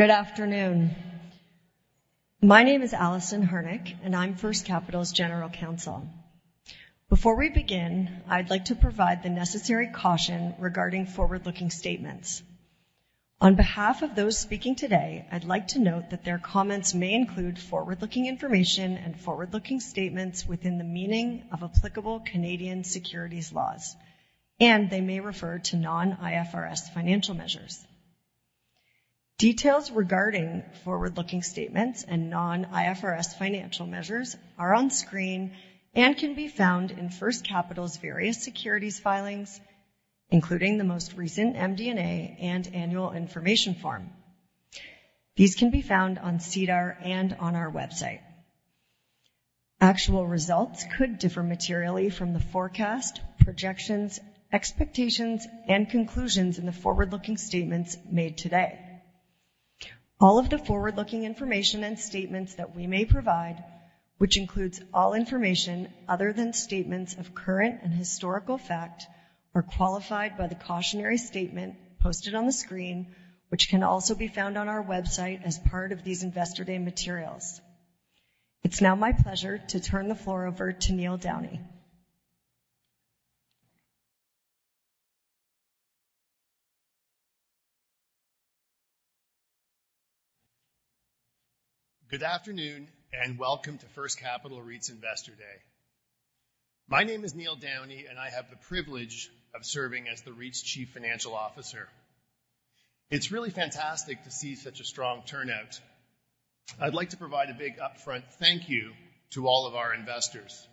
Good afternoon. My name is Alison Harnick, and I'm First Capital's General Counsel. Before we begin, I'd like to provide the necessary caution regarding forward-looking statements. On behalf of those speaking today, I'd like to note that their comments may include forward-looking information and forward-looking statements within the meaning of applicable Canadian securities laws, and they may refer to non-IFRS financial measures. Details regarding forward-looking statements and non-IFRS financial measures are on screen and can be found in First Capital's various securities filings, including the most recent MD&A and annual information form. These can be found on SEDAR and on our website. Actual results could differ materially from the forecast, projections, expectations, and conclusions in the forward-looking statements made today. All of the forward-looking information and statements that we may provide, which includes all information other than statements of current and historical fact, are qualified by the cautionary statement posted on the screen, which can also be found on our website as part of these Investor Day materials. It's now my pleasure to turn the floor over to Neil Downey. Good afternoon and welcome to First Capital REIT's Investor Day. My name is Neil Downey, and I have the privilege of serving as the REIT's Chief Financial Officer. It's really fantastic to see such a strong turnout. I'd like to provide a big upfront thank you to all of our investors.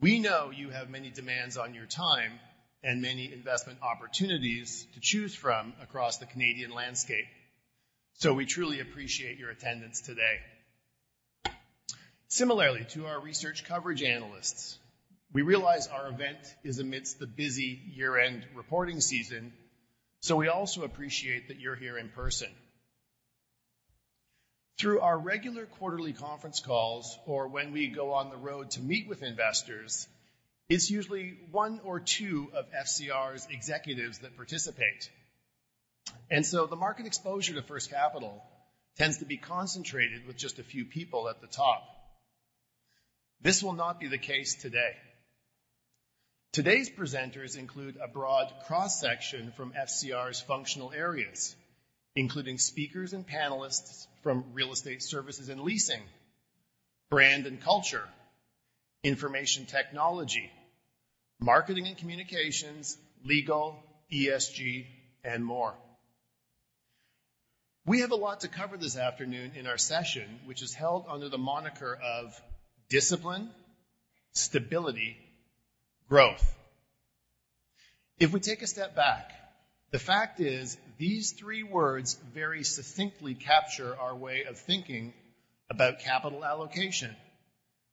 We know you have many demands on your time and many investment opportunities to choose from across the Canadian landscape, so we truly appreciate your attendance today. Similarly to our research coverage analysts, we realize our event is amidst the busy year-end reporting season, so we also appreciate that you're here in person. Through our regular quarterly conference calls or when we go on the road to meet with investors, it's usually one or two of FCR's executives that participate. The market exposure to First Capital tends to be concentrated with just a few people at the top. This will not be the case today. Today's presenters include a broad cross-section from FCR's functional areas, including speakers and panelists from real estate services and leasing, brand and culture, information technology, marketing and communications, legal, ESG, and more. We have a lot to cover this afternoon in our session, which is held under the moniker of discipline, stability, growth. If we take a step back, the fact is these three words very succinctly capture our way of thinking about capital allocation,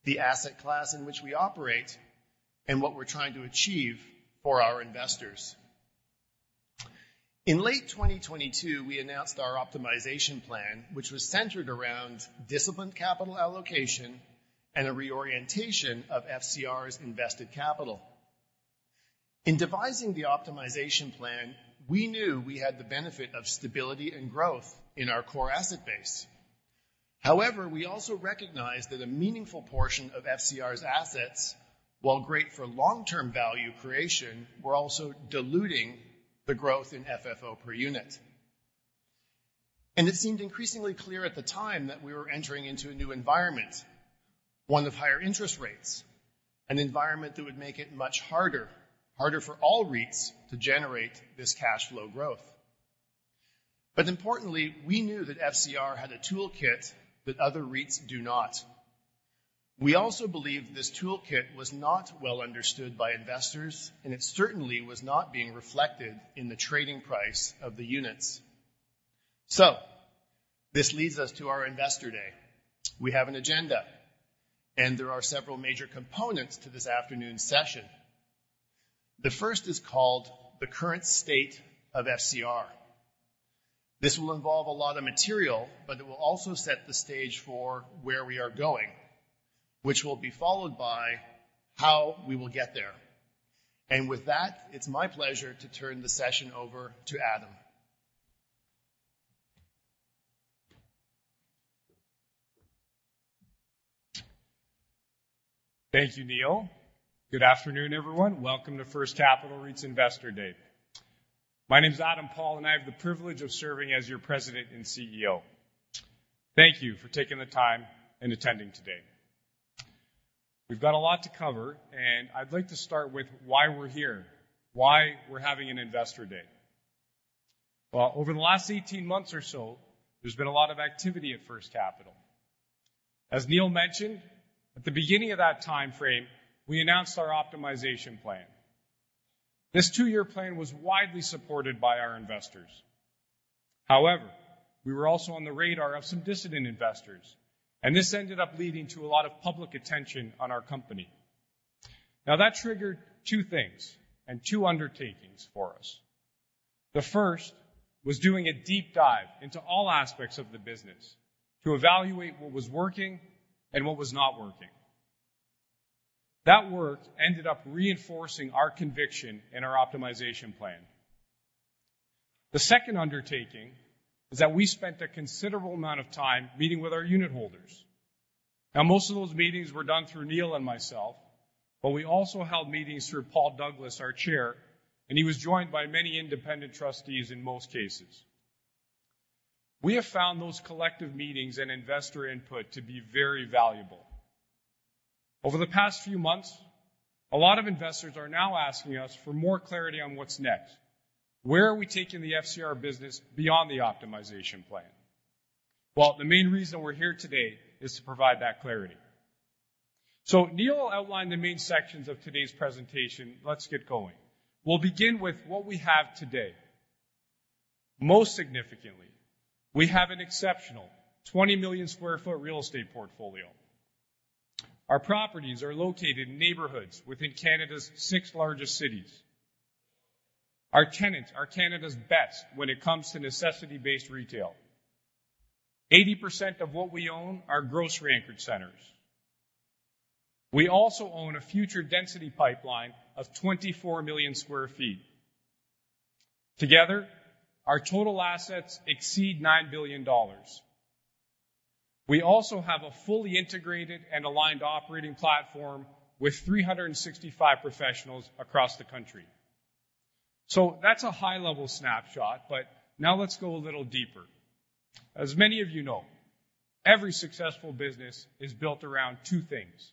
the asset class in which we operate, and what we're trying to achieve for our investors. In late 2022, we announced our optimization plan, which was centered around disciplined capital allocation and a reorientation of FCR's invested capital. In devising the optimization plan, we knew we had the benefit of stability and growth in our core asset base. However, we also recognized that a meaningful portion of FCR's assets, while great for long-term value creation, were also diluting the growth in FFO per unit. It seemed increasingly clear at the time that we were entering into a new environment, one of higher interest rates, an environment that would make it much harder, harder for all REITs to generate this cash flow growth. Importantly, we knew that FCR had a toolkit that other REITs do not. We also believed this toolkit was not well understood by investors, and it certainly was not being reflected in the trading price of the units. This leads us to our Investor Day. We have an agenda, and there are several major components to this afternoon's session. The first is called the current state of FCR. This will involve a lot of material, but it will also set the stage for where we are going, which will be followed by how we will get there. With that, it's my pleasure to turn the session over to Adam. Thank you, Neil. Good afternoon, everyone. Welcome to First Capital REIT's Investor Day. My name's Adam Paul, and I have the privilege of serving as your President and CEO. Thank you for taking the time and attending today. We've got a lot to cover, and I'd like to start with why we're here, why we're having an Investor Day. Well, over the last 18 months or so, there's been a lot of activity at First Capital. As Neil mentioned, at the beginning of that time frame, we announced our optimization plan. This 2-year plan was widely supported by our investors. However, we were also on the radar of some dissident investors, and this ended up leading to a lot of public attention on our company. Now, that triggered two things and two undertakings for us. The first was doing a deep dive into all aspects of the business to evaluate what was working and what was not working. That work ended up reinforcing our conviction in our optimization plan. The second undertaking is that we spent a considerable amount of time meeting with our unit holders. Now, most of those meetings were done through Neil and myself, but we also held meetings through Paul Douglas, our Chair, and he was joined by many independent trustees in most cases. We have found those collective meetings and investor input to be very valuable. Over the past few months, a lot of investors are now asking us for more clarity on what's next. Where are we taking the FCR business beyond the optimization plan? Well, the main reason we're here today is to provide that clarity. So Neil outlined the main sections of today's presentation. Let's get going. We'll begin with what we have today. Most significantly, we have an exceptional 20 million sq ft real estate portfolio. Our properties are located in neighborhoods within Canada's six largest cities. Our tenants are Canada's best when it comes to necessity-based retail. 80% of what we own are grocery-anchored centers. We also own a future density pipeline of 24 million sq ft. Together, our total assets exceed 9 billion dollars. We also have a fully integrated and aligned operating platform with 365 professionals across the country. So that's a high-level snapshot, but now let's go a little deeper. As many of you know, every successful business is built around two things: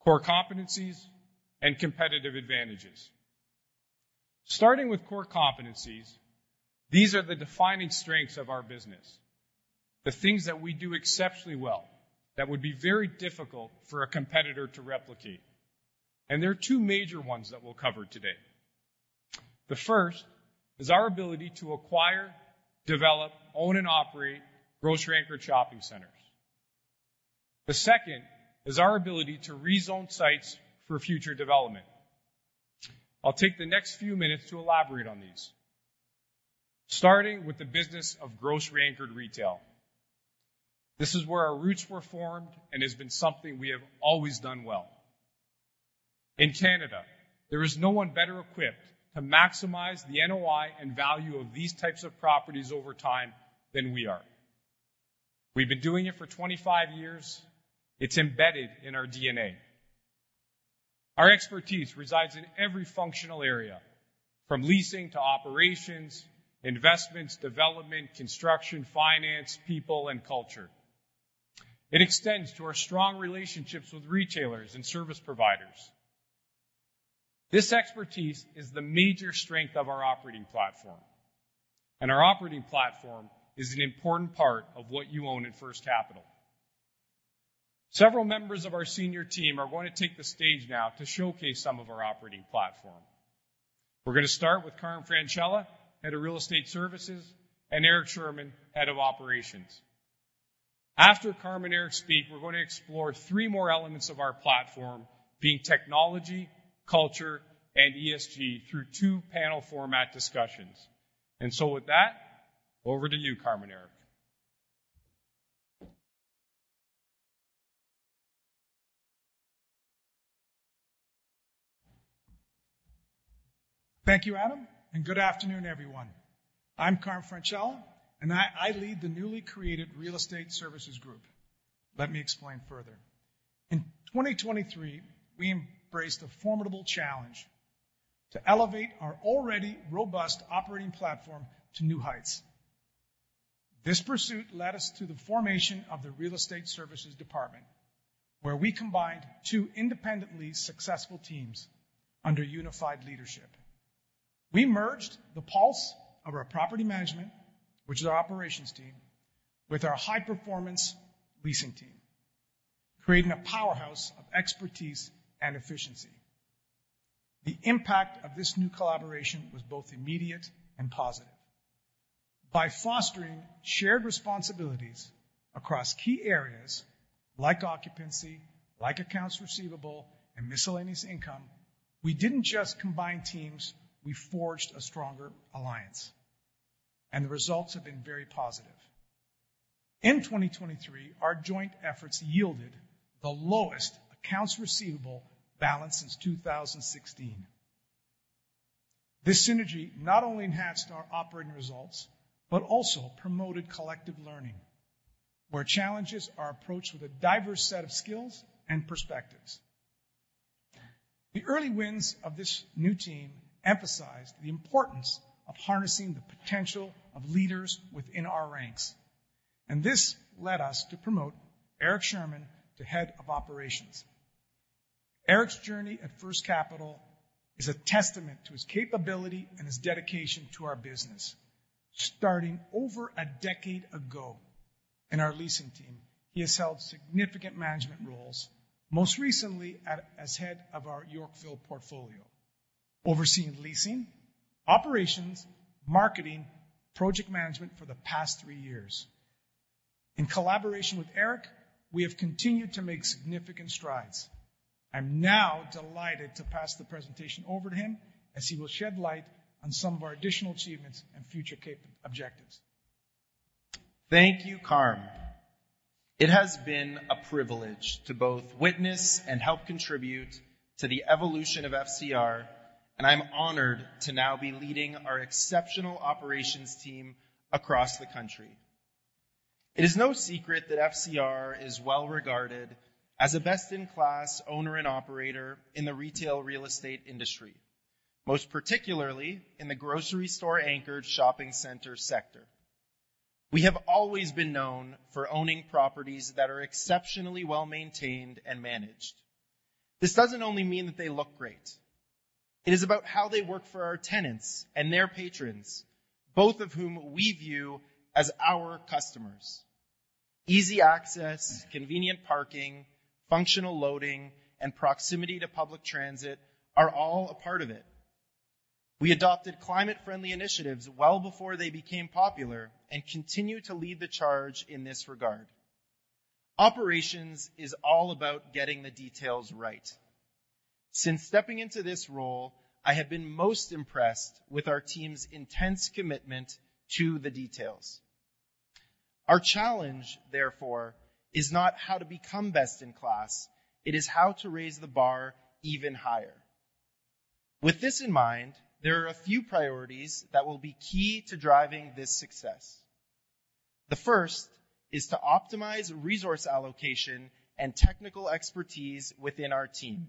core competencies and competitive advantages. Starting with core competencies, these are the defining strengths of our business, the things that we do exceptionally well that would be very difficult for a competitor to replicate. There are two major ones that we'll cover today. The first is our ability to acquire, develop, own, and operate grocery-anchored shopping centers. The second is our ability to rezone sites for future development. I'll take the next few minutes to elaborate on these, starting with the business of grocery-anchored retail. This is where our roots were formed and has been something we have always done well. In Canada, there is no one better equipped to maximize the NOI and value of these types of properties over time than we are. We've been doing it for 25 years. It's embedded in our DNA. Our expertise resides in every functional area, from leasing to operations, investments, development, construction, finance, people, and culture. It extends to our strong relationships with retailers and service providers. This expertise is the major strength of our operating platform, and our operating platform is an important part of what you own at First Capital. Several members of our senior team are going to take the stage now to showcase some of our operating platform. We're going to start with Carmine Francella, Head of Real Estate Services, and Eric Sherman, Head of Operations. After Carmine and Eric speak, we're going to explore three more elements of our platform, being technology, culture, and ESG, through two-panel format discussions. And so with that, over to you, Carmine and Eric. Thank you, Adam, and good afternoon, everyone. I'm Carmine Francella, and I lead the newly created real estate services group. Let me explain further. In 2023, we embraced a formidable challenge to elevate our already robust operating platform to new heights. This pursuit led us to the formation of the real estate services department, where we combined two independently successful teams under unified leadership. We merged the pulse of our property management, which is our operations team, with our high-performance leasing team, creating a powerhouse of expertise and efficiency. The impact of this new collaboration was both immediate and positive. By fostering shared responsibilities across key areas like occupancy, like accounts receivable, and miscellaneous income, we didn't just combine teams. We forged a stronger alliance. The results have been very positive. In 2023, our joint efforts yielded the lowest accounts receivable balance since 2016. This synergy not only enhanced our operating results but also promoted collective learning, where challenges are approached with a diverse set of skills and perspectives. The early wins of this new team emphasized the importance of harnessing the potential of leaders within our ranks. This led us to promote Eric Sherman to head of operations. Eric's journey at First Capital is a testament to his capability and his dedication to our business. Starting over a decade ago in our leasing team, he has held significant management roles, most recently as head of our Yorkville portfolio, overseeing leasing, operations, marketing, and project management for the past three years. In collaboration with Eric, we have continued to make significant strides. I'm now delighted to pass the presentation over to him as he will shed light on some of our additional achievements and future objectives. Thank you, Carmine. It has been a privilege to both witness and help contribute to the evolution of FCR, and I'm honored to now be leading our exceptional operations team across the country. It is no secret that FCR is well regarded as a best-in-class owner and operator in the retail real estate industry, most particularly in the grocery store-anchored shopping center sector. We have always been known for owning properties that are exceptionally well maintained and managed. This doesn't only mean that they look great. It is about how they work for our tenants and their patrons, both of whom we view as our customers. Easy access, convenient parking, functional loading, and proximity to public transit are all a part of it. We adopted climate-friendly initiatives well before they became popular and continue to lead the charge in this regard. Operations is all about getting the details right. Since stepping into this role, I have been most impressed with our team's intense commitment to the details. Our challenge, therefore, is not how to become best-in-class. It is how to raise the bar even higher. With this in mind, there are a few priorities that will be key to driving this success. The first is to optimize resource allocation and technical expertise within our team,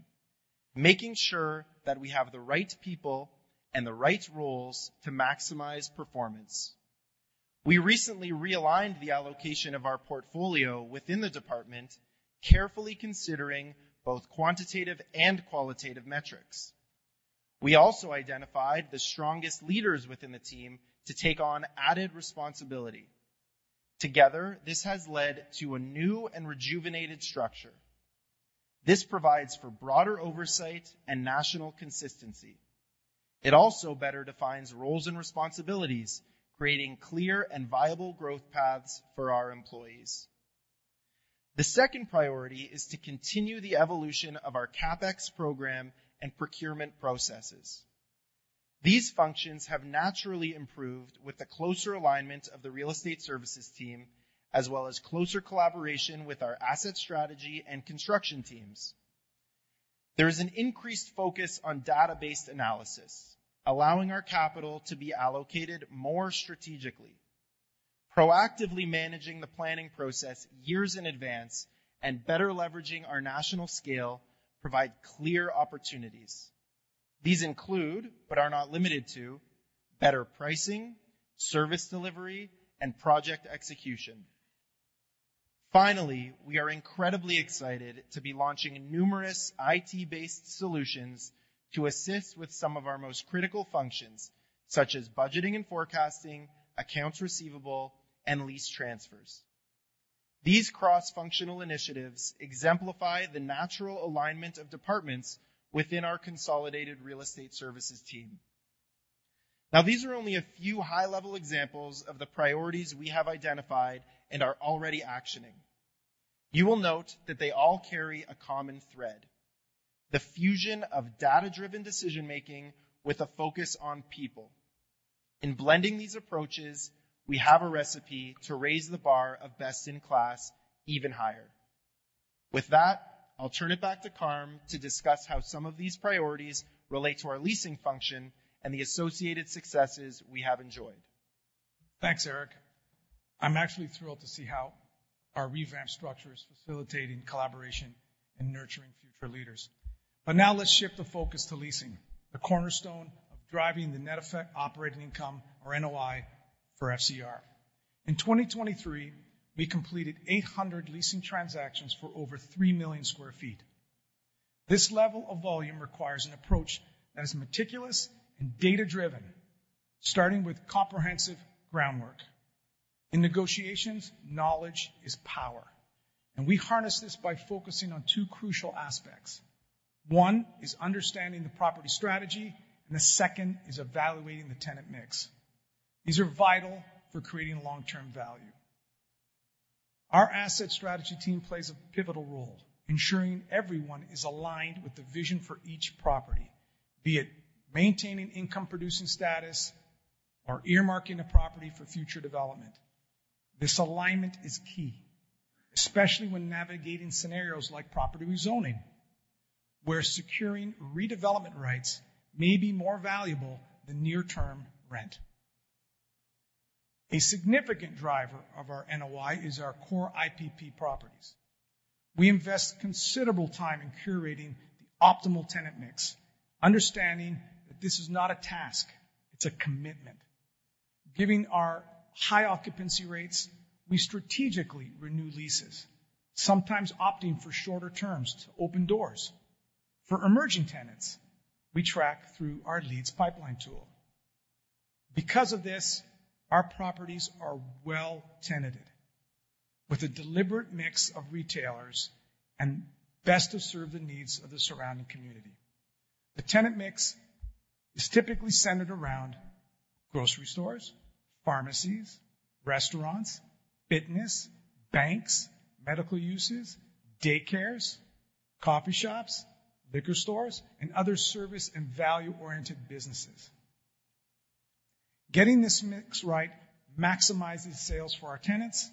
making sure that we have the right people and the right roles to maximize performance. We recently realigned the allocation of our portfolio within the department, carefully considering both quantitative and qualitative metrics. We also identified the strongest leaders within the team to take on added responsibility. Together, this has led to a new and rejuvenated structure. This provides for broader oversight and national consistency. It also better defines roles and responsibilities, creating clear and viable growth paths for our employees. The second priority is to continue the evolution of our CapEx program and procurement processes. These functions have naturally improved with the closer alignment of the real estate services team as well as closer collaboration with our asset strategy and construction teams. There is an increased focus on database analysis, allowing our capital to be allocated more strategically. Proactively managing the planning process years in advance and better leveraging our national scale provide clear opportunities. These include but are not limited to better pricing, service delivery, and project execution. Finally, we are incredibly excited to be launching numerous IT-based solutions to assist with some of our most critical functions, such as budgeting and forecasting, accounts receivable, and lease transfers. These cross-functional initiatives exemplify the natural alignment of departments within our consolidated real estate services team. Now, these are only a few high-level examples of the priorities we have identified and are already actioning. You will note that they all carry a common thread: the fusion of data-driven decision-making with a focus on people. In blending these approaches, we have a recipe to raise the bar of best-in-class even higher. With that, I'll turn it back to Carmine to discuss how some of these priorities relate to our leasing function and the associated successes we have enjoyed. Thanks, Eric. I'm actually thrilled to see how our revamped structure is facilitating collaboration and nurturing future leaders. Now let's shift the focus to leasing, the cornerstone of driving the net operating income, or NOI, for FCR. In 2023, we completed 800 leasing transactions for over 3 million sq ft. This level of volume requires an approach that is meticulous and data-driven, starting with comprehensive groundwork. In negotiations, knowledge is power, and we harness this by focusing on two crucial aspects. One is understanding the property strategy, and the second is evaluating the tenant mix. These are vital for creating long-term value. Our asset strategy team plays a pivotal role, ensuring everyone is aligned with the vision for each property, be it maintaining income-producing status or earmarking a property for future development. This alignment is key, especially when navigating scenarios like property rezoning, where securing redevelopment rights may be more valuable than near-term rent. A significant driver of our NOI is our core IPP properties. We invest considerable time in curating the optimal tenant mix, understanding that this is not a task, it's a commitment. Given our high occupancy rates, we strategically renew leases, sometimes opting for shorter terms to open doors. For emerging tenants, we track through our leads pipeline tool. Because of this, our properties are well-tenanted, with a deliberate mix of retailers and best to serve the needs of the surrounding community. The tenant mix is typically centered around grocery stores, pharmacies, restaurants, fitness, banks, medical uses, daycares, coffee shops, liquor stores, and other service and value-oriented businesses. Getting this mix right maximizes sales for our tenants,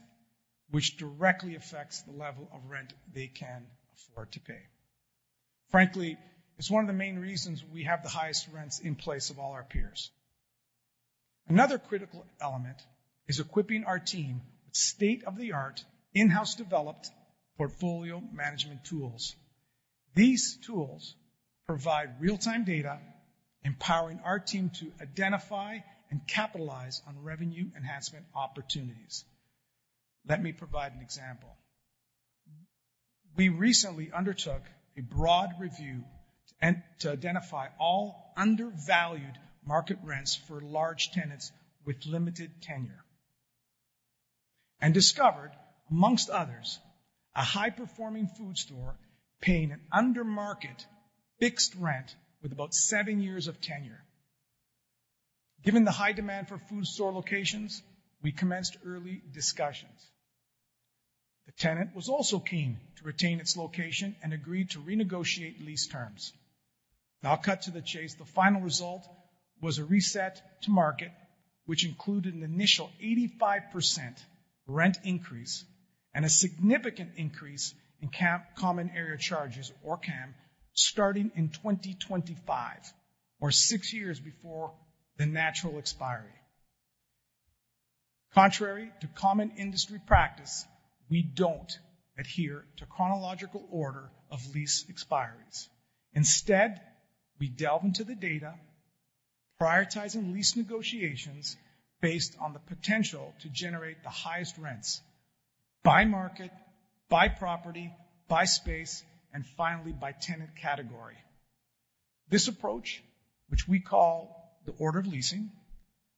which directly affects the level of rent they can afford to pay. Frankly, it's one of the main reasons we have the highest rents in place of all our peers. Another critical element is equipping our team with state-of-the-art, in-house-developed portfolio management tools. These tools provide real-time data, empowering our team to identify and capitalize on revenue enhancement opportunities. Let me provide an example. We recently undertook a broad review to identify all undervalued market rents for large tenants with limited tenure and discovered, amongst others, a high-performing food store paying an undermarket fixed rent with about seven years of tenure. Given the high demand for food store locations, we commenced early discussions. The tenant was also keen to retain its location and agreed to renegotiate lease terms. Now, cut to the chase, the final result was a reset to market, which included an initial 85% rent increase and a significant increase in common area charges, or CAM, starting in 2025, or six years before the natural expiry. Contrary to common industry practice, we don't adhere to chronological order of lease expiries. Instead, we delve into the data, prioritizing lease negotiations based on the potential to generate the highest rents by market, by property, by space, and finally by tenant category. This approach, which we call the order of leasing,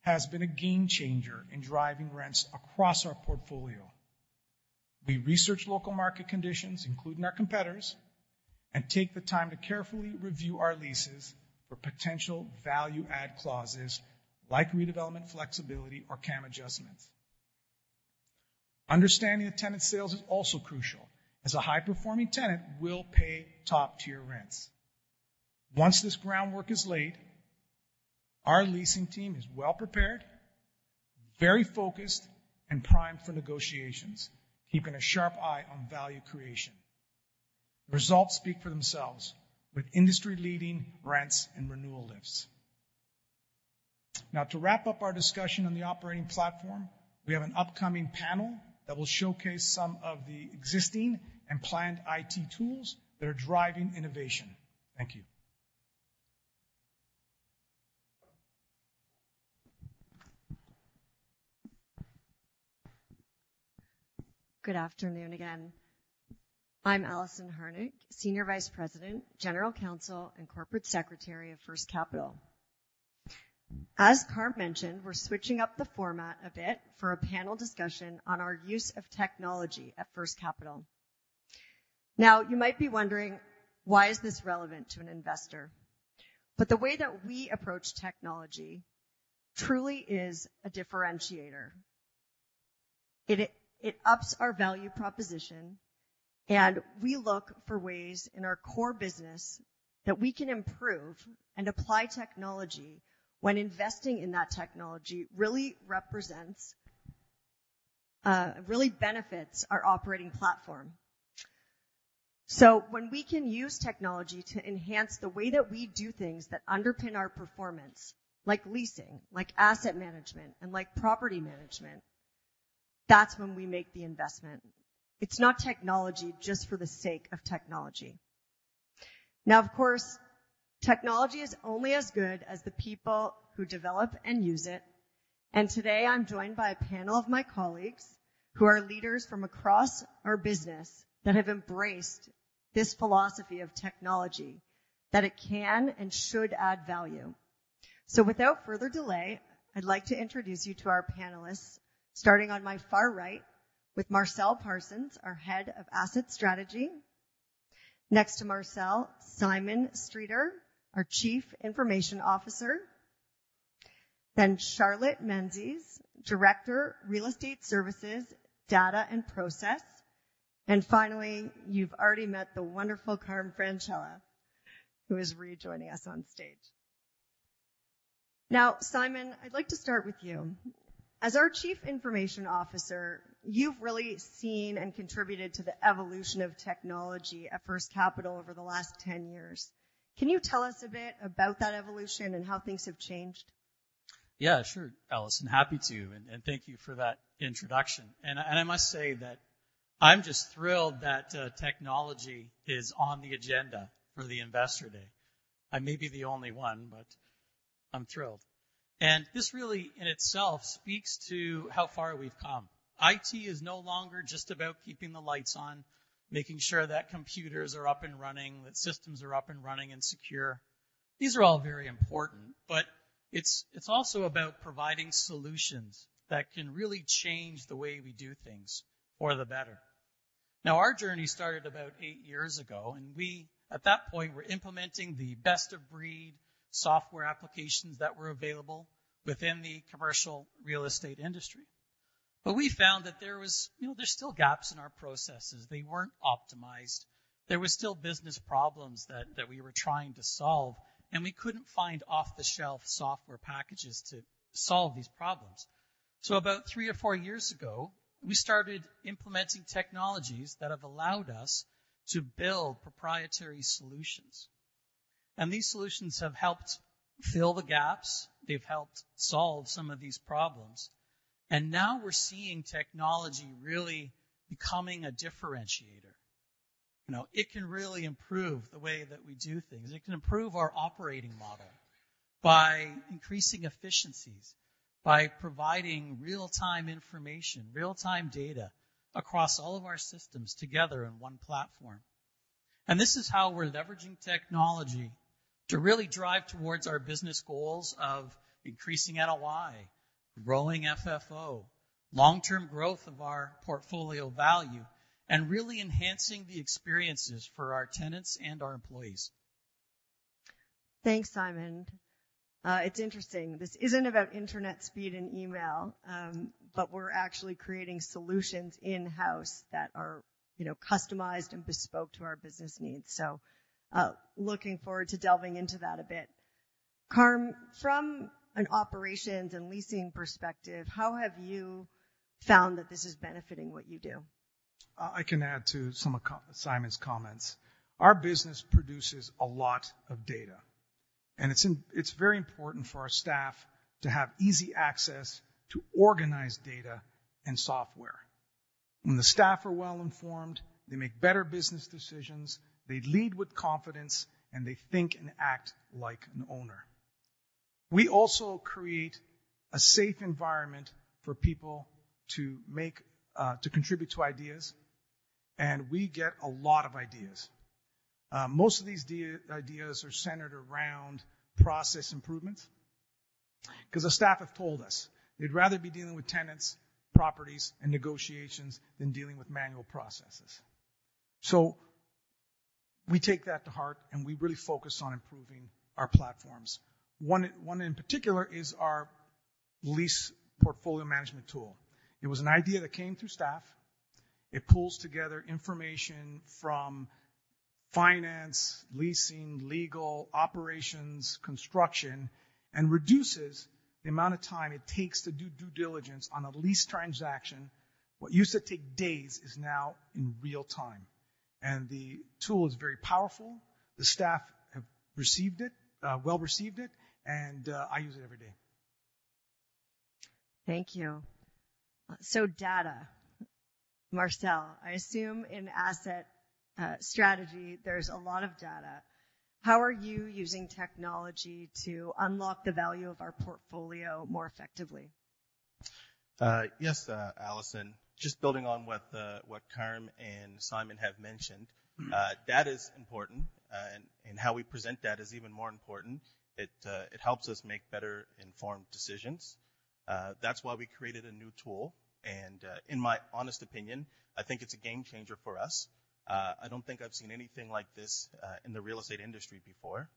has been a game-changer in driving rents across our portfolio. We research local market conditions, including our competitors, and take the time to carefully review our leases for potential value-add clauses like redevelopment flexibility or CAM adjustments. Understanding the tenant sales is also crucial, as a high-performing tenant will pay top-tier rents. Once this groundwork is laid, our leasing team is well-prepared, very focused, and primed for negotiations, keeping a sharp eye on value creation. Results speak for themselves with industry-leading rents and renewal lifts. Now, to wrap up our discussion on the operating platform, we have an upcoming panel that will showcase some of the existing and planned IT tools that are driving innovation. Thank you. Good afternoon again. I'm Alison Harnick, Senior Vice President, General Counsel, and Corporate Secretary of First Capital. As Carmine mentioned, we're switching up the format a bit for a panel discussion on our use of technology at First Capital. Now, you might be wondering, why is this relevant to an investor? But the way that we approach technology truly is a differentiator. It ups our value proposition, and we look for ways in our core business that we can improve and apply technology when investing in that technology really represents really benefits our operating platform. So when we can use technology to enhance the way that we do things that underpin our performance, like leasing, like asset management, and like property management, that's when we make the investment. It's not technology just for the sake of technology. Now, of course, technology is only as good as the people who develop and use it. And today, I'm joined by a panel of my colleagues who are leaders from across our business that have embraced this philosophy of technology, that it can and should add value. So without further delay, I'd like to introduce you to our panelists, starting on my far right with Marcel Parsons, our Head of Asset Strategy. Next to Marcel, Simon Streeter, our Chief Information Officer. Then Charlotte Fonseca, Director, Real Estate Services, Data and Process. And finally, you've already met the wonderful Carmine Francella, who is rejoining us on stage. Now, Simon, I'd like to start with you. As our Chief Information Officer, you've really seen and contributed to the evolution of technology at First Capital over the last 10 years. Can you tell us a bit about that evolution and how things have changed? Yeah, sure, Alison. Happy to. And thank you for that introduction. And I must say that I'm just thrilled that technology is on the agenda for the Investor Day. I may be the only one, but I'm thrilled. And this really, in itself, speaks to how far we've come. IT is no longer just about keeping the lights on, making sure that computers are up and running, that systems are up and running and secure. These are all very important, but it's also about providing solutions that can really change the way we do things for the better. Now, our journey started about eight years ago, and we, at that point, were implementing the best-of-breed software applications that were available within the commercial real estate industry. But we found that there was, there's still gaps in our processes. They weren't optimized. There were still business problems that we were trying to solve, and we couldn't find off-the-shelf software packages to solve these problems. So about three or four years ago, we started implementing technologies that have allowed us to build proprietary solutions. These solutions have helped fill the gaps. They've helped solve some of these problems. Now we're seeing technology really becoming a differentiator. It can really improve the way that we do things. It can improve our operating model by increasing efficiencies, by providing real-time information, real-time data across all of our systems together in one platform. This is how we're leveraging technology to really drive towards our business goals of increasing NOI, growing FFO, long-term growth of our portfolio value, and really enhancing the experiences for our tenants and our employees. Thanks, Simon. It's interesting. This isn't about internet speed and email, but we're actually creating solutions in-house that are customized and bespoke to our business needs. So looking forward to delving into that a bit. Carmine, from an operations and leasing perspective, how have you found that this is benefiting what you do? I can add to some of Simon's comments. Our business produces a lot of data, and it's very important for our staff to have easy access to organized data and software. When the staff are well-informed, they make better business decisions, they lead with confidence, and they think and act like an owner. We also create a safe environment for people to contribute to ideas, and we get a lot of ideas. Most of these ideas are centered around process improvements because our staff have told us they'd rather be dealing with tenants, properties, and negotiations than dealing with manual processes. So we take that to heart, and we really focus on improving our platforms. One in particular is our lease portfolio management tool. It was an idea that came through staff. It pools together information from finance, leasing, legal, operations, construction, and reduces the amount of time it takes to do due diligence on a leased transaction. What used to take days is now in real time. The tool is very powerful. The staff have well received it, and I use it every day. Thank you. So, data. Marcel, I assume in Asset Strategy, there's a lot of data. How are you using technology to unlock the value of our portfolio more effectively? Yes, Alison. Just building on what Carmine and Simon have mentioned, data is important, and how we present data is even more important. It helps us make better-informed decisions. That's why we created a new tool. In my honest opinion, I think it's a game-changer for us. I don't think I've seen anything like this in the real estate industry before.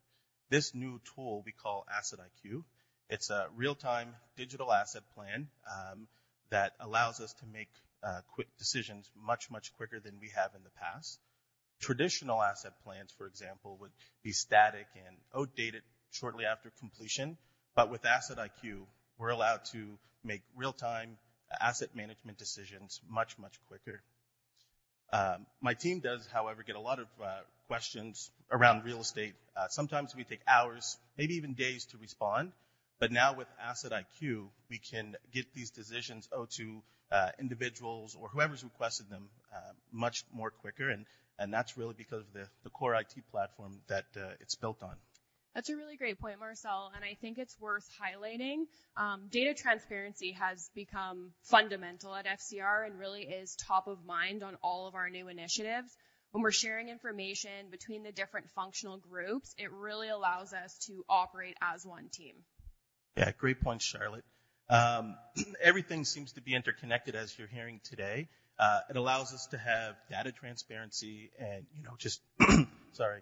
This new tool, we call AssetIQ. It's a real-time digital asset plan that allows us to make quick decisions much, much quicker than we have in the past. Traditional asset plans, for example, would be static and outdated shortly after completion. With AssetIQ, we're allowed to make real-time asset management decisions much, much quicker. My team does, however, get a lot of questions around real estate. Sometimes we take hours, maybe even days, to respond. Now with AssetIQ, we can get these decisions out to individuals or whoever's requested them much more quicker. That's really because of the core IT platform that it's built on. That's a really great point, Marcel. I think it's worth highlighting. Data transparency has become fundamental at FCR and really is top of mind on all of our new initiatives. When we're sharing information between the different functional groups, it really allows us to operate as one team. Yeah, great point, Charlotte. Everything seems to be interconnected, as you're hearing today. It allows us to have data transparency and just, sorry,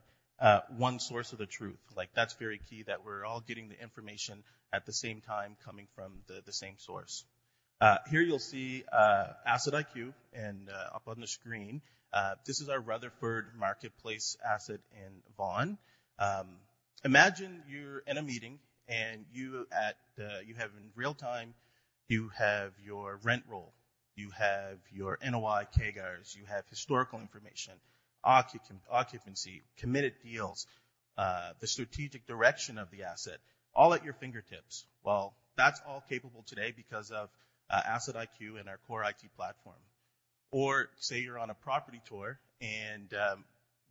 one source of the truth. That's very key, that we're all getting the information at the same time coming from the same source. Here you'll see AssetIQ. Up on the screen, this is our Rutherford Marketplace asset in Vaughan. Imagine you're in a meeting, and you have in real time, you have your rent roll. You have your NOI, CAGRs. You have historical information, occupancy, committed deals, the strategic direction of the asset, all at your fingertips. Well, that's all capable today because of AssetIQ and our core IT platform. Or say you're on a property tour, and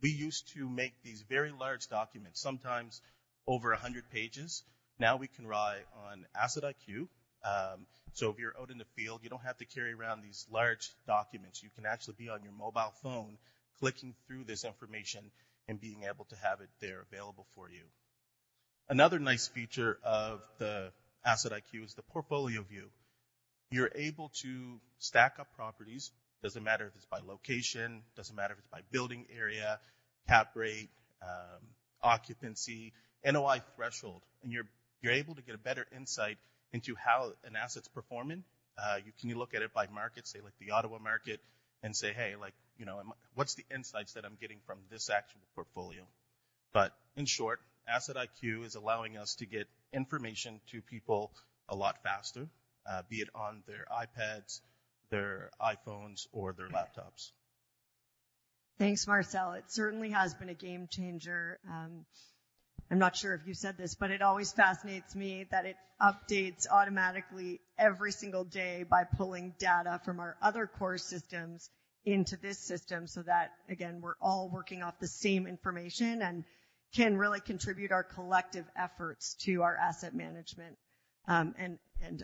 we used to make these very large documents, sometimes over 100 pages. Now we can rely on AssetIQ. If you're out in the field, you don't have to carry around these large documents. You can actually be on your mobile phone clicking through this information and being able to have it there available for you. Another nice feature of the AssetIQ is the portfolio view. You're able to stack up properties. It doesn't matter if it's by location. It doesn't matter if it's by building area, Cap Rate, occupancy, NOI threshold. You're able to get a better insight into how an asset's performing. You can look at it by markets, say like the Ottawa market, and say, "Hey, what's the insights that I'm getting from this actual portfolio?" In short, AssetIQ is allowing us to get information to people a lot faster, be it on their iPads, their iPhones, or their laptops. Thanks, Marcel. It certainly has been a game-changer. I'm not sure if you said this, but it always fascinates me that it updates automatically every single day by pulling data from our other core systems into this system so that, again, we're all working off the same information and can really contribute our collective efforts to our asset management and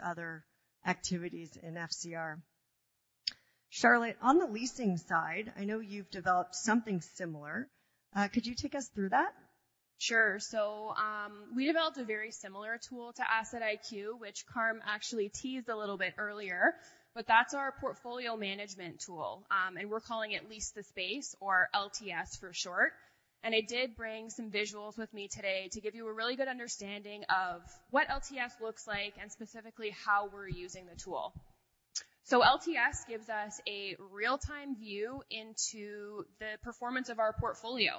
other activities in FCR. Charlotte, on the leasing side, I know you've developed something similar. Could you take us through that? Sure. So we developed a very similar tool to AssetIQ, which Carmine actually teased a little bit earlier. But that's our portfolio management tool. And we're calling it Lease the Space, or LTS for short. And I did bring some visuals with me today to give you a really good understanding of what LTS looks like and specifically how we're using the tool. So LTS gives us a real-time view into the performance of our portfolio.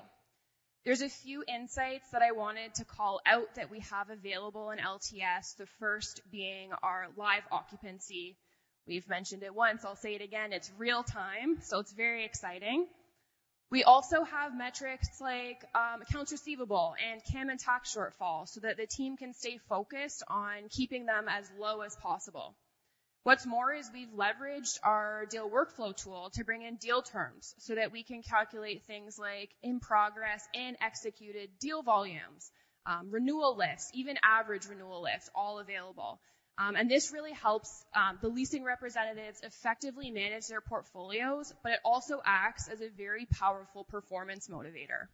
There's a few insights that I wanted to call out that we have available in LTS, the first being our live occupancy. We've mentioned it once. I'll say it again. It's real-time, so it's very exciting. We also have metrics like accounts receivable and CAM and Tax shortfall so that the team can stay focused on keeping them as low as possible. What's more is we've leveraged our deal workflow tool to bring in deal terms so that we can calculate things like in-progress and executed deal volumes, renewal lifts, even average renewal lists, all available. This really helps the leasing representatives effectively manage their portfolios, but it also acts as a very powerful performance motivator.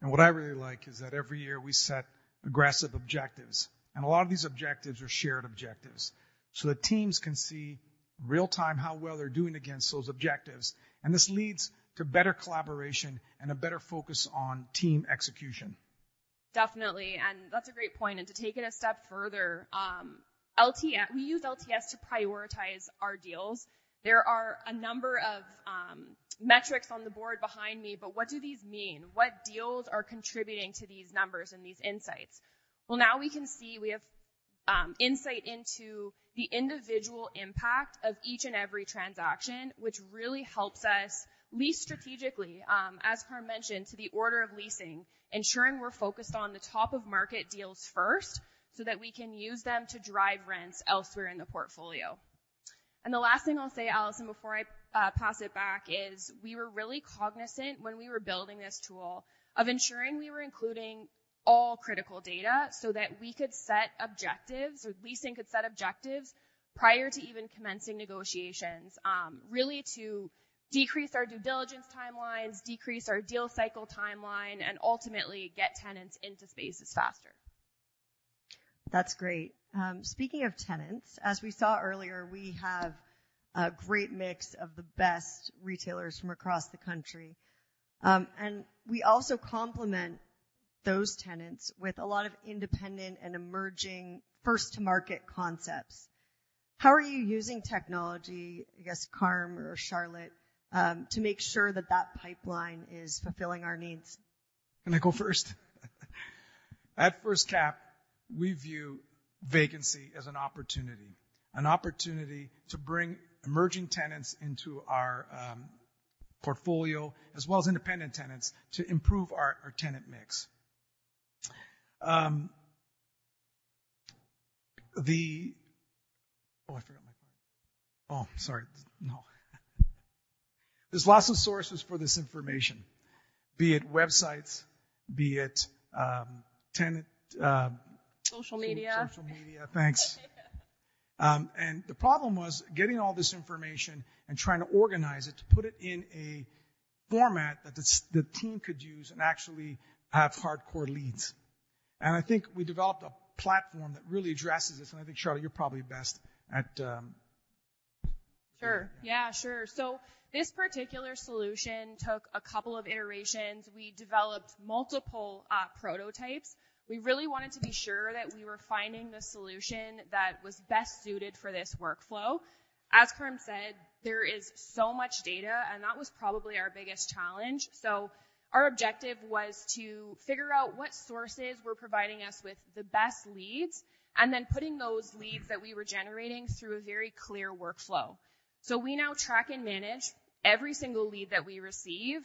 What I really like is that every year we set aggressive objectives. A lot of these objectives are shared objectives so that teams can see real-time how well they're doing against those objectives. This leads to better collaboration and a better focus on team execution. Definitely. And that's a great point. And to take it a step further, we use LTS to prioritize our deals. There are a number of metrics on the board behind me, but what do these mean? What deals are contributing to these numbers and these insights? Well, now we can see we have insight into the individual impact of each and every transaction, which really helps us lease strategically, as Carmine mentioned, to the order of leasing, ensuring we're focused on the top-of-market deals first so that we can use them to drive rents elsewhere in the portfolio. The last thing I'll say, Alison, before I pass it back, is we were really cognizant when we were building this tool of ensuring we were including all critical data so that we could set objectives or leasing could set objectives prior to even commencing negotiations, really to decrease our due diligence timelines, decrease our deal cycle timeline, and ultimately get tenants into spaces faster. That's great. Speaking of tenants, as we saw earlier, we have a great mix of the best retailers from across the country. And we also complement those tenants with a lot of independent and emerging first-to-market concepts. How are you using technology, I guess, Carmine or Charlotte, to make sure that that pipeline is fulfilling our needs? Can I go first? At First Capital, we view vacancy as an opportunity, an opportunity to bring emerging tenants into our portfolio, as well as independent tenants, to improve our tenant mix. Oh, I forgot my card. Oh, sorry. No. There's lots of sources for this information, be it websites, be it tenant. Social media. Social media. Thanks. The problem was getting all this information and trying to organize it to put it in a format that the team could use and actually have hardcore leads. I think we developed a platform that really addresses this. I think, Charlotte, you're probably best at. Sure. Yeah, sure. So this particular solution took a couple of iterations. We developed multiple prototypes. We really wanted to be sure that we were finding the solution that was best suited for this workflow. As Carmine said, there is so much data, and that was probably our biggest challenge. So our objective was to figure out what sources were providing us with the best leads and then putting those leads that we were generating through a very clear workflow. So we now track and manage every single lead that we receive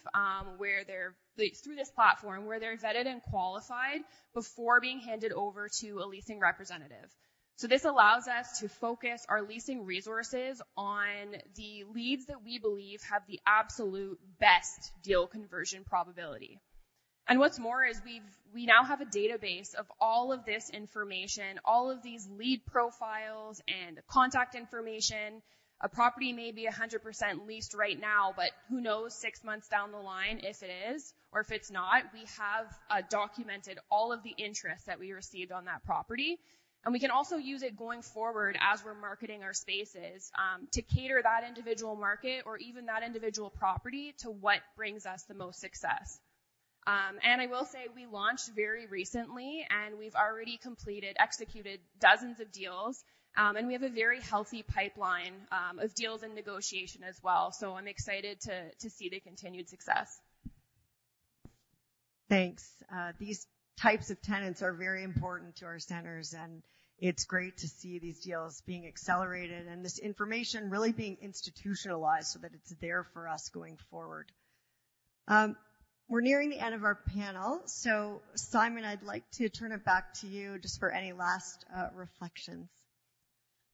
through this platform, where they're vetted and qualified before being handed over to a leasing representative. So this allows us to focus our leasing resources on the leads that we believe have the absolute best deal conversion probability. What's more, we now have a database of all of this information, all of these lead profiles and contact information. A property may be 100% leased right now, but who knows six months down the line if it is or if it's not? We have documented all of the interest that we received on that property. We can also use it going forward as we're marketing our spaces to cater that individual market or even that individual property to what brings us the most success. I will say we launched very recently, and we've already completed, executed dozens of deals. We have a very healthy pipeline of deals and negotiation as well. I'm excited to see the continued success. Thanks. These types of tenants are very important to our centers. It's great to see these deals being accelerated and this information really being institutionalized so that it's there for us going forward. We're nearing the end of our panel. Simon, I'd like to turn it back to you just for any last reflections.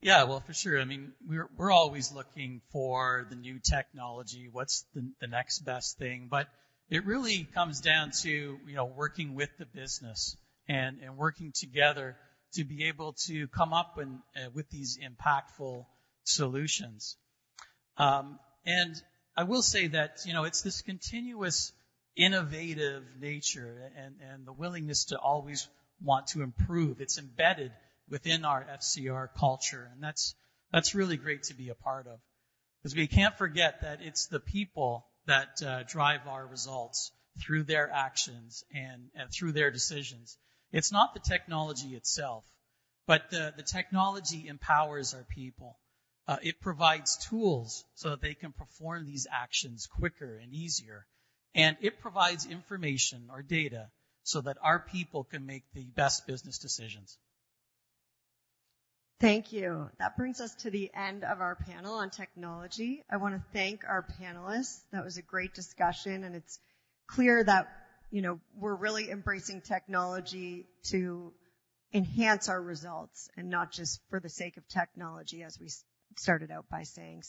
Yeah, well, for sure. I mean, we're always looking for the new technology. What's the next best thing? But it really comes down to working with the business and working together to be able to come up with these impactful solutions. And I will say that it's this continuous innovative nature and the willingness to always want to improve. It's embedded within our FCR culture. And that's really great to be a part of because we can't forget that it's the people that drive our results through their actions and through their decisions. It's not the technology itself, but the technology empowers our people. It provides tools so that they can perform these actions quicker and easier. And it provides information or data so that our people can make the best business decisions. Thank you. That brings us to the end of our panel on technology. I want to thank our panelists. That was a great discussion. It's clear that we're really embracing technology to enhance our results and not just for the sake of technology, as we started out by saying.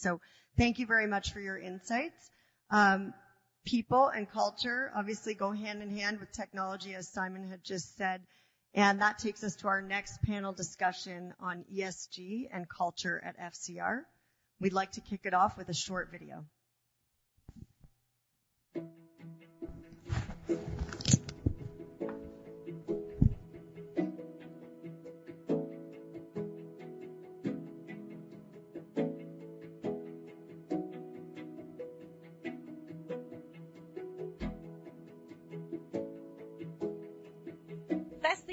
Thank you very much for your insights. People and culture, obviously, go hand in hand with technology, as Simon had just said. That takes us to our next panel discussion on ESG and culture at FCR. We'd like to kick it off with a short video.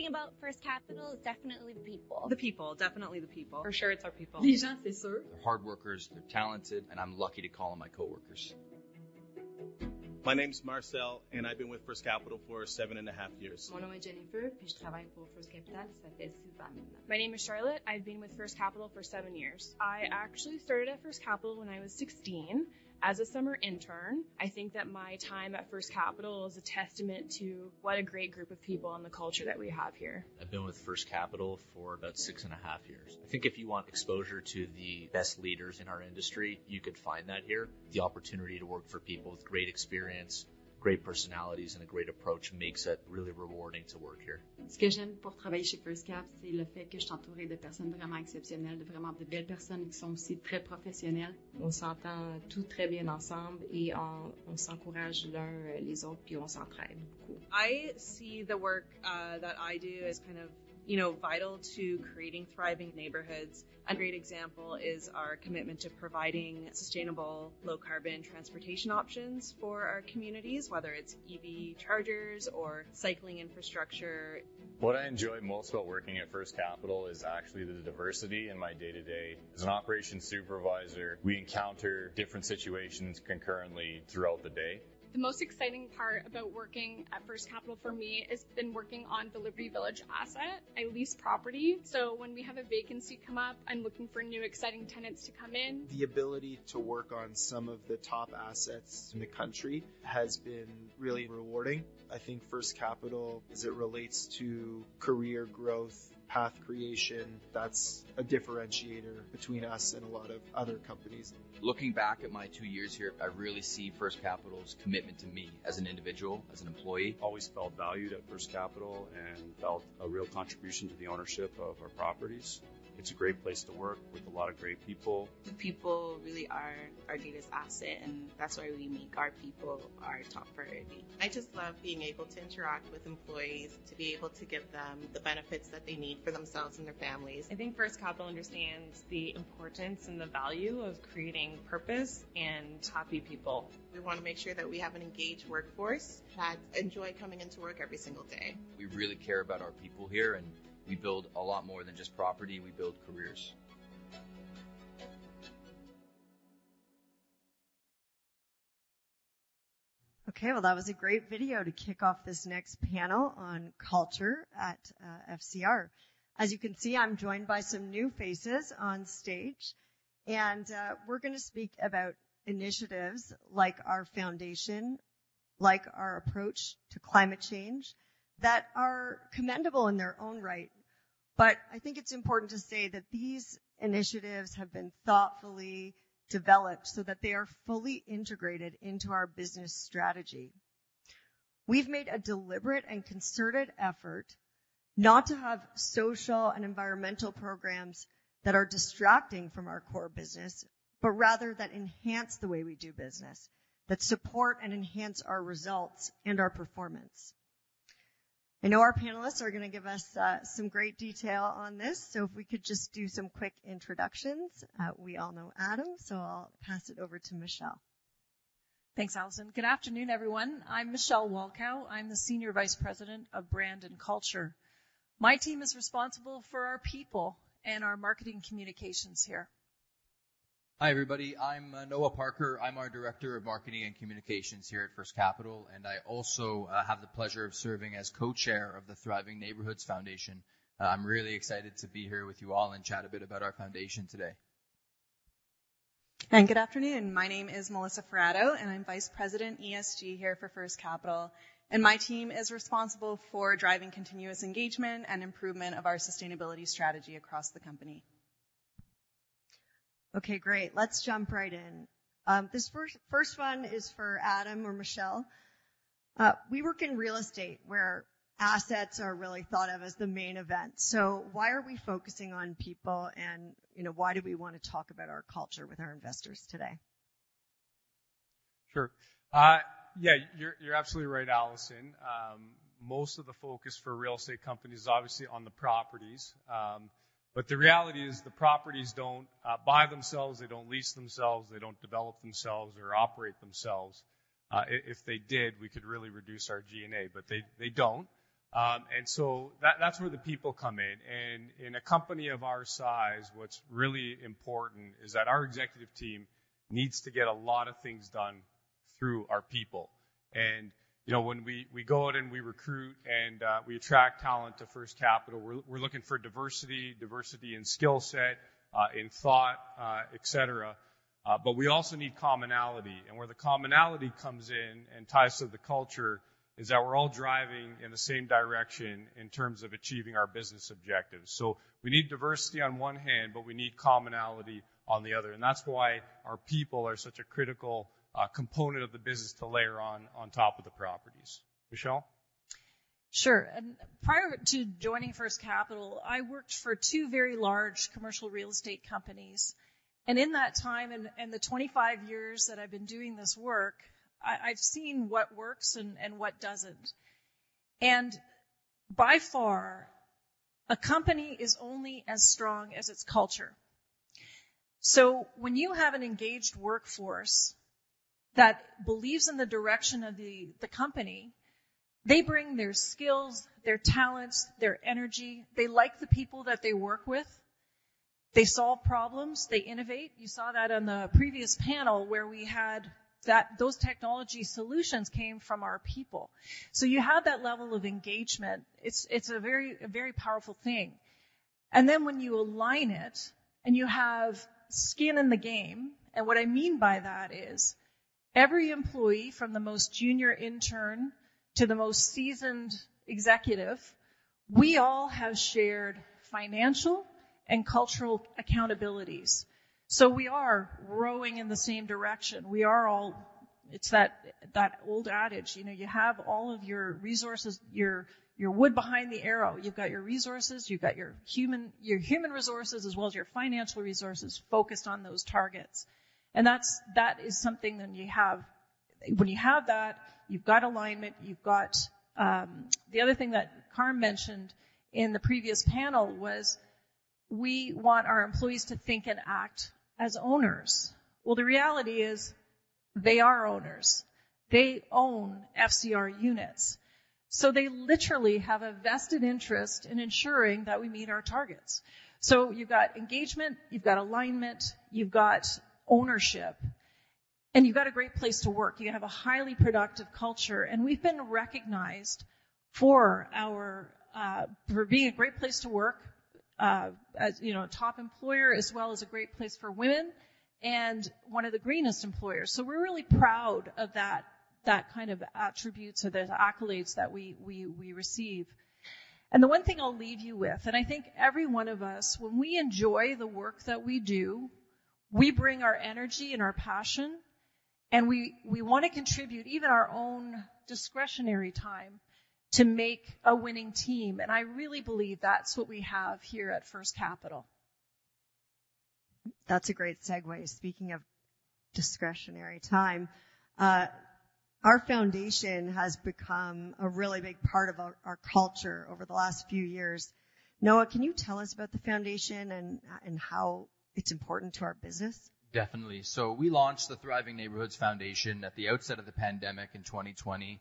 The best thing about First Capital is definitely the people. The people. Definitely the people. For sure, it's our people. Les gens, c'est sûr. They're hard workers. They're talented. I'm lucky to call them my coworkers. My name's Marcel, and I've been with First Capital for 7.5 years. Mon nom est Jennifer, puis je travaille pour First Capital. Ça fait 6 ans maintenant. My name is Charlotte. I've been with First Capital for seven years. I actually started at First Capital when I was 16 as a summer intern. I think that my time at First Capital is a testament to what a great group of people and the culture that we have here. I've been with First Capital for about six and a half years. I think if you want exposure to the best leaders in our industry, you could find that here. The opportunity to work for people with great experience, great personalities, and a great approach makes it really rewarding to work here. Ce que j'aime pour travailler chez First Capital, c'est le fait que je suis entourée de personnes vraiment exceptionnelles, de vraiment de belles personnes qui sont aussi très professionnelles. On s'entend tous très bien ensemble et on s'encourage les uns les autres, puis on s'entraide beaucoup. I see the work that I do as kind of vital to creating thriving neighborhoods. A great example is our commitment to providing sustainable, low-carbon transportation options for our communities, whether it's EV chargers or cycling infrastructure. What I enjoy most about working at First Capital is actually the diversity in my day-to-day. As an operations supervisor, we encounter different situations concurrently throughout the day. The most exciting part about working at First Capital for me has been working on Liberty Village asset. I lease property. So when we have a vacancy come up, I'm looking for new, exciting tenants to come in. The ability to work on some of the top assets in the country has been really rewarding. I think First Capital, as it relates to career growth, path creation, that's a differentiator between us and a lot of other companies. Looking back at my two years here, I really see First Capital's commitment to me as an individual, as an employee. Always felt valued at First Capital and felt a real contribution to the ownership of our properties. It's a great place to work with a lot of great people. The people really are our dearest asset, and that's why we make our people our top priority. I just love being able to interact with employees, to be able to give them the benefits that they need for themselves and their families. I think First Capital understands the importance and the value of creating purpose and happy people. We want to make sure that we have an engaged workforce that enjoys coming into work every single day. We really care about our people here, and we build a lot more than just property. We build careers. Okay. Well, that was a great video to kick off this next panel on culture at FCR. As you can see, I'm joined by some new faces on stage. And we're going to speak about initiatives like our foundation, like our approach to climate change that are commendable in their own right. But I think it's important to say that these initiatives have been thoughtfully developed so that they are fully integrated into our business strategy. We've made a deliberate and concerted effort not to have social and environmental programs that are distracting from our core business, but rather that enhance the way we do business, that support and enhance our results and our performance. I know our panelists are going to give us some great detail on this. So if we could just do some quick introductions. We all know Adam, so I'll pass it over to Michelle. Thanks, Alison. Good afternoon, everyone. I'm Michelle Walkau. I'm the Senior Vice President of Brand and Culture. My team is responsible for our people and our marketing communications here. Hi, everybody. I'm Noah Parker. I'm our Director of Marketing and Communications here at First Capital. And I also have the pleasure of serving as Co-Chair of the Thriving Neighbourhoods Foundation. I'm really excited to be here with you all and chat a bit about our foundation today. Good afternoon. My name is Melissa Fiorito, and I'm Vice President ESG here for First Capital. And my team is responsible for driving continuous engagement and improvement of our sustainability strategy across the company. Okay. Great. Let's jump right in. This first one is for Adam or Michelle. We work in real estate where assets are really thought of as the main event. So why are we focusing on people, and why do we want to talk about our culture with our investors today? Sure. Yeah, you're absolutely right, Alison. Most of the focus for real estate companies is obviously on the properties. But the reality is the properties don't buy themselves. They don't lease themselves. They don't develop themselves or operate themselves. If they did, we could really reduce our G&A, but they don't. And so that's where the people come in. And in a company of our size, what's really important is that our executive team needs to get a lot of things done through our people. And when we go out and we recruit and we attract talent to First Capital, we're looking for diversity, diversity in skill set, in thought, etc. But we also need commonality. And where the commonality comes in and ties to the culture is that we're all driving in the same direction in terms of achieving our business objectives. We need diversity on one hand, but we need commonality on the other. That's why our people are such a critical component of the business to layer on top of the properties. Michelle? Sure. Prior to joining First Capital, I worked for two very large commercial real estate companies. In that time and the 25 years that I've been doing this work, I've seen what works and what doesn't. By far, a company is only as strong as its culture. When you have an engaged workforce that believes in the direction of the company, they bring their skills, their talents, their energy. They like the people that they work with. They solve problems. They innovate. You saw that on the previous panel where we had those technology solutions came from our people. You have that level of engagement. It's a very powerful thing. And then, when you align it and you have skin in the game, and what I mean by that is every employee, from the most junior intern to the most seasoned executive, we all have shared financial and cultural accountabilities. So we are rowing in the same direction. It's that old adage. You have all of your resources, your wood behind the arrow. You've got your resources. You've got your human resources as well as your financial resources focused on those targets. And that is something that you have when you have that; you've got alignment. The other thing that Carmine mentioned in the previous panel was we want our employees to think and act as owners. Well, the reality is they are owners. They own FCR units. So they literally have a vested interest in ensuring that we meet our targets. So you've got engagement. You've got alignment. You've got ownership. You've got a great place to work. You have a highly productive culture. We've been recognized for being a great place to work, a top employer, as well as a great place for women and one of the greenest employers. We're really proud of that kind of attribute or those accolades that we receive. The one thing I'll leave you with, and I think every one of us, when we enjoy the work that we do, we bring our energy and our passion. We want to contribute even our own discretionary time to make a winning team. I really believe that's what we have here at First Capital. That's a great segue. Speaking of discretionary time, our foundation has become a really big part of our culture over the last few years. Noah, can you tell us about the foundation and how it's important to our business? Definitely. So we launched the Thriving Neighborhoods Foundation at the outset of the pandemic in 2020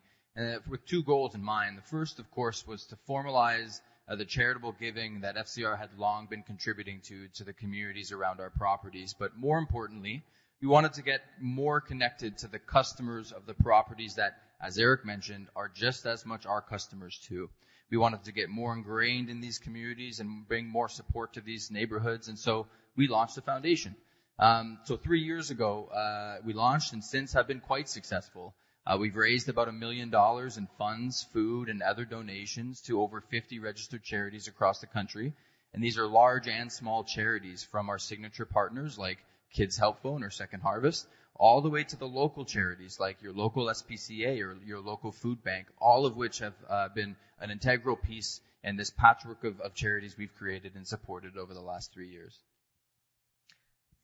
with two goals in mind. The first, of course, was to formalize the charitable giving that FCR had long been contributing to the communities around our properties. But more importantly, we wanted to get more connected to the customers of the properties that, as Eric mentioned, are just as much our customers too. We wanted to get more ingrained in these communities and bring more support to these neighborhoods. And so we launched the foundation. So three years ago, we launched and since have been quite successful. We've raised about 1 million dollars in funds, food, and other donations to over 50 registered charities across the country. These are large and small charities from our signature partners like Kids Help Phone or Second Harvest, all the way to the local charities like your local SPCA or your local food bank, all of which have been an integral piece in this patchwork of charities we've created and supported over the last three years.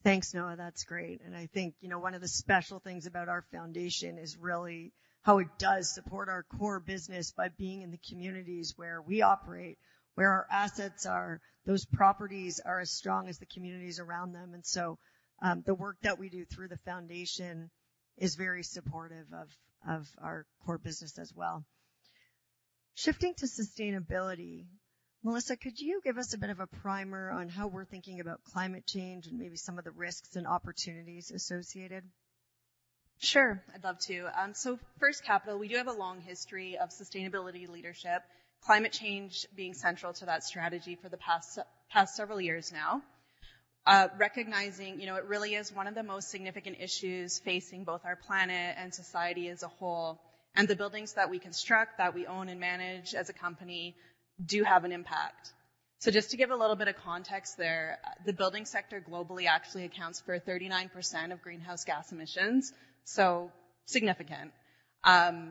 Thanks, Noah. That's great. I think one of the special things about our foundation is really how it does support our core business by being in the communities where we operate, where our assets are, those properties are as strong as the communities around them. So the work that we do through the foundation is very supportive of our core business as well. Shifting to sustainability, Melissa, could you give us a bit of a primer on how we're thinking about climate change and maybe some of the risks and opportunities associated? Sure. I'd love to. So First Capital, we do have a long history of sustainability leadership, climate change being central to that strategy for the past several years now, recognizing it really is one of the most significant issues facing both our planet and society as a whole. The buildings that we construct, that we own and manage as a company do have an impact. So just to give a little bit of context there, the building sector globally actually accounts for 39% of greenhouse gas emissions, so significant. 28%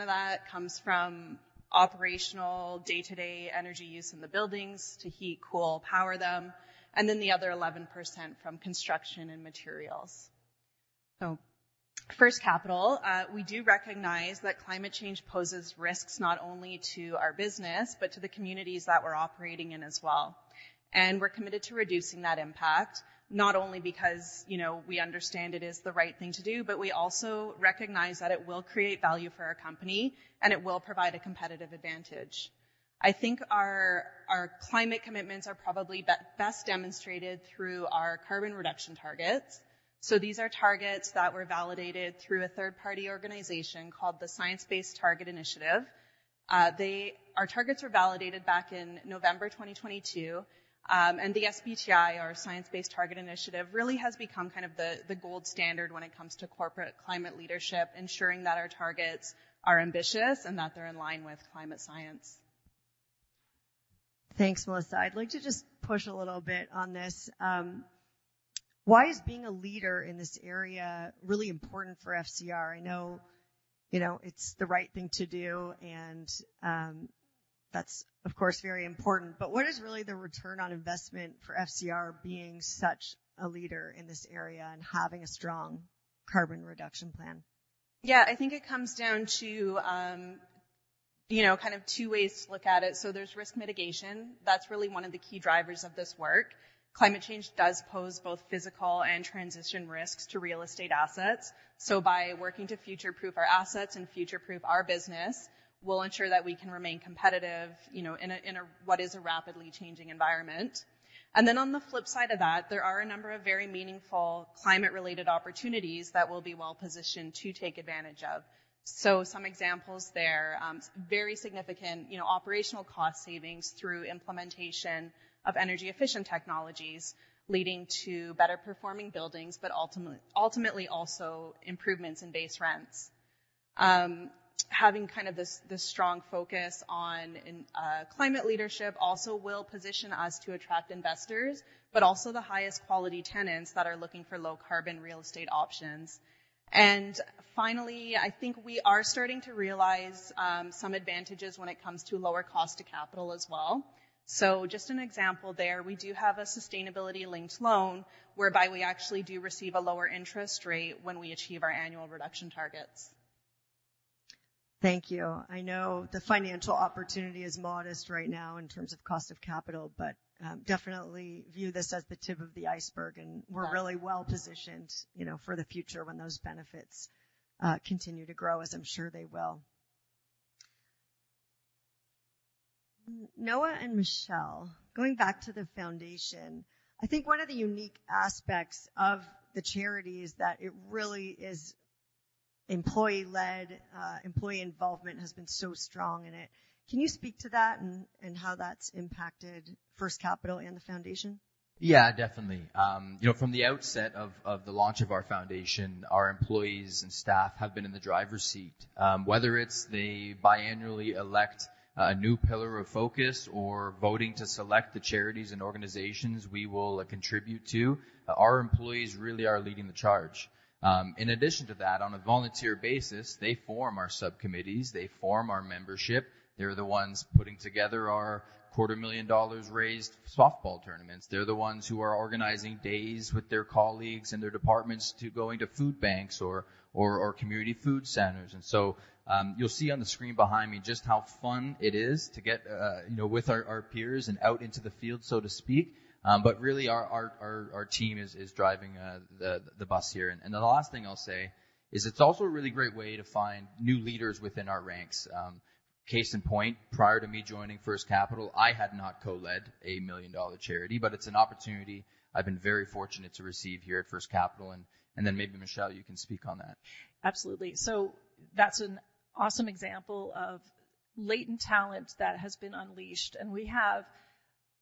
of that comes from operational day-to-day energy use in the buildings to heat, cool, power them, and then the other 11% from construction and materials. So First Capital, we do recognize that climate change poses risks not only to our business but to the communities that we're operating in as well. We're committed to reducing that impact, not only because we understand it is the right thing to do, but we also recognize that it will create value for our company and it will provide a competitive advantage. I think our climate commitments are probably best demonstrated through our carbon reduction targets. These are targets that were validated through a third-party organization called the Science Based Targets initiative. Our targets were validated back in November 2022. The SBTi, our Science Based Targets initiative, really has become kind of the gold standard when it comes to corporate climate leadership, ensuring that our targets are ambitious and that they're in line with climate science. Thanks, Melissa. I'd like to just push a little bit on this. Why is being a leader in this area really important for FCR? I know it's the right thing to do, and that's, of course, very important. But what is really the return on investment for FCR being such a leader in this area and having a strong carbon reduction plan? Yeah. I think it comes down to kind of two ways to look at it. So there's risk mitigation. That's really one of the key drivers of this work. Climate change does pose both physical and transition risks to real estate assets. So by working to future-proof our assets and future-proof our business, we'll ensure that we can remain competitive in what is a rapidly changing environment. And then on the flip side of that, there are a number of very meaningful climate-related opportunities that we will be well-positioned to take advantage of. So some examples there: very significant operational cost savings through implementation of energy-efficient technologies leading to better-performing buildings but ultimately also improvements in base rents. Having kind of this strong focus on climate leadership also will position us to attract investors but also the highest-quality tenants that are looking for low-carbon real estate options. Finally, I think we are starting to realize some advantages when it comes to lower cost to capital as well. So just an example there, we do have a sustainability-linked loan whereby we actually do receive a lower interest rate when we achieve our annual reduction targets. Thank you. I know the financial opportunity is modest right now in terms of cost of capital, but definitely view this as the tip of the iceberg. And we're really well-positioned for the future when those benefits continue to grow, as I'm sure they will. Noah and Michelle, going back to the foundation, I think one of the unique aspects of the charity is that it really is employee-led. Employee involvement has been so strong in it. Can you speak to that and how that's impacted First Capital and the foundation? Yeah, definitely. From the outset of the launch of our foundation, our employees and staff have been in the driver's seat. Whether it's they biannually elect a new pillar of focus or voting to select the charities and organizations we will contribute to, our employees really are leading the charge. In addition to that, on a volunteer basis, they form our subcommittees. They form our membership. They're the ones putting together our CAD 250,000-raised softball tournaments. They're the ones who are organizing days with their colleagues and their departments to go into food banks or community food centers. And so you'll see on the screen behind me just how fun it is to get with our peers and out into the field, so to speak. But really, our team is driving the bus here. And the last thing I'll say is it's also a really great way to find new leaders within our ranks. Case in point, prior to me joining First Capital, I had not co-led a 1 million dollar charity. But it's an opportunity I've been very fortunate to receive here at First Capital. And then maybe, Michelle, you can speak on that. Absolutely. So that's an awesome example of latent talent that has been unleashed. And we have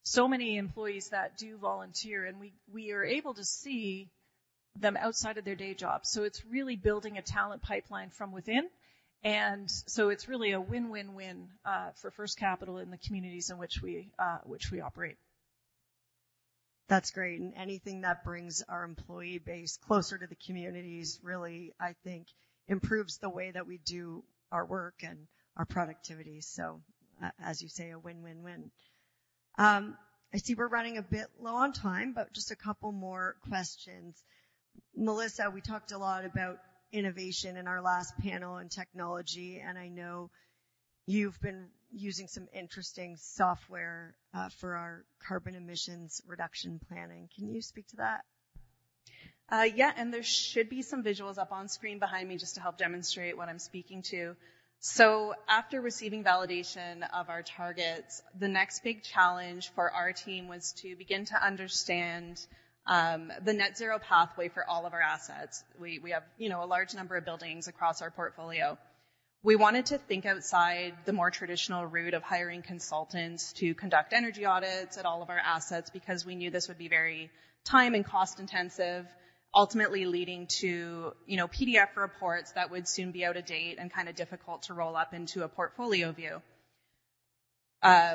so many employees that do volunteer, and we are able to see them outside of their day jobs. So it's really building a talent pipeline from within. And so it's really a win-win-win for First Capital in the communities in which we operate. That's great. And anything that brings our employee base closer to the communities really, I think, improves the way that we do our work and our productivity. So, as you say, a win-win-win. I see we're running a bit low on time, but just a couple more questions. Melissa, we talked a lot about innovation in our last panel and technology. I know you've been using some interesting software for our carbon emissions reduction planning. Can you speak to that? Yeah. And there should be some visuals up on screen behind me just to help demonstrate what I'm speaking to. So after receiving validation of our targets, the next big challenge for our team was to begin to understand the net-zero pathway for all of our assets. We have a large number of buildings across our portfolio. We wanted to think outside the more traditional route of hiring consultants to conduct energy audits at all of our assets because we knew this would be very time and cost-intensive, ultimately leading to PDF reports that would soon be out of date and kind of difficult to roll up into a portfolio view.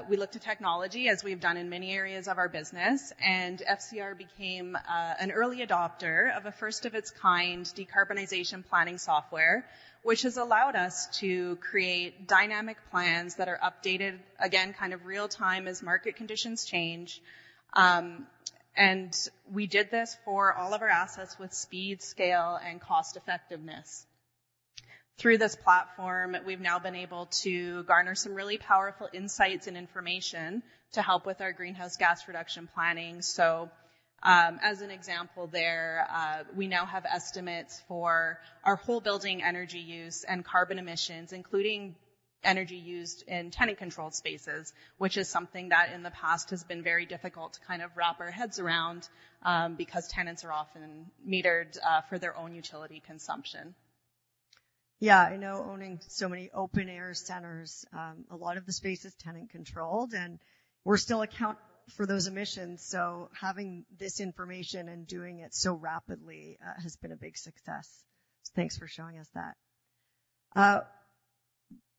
We looked to technology, as we've done in many areas of our business. FCR became an early adopter of a first-of-its-kind decarbonization planning software, which has allowed us to create dynamic plans that are updated, again, kind of real-time as market conditions change. We did this for all of our assets with speed, scale, and cost-effectiveness. Through this platform, we've now been able to garner some really powerful insights and information to help with our greenhouse gas reduction planning. As an example there, we now have estimates for our whole building energy use and carbon emissions, including energy used in tenant-controlled spaces, which is something that in the past has been very difficult to kind of wrap our heads around because tenants are often metered for their own utility consumption. Yeah. I know owning so many open-air centers, a lot of the space is tenant-controlled, and we're still accountable for those emissions. So having this information and doing it so rapidly has been a big success. So thanks for showing us that.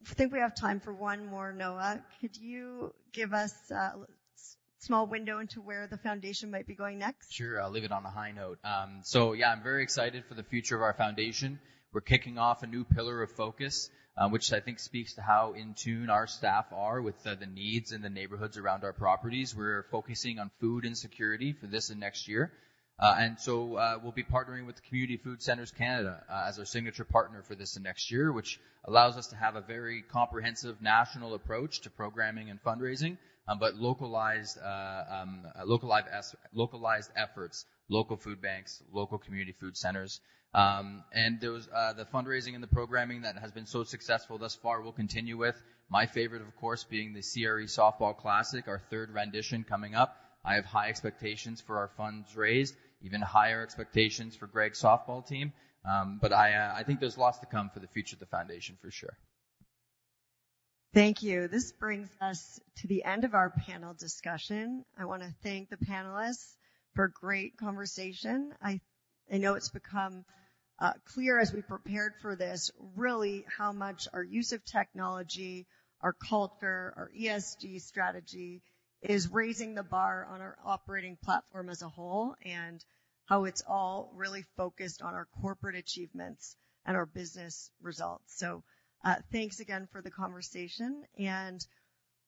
I think we have time for one more. Noah, could you give us a small window into where the foundation might be going next? Sure. I'll leave it on a high note. So yeah, I'm very excited for the future of our foundation. We're kicking off a new pillar of focus, which I think speaks to how in tune our staff are with the needs in the neighborhoods around our properties. We're focusing on food insecurity for this and next year. And so we'll be partnering with Community Food Centres Canada as our signature partner for this and next year, which allows us to have a very comprehensive national approach to programming and fundraising but localized efforts, local food banks, local community food centers. And the fundraising and the programming that has been so successful thus far will continue with, my favorite, of course, being the CRE softball classic, our third rendition coming up. I have high expectations for our funds raised, even higher expectations for Greg's softball team. But I think there's lots to come for the future of the foundation, for sure. Thank you. This brings us to the end of our panel discussion. I want to thank the panelists for a great conversation. I know it's become clear as we prepared for this, really, how much our use of technology, our culture, our ESG strategy is raising the bar on our operating platform as a whole and how it's all really focused on our corporate achievements and our business results. So thanks again for the conversation. And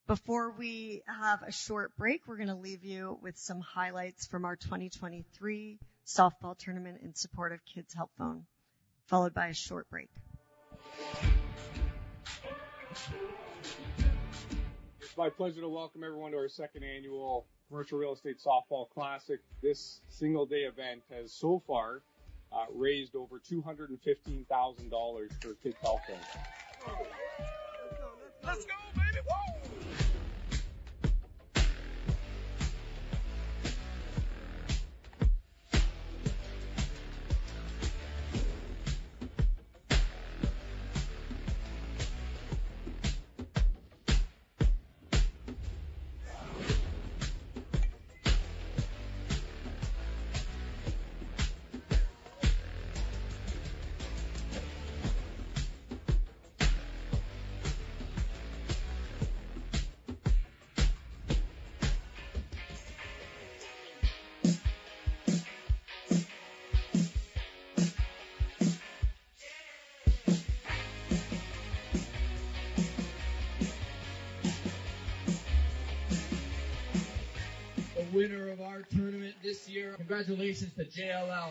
before we have a short break, we're going to leave you with some highlights from our 2023 softball tournament in support of Kids Help Phone, followed by a short break. It's my pleasure to welcome everyone to our second annual commercial real estate softball classic. This single-day event has, so far, raised over 215,000 dollars for Kids Help Phone. Let's go, baby. Woo. The winner of our tournament this year. Congratulations to JLL.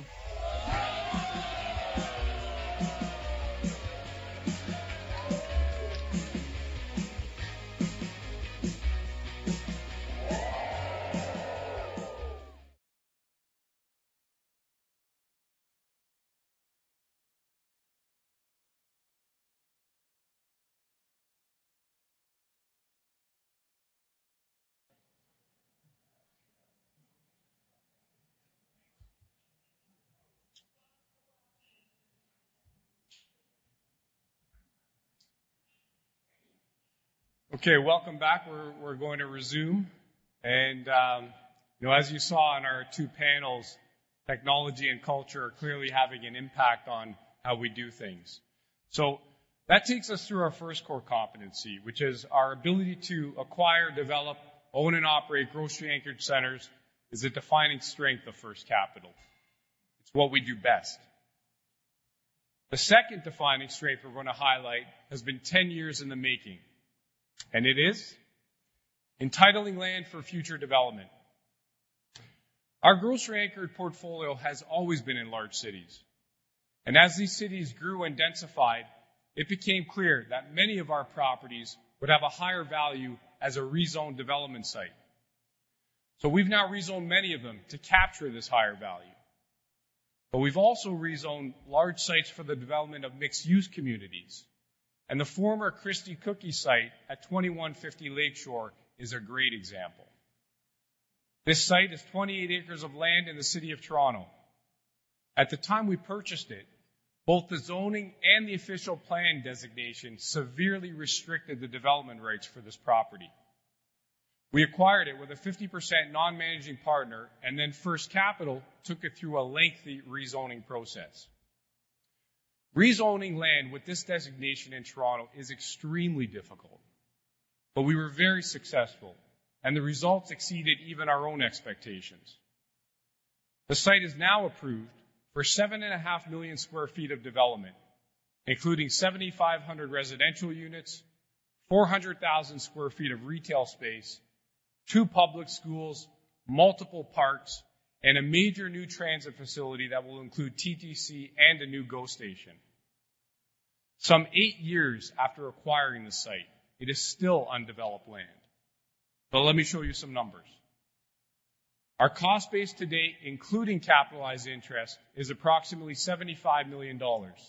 Okay. Welcome back. We're going to resume. And as you saw in our two panels, technology and culture are clearly having an impact on how we do things. So that takes us through our first core competency, which is our ability to acquire, develop, own, and operate grocery-anchored centers is a defining strength of First Capital. It's what we do best. The second defining strength we're going to highlight has been 10 years in the making. And it is entitling land for future development. Our grocery-anchored portfolio has always been in large cities. And as these cities grew and densified, it became clear that many of our properties would have a higher value as a rezoned development site. So we've now rezoned many of them to capture this higher value. We've also rezoned large sites for the development of mixed-use communities. The former Christie Cookie site at 2150 Lake Shore is a great example. This site is 28 acres of land in the city of Toronto. At the time we purchased it, both the zoning and the official plan designation severely restricted the development rights for this property. We acquired it with a 50% non-managing partner, and then First Capital took it through a lengthy rezoning process. Rezoning land with this designation in Toronto is extremely difficult. We were very successful, and the results exceeded even our own expectations. The site is now approved for 7.5 million sq ft of development, including 7,500 residential units, 400,000 sq ft of retail space, two public schools, multiple parks, and a major new transit facility that will include TTC and a new GO station. Some eight years after acquiring the site, it is still undeveloped land. But let me show you some numbers. Our cost base today, including capitalized interest, is approximately 75 million dollars.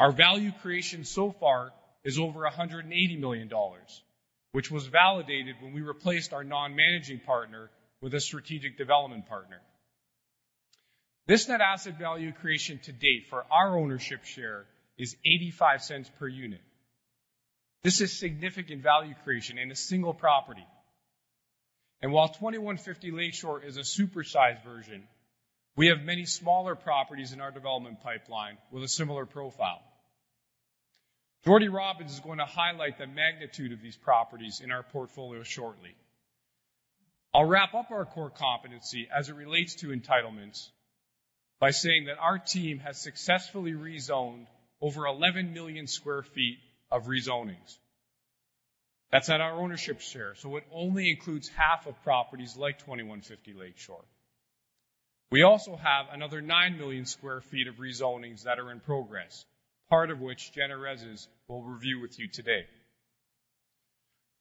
Our value creation so far is over 180 million dollars, which was validated when we replaced our non-managing partner with a strategic development partner. This net asset value creation to date for our ownership share is 0.85 per unit. This is significant value creation in a single property. And while 2150 Lake Shore is a supersized version, we have many smaller properties in our development pipeline with a similar profile. Jordan Robins is going to highlight the magnitude of these properties in our portfolio shortly. I'll wrap up our core competency as it relates to entitlements by saying that our team has successfully rezoned over 11 million sq ft of rezonings. That's not our ownership share, so it only includes half of properties like 2150 Lake Shore. We also have another 9 million sq ft of rezonings that are in progress, part of which Jennifer Arezes will review with you today.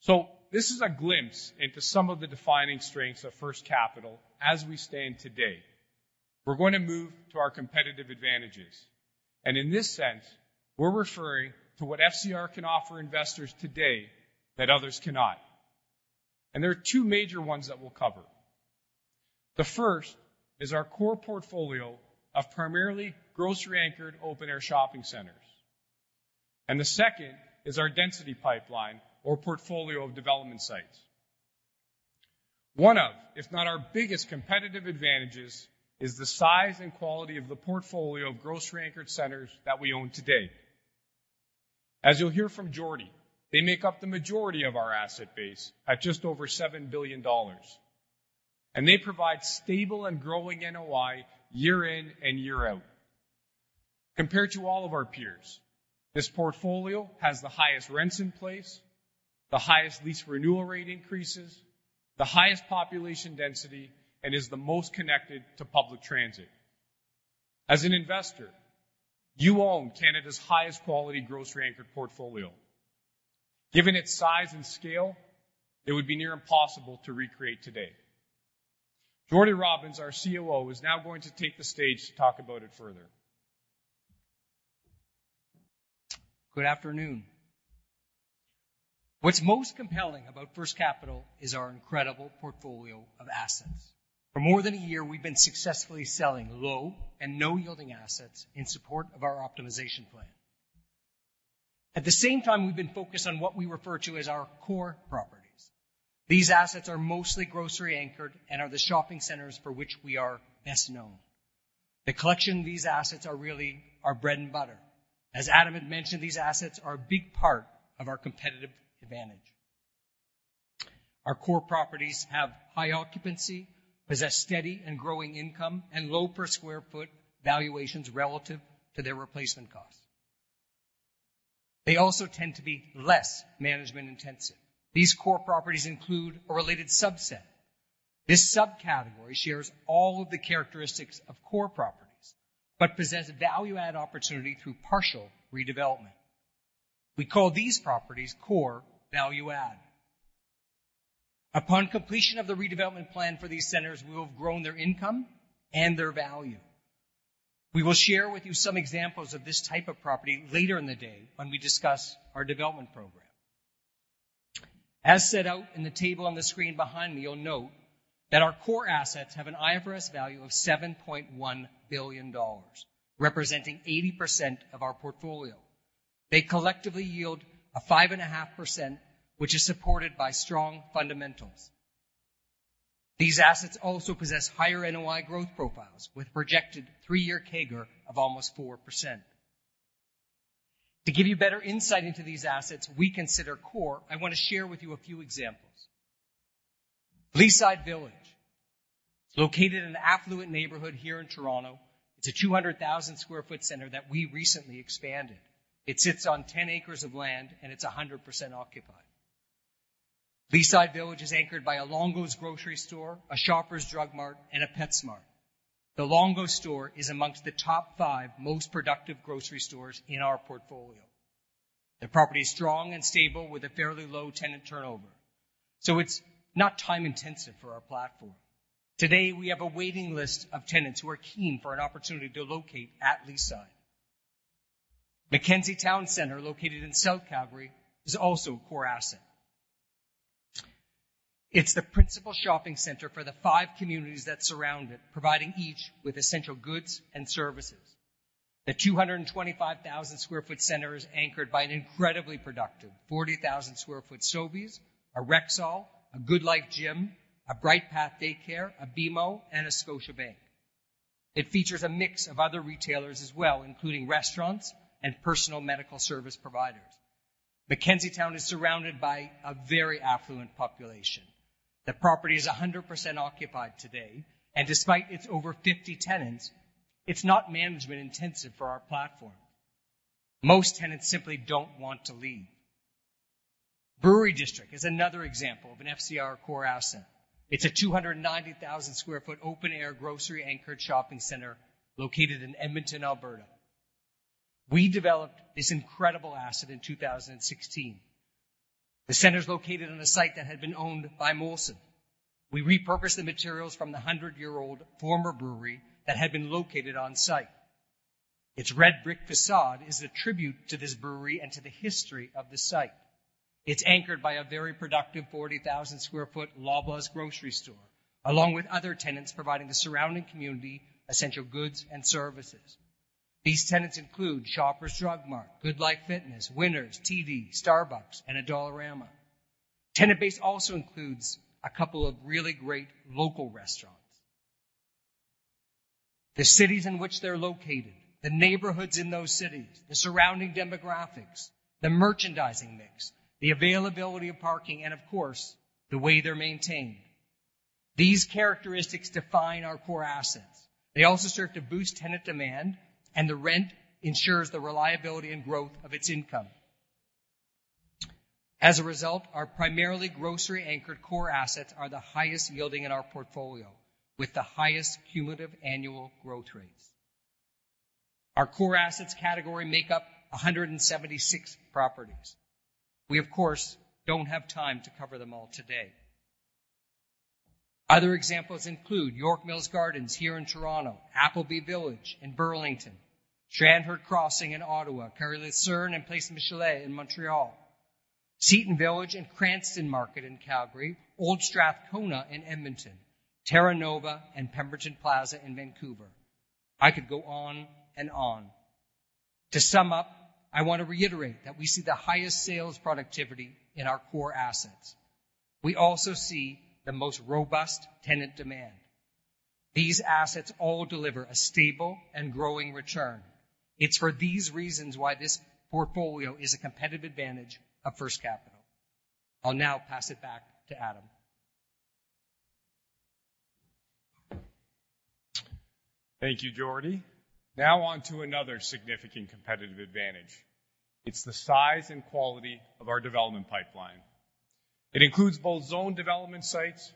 So this is a glimpse into some of the defining strengths of First Capital as we stand today. We're going to move to our competitive advantages. In this sense, we're referring to what FCR can offer investors today that others cannot. There are two major ones that we'll cover. The first is our core portfolio of primarily grocery-anchored open-air shopping centers. The second is our density pipeline or portfolio of development sites. One of, if not our biggest, competitive advantages is the size and quality of the portfolio of grocery-anchored centers that we own today. As you'll hear from Jordan, they make up the majority of our asset base at just over 7 billion dollars. They provide stable and growing NOI year in and year out. Compared to all of our peers, this portfolio has the highest rents in place, the highest lease renewal rate increases, the highest population density, and is the most connected to public transit. As an investor, you own Canada's highest-quality grocery-anchored portfolio. Given its size and scale, it would be near impossible to recreate today. Jordan Robins, our COO, is now going to take the stage to talk about it further. Good afternoon. What's most compelling about First Capital is our incredible portfolio of assets. For more than a year, we've been successfully selling low and no-yielding assets in support of our optimization plan. At the same time, we've been focused on what we refer to as our core properties. These assets are mostly grocery-anchored and are the shopping centers for which we are best known. The collection of these assets is really our bread and butter. As Adam had mentioned, these assets are a big part of our competitive advantage. Our core properties have high occupancy, possess steady and growing income, and low per square foot valuations relative to their replacement costs. They also tend to be less management-intensive. These core properties include a related subset. This subcategory shares all of the characteristics of core properties but possess value-add opportunity through partial redevelopment. We call these properties core value-add. Upon completion of the redevelopment plan for these centers, we will have grown their income and their value. We will share with you some examples of this type of property later in the day when we discuss our development program. As set out in the table on the screen behind me, you'll note that our core assets have an IFRS value of 7.1 billion dollars, representing 80% of our portfolio. They collectively yield 5.5%, which is supported by strong fundamentals. These assets also possess higher NOI growth profiles with projected three-year CAGR of almost 4%. To give you better insight into these assets we consider core, I want to share with you a few examples. Leaside Village. It's located in an affluent neighborhood here in Toronto. It's a 200,000 sq ft center that we recently expanded. It sits on 10 acres of land, and it's 100% occupied. Leaside Village is anchored by a Longo's grocery store, a Shoppers Drug Mart, and a PetSmart. The Longo's store is among the top five most productive grocery stores in our portfolio. Their property is strong and stable with a fairly low tenant turnover. So it's not time-intensive for our platform. Today, we have a waiting list of tenants who are keen for an opportunity to locate at Leaside. Mackenzie Towne Centre, located in South Calgary, is also a core asset. It's the principal shopping center for the five communities that surround it, providing each with essential goods and services. The 225,000 sq ft center is anchored by an incredibly productive 40,000 sq ft Sobeys, a Rexall, a GoodLife Fitness, a BrightPath Daycare, a BMO, and a Scotiabank. It features a mix of other retailers as well, including restaurants and personal medical service providers. Mackenzie Towne is surrounded by a very affluent population. The property is 100% occupied today. Despite its over 50 tenants, it's not management-intensive for our platform. Most tenants simply don't want to leave. Brewery District is another example of an FCR core asset. It's a 290,000 sq ft open-air grocery-anchored shopping center located in Edmonton, Alberta. We developed this incredible asset in 2016. The center is located on a site that had been owned by Molson. We repurposed the materials from the 100-year-old former brewery that had been located on site. Its red brick façade is a tribute to this brewery and to the history of the site. It's anchored by a very productive 40,000 sq ft Loblaws grocery store, along with other tenants providing the surrounding community essential goods and services. These tenants include Shoppers Drug Mart, GoodLife Fitness, Winners, TD, Starbucks, and Dollarama. Tenant base also includes a couple of really great local restaurants. The cities in which they're located, the neighborhoods in those cities, the surrounding demographics, the merchandising mix, the availability of parking, and, of course, the way they're maintained. These characteristics define our core assets. They also serve to boost tenant demand, and the rent ensures the reliability and growth of its income. As a result, our primarily grocery-anchored core assets are the highest yielding in our portfolio, with the highest cumulative annual growth rates. Our core assets category makes up 176 properties. We, of course, don't have time to cover them all today. Other examples include York Mills Gardens here in Toronto, Appleby Village in Burlington, Strandherd Crossing in Ottawa, Carlisle Station, and Place Michelet in Montreal, Seton Village and Cranston Market in Calgary, Old Strathcona in Edmonton, Terra Nova and Pemberton Plaza in Vancouver. I could go on and on. To sum up, I want to reiterate that we see the highest sales productivity in our core assets. We also see the most robust tenant demand. These assets all deliver a stable and growing return. It's for these reasons why this portfolio is a competitive advantage of First Capital. I'll now pass it back to Adam. Thank you, Jordan. Now on to another significant competitive advantage. It's the size and quality of our development pipeline. It includes both zoned development sites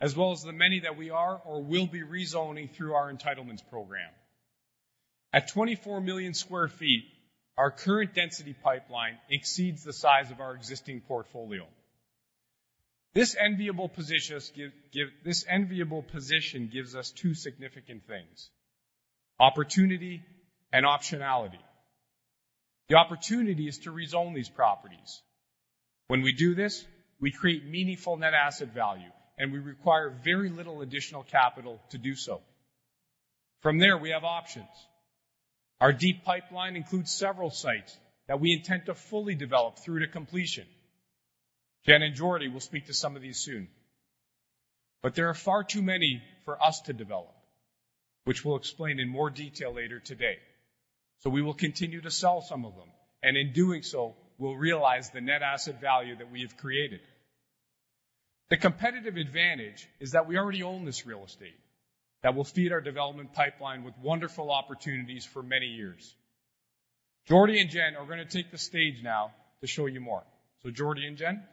as well as the many that we are or will be rezoning through our entitlements program. At 24 million sq ft, our current density pipeline exceeds the size of our existing portfolio. This enviable position gives us two significant things: opportunity and optionality. The opportunity is to rezone these properties. When we do this, we create meaningful Net Asset Value, and we require very little additional capital to do so. From there, we have options. Our deep pipeline includes several sites that we intend to fully develop through to completion. Jen and Jordan will speak to some of these soon. But there are far too many for us to develop, which we'll explain in more detail later today. So we will continue to sell some of them. In doing so, we'll realize the net asset value that we have created. The competitive advantage is that we already own this real estate that will feed our development pipeline with wonderful opportunities for many years. Jordan and Jen are going to take the stage now to show you more. So, Jordan and Jen?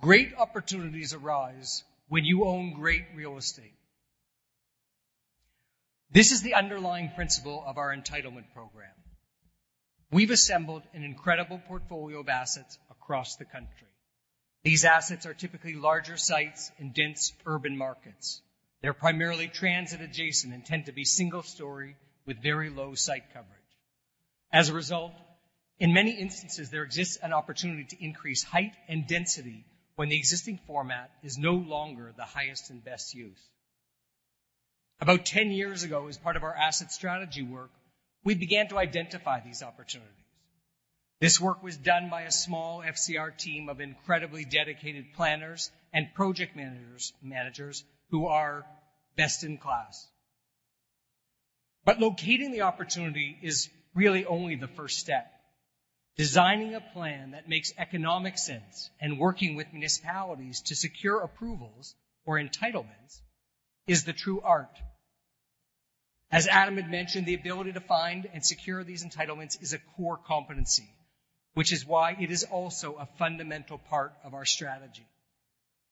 Great opportunities arise when you own great real estate. This is the underlying principle of our entitlement program. We've assembled an incredible portfolio of assets across the country. These assets are typically larger sites in dense urban markets. They're primarily transit-adjacent and tend to be single-story with very low site coverage. As a result, in many instances, there exists an opportunity to increase height and density when the existing format is no longer the highest and best use. About 10 years ago, as part of our asset strategy work, we began to identify these opportunities. This work was done by a small FCR team of incredibly dedicated planners and project managers who are best in class. But locating the opportunity is really only the first step. Designing a plan that makes economic sense and working with municipalities to secure approvals or entitlements is the true art. As Adam had mentioned, the ability to find and secure these entitlements is a core competency, which is why it is also a fundamental part of our strategy.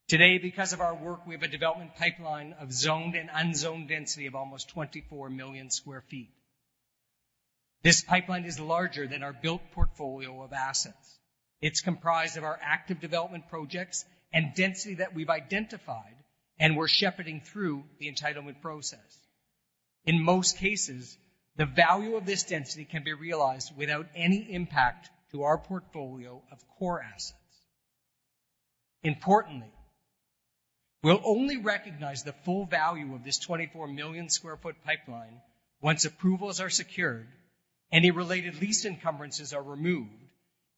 Today, because of our work, we have a development pipeline of zoned and unzoned density of almost 24 million sq ft. This pipeline is larger than our built portfolio of assets. It's comprised of our active development projects and density that we've identified and we're shepherding through the entitlement process. In most cases, the value of this density can be realized without any impact to our portfolio of core assets. Importantly, we'll only recognize the full value of this 24 million sq ft pipeline once approvals are secured, any related lease encumbrances are removed,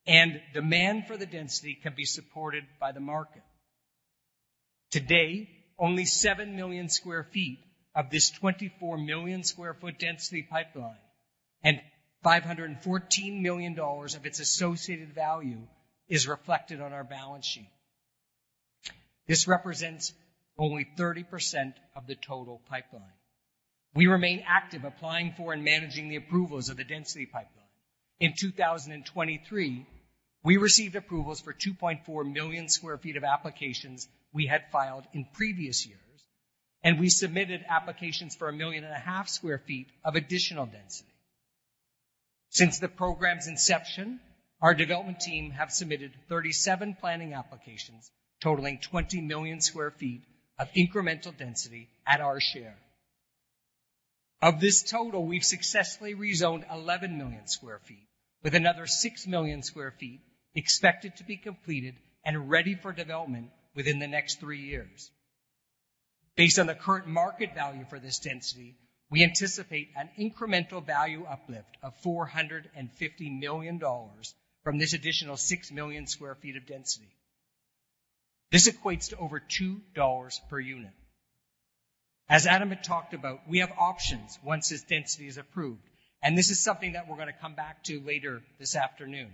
and demand for the density can be supported by the market. Today, only 7 million sq ft of this 24 million sq ft density pipeline and 514 million dollars of its associated value is reflected on our balance sheet. This represents only 30% of the total pipeline. We remain active applying for and managing the approvals of the density pipeline. In 2023, we received approvals for 2.4 million sq ft of applications we had filed in previous years, and we submitted applications for 1.5 million sq ft of additional density. Since the program's inception, our development team has submitted 37 planning applications totaling 20 million sq ft of incremental density at our share. Of this total, we've successfully rezoned 11 million sq ft, with another 6 million sq ft expected to be completed and ready for development within the next three years. Based on the current market value for this density, we anticipate an incremental value uplift of 450 million dollars from this additional 6 million sq ft of density. This equates to over 2 dollars per unit. As Adam had talked about, we have options once this density is approved. This is something that we're going to come back to later this afternoon.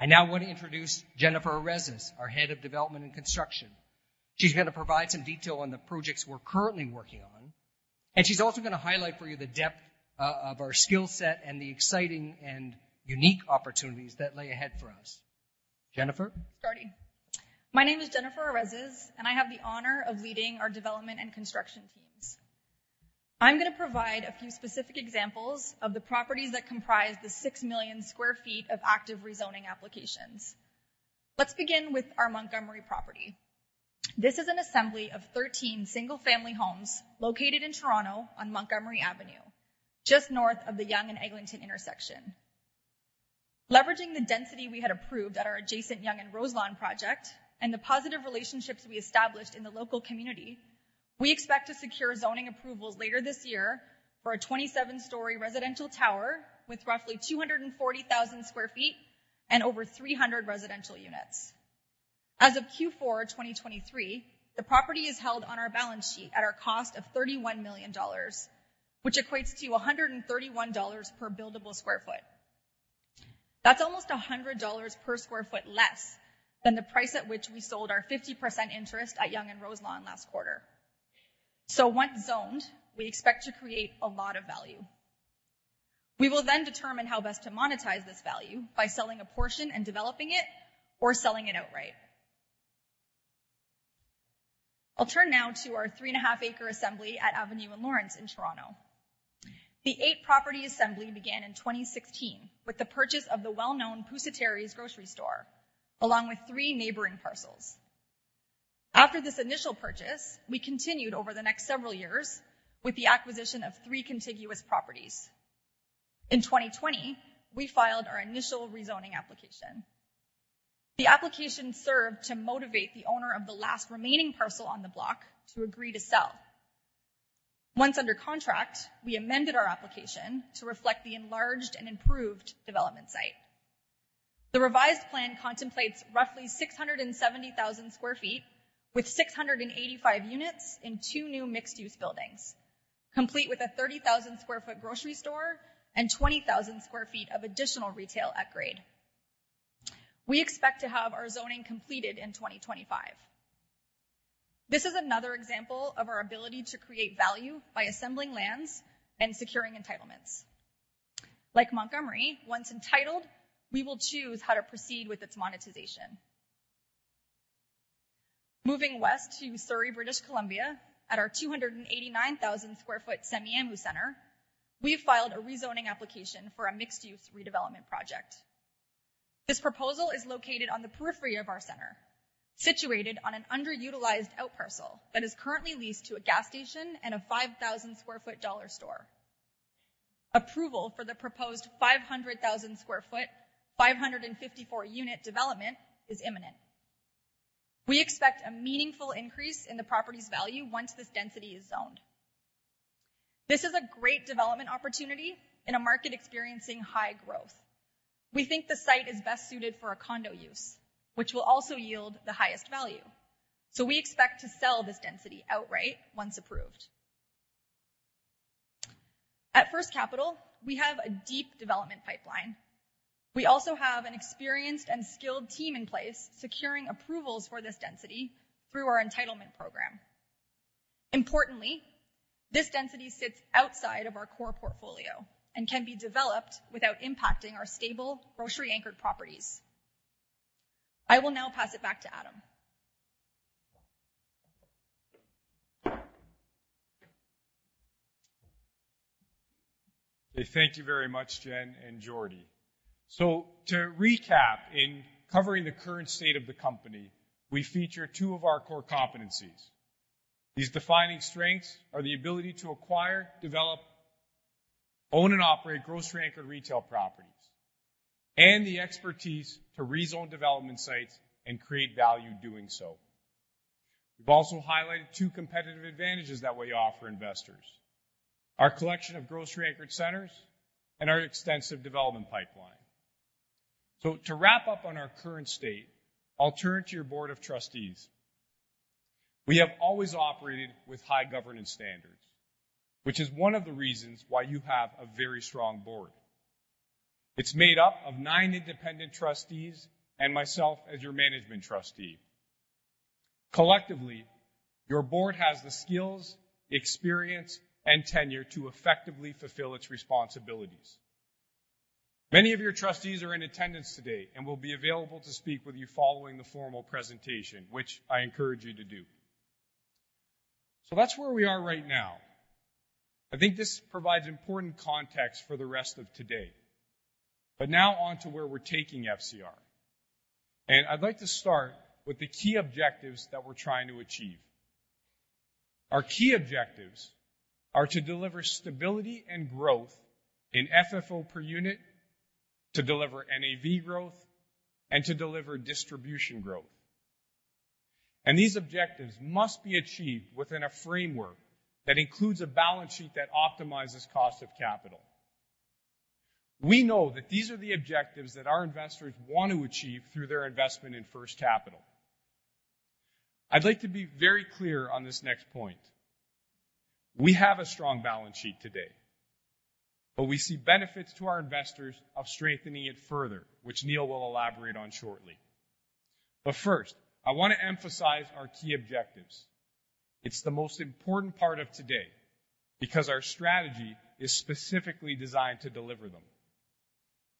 I now want to introduce Jennifer Arezes, our Head of Development and Construction. She's going to provide some detail on the projects we're currently working on. She's also going to highlight for you the depth of our skill set and the exciting and unique opportunities that lay ahead for us. Jennifer? Starting. My name is Jennifer Arezes, and I have the honor of leading our development and construction teams. I'm going to provide a few specific examples of the properties that comprise the 6 million sq ft of active rezoning applications. Let's begin with our Montgomery property. This is an assembly of 13 single-family homes located in Toronto on Montgomery Avenue, just north of the Yonge and Eglinton intersection. Leveraging the density we had approved at our adjacent Yonge and Roselaw project and the positive relationships we established in the local community, we expect to secure zoning approvals later this year for a 27-story residential tower with roughly 240,000 sq ft and over 300 residential units. As of Q4 2023, the property is held on our balance sheet at our cost of 31 million dollars, which equates to 131 dollars per buildable sq ft. That's almost 100 dollars per sq ft less than the price at which we sold our 50% interest at Yonge and Roselawn last quarter. So once zoned, we expect to create a lot of value. We will then determine how best to monetize this value by selling a portion and developing it or selling it outright. I'll turn now to our 3.5-acre assembly at Avenue and Lawrence in Toronto. The 8-property assembly began in 2016 with the purchase of the well-known Pusateri's grocery store, along with three neighboring parcels. After this initial purchase, we continued over the next several years with the acquisition of three contiguous properties. In 2020, we filed our initial rezoning application. The application served to motivate the owner of the last remaining parcel on the block to agree to sell. Once under contract, we amended our application to reflect the enlarged and improved development site. The revised plan contemplates roughly 670,000 sq ft with 685 units in two new mixed-use buildings, complete with a 30,000 sq ft grocery store and 20,000 sq ft of additional retail upgrade. We expect to have our zoning completed in 2025. This is another example of our ability to create value by assembling lands and securing entitlements. Like Montgomery, once entitled, we will choose how to proceed with its monetization. Moving west to Surrey, British Columbia, at our 289,000 sq ft Semiahmoo Centre, we've filed a rezoning application for a mixed-use redevelopment project. This proposal is located on the periphery of our center, situated on an underutilized out parcel that is currently leased to a gas station and a 5,000 sq ft store. Approval for the proposed 500,000 sq ft, 554-unit development is imminent. We expect a meaningful increase in the property's value once this density is zoned. This is a great development opportunity in a market experiencing high growth. We think the site is best suited for condo use, which will also yield the highest value. So we expect to sell this density outright once approved. At First Capital, we have a deep development pipeline. We also have an experienced and skilled team in place securing approvals for this density through our entitlement program. Importantly, this density sits outside of our core portfolio and can be developed without impacting our stable grocery-anchored properties. I will now pass it back to Adam. Thank you very much, Jen and Jordan. So to recap, in covering the current state of the company, we feature two of our core competencies. These defining strengths are the ability to acquire, develop, own and operate grocery-anchored retail properties, and the expertise to rezone development sites and create value doing so. We've also highlighted two competitive advantages that we offer investors: our collection of grocery-anchored centers and our extensive development pipeline. So to wrap up on our current state, I'll turn to your board of trustees. We have always operated with high governance standards, which is one of the reasons why you have a very strong board. It's made up of nine independent trustees and myself as your management trustee. Collectively, your board has the skills, experience, and tenure to effectively fulfill its responsibilities. Many of your trustees are in attendance today and will be available to speak with you following the formal presentation, which I encourage you to do. That's where we are right now. I think this provides important context for the rest of today. Now on to where we're taking FCR. I'd like to start with the key objectives that we're trying to achieve. Our key objectives are to deliver stability and growth in FFO per unit, to deliver NAV growth, and to deliver distribution growth. These objectives must be achieved within a framework that includes a balance sheet that optimizes cost of capital. We know that these are the objectives that our investors want to achieve through their investment in First Capital. I'd like to be very clear on this next point. We have a strong balance sheet today. But we see benefits to our investors of strengthening it further, which Neil will elaborate on shortly. But first, I want to emphasize our key objectives. It's the most important part of today because our strategy is specifically designed to deliver them: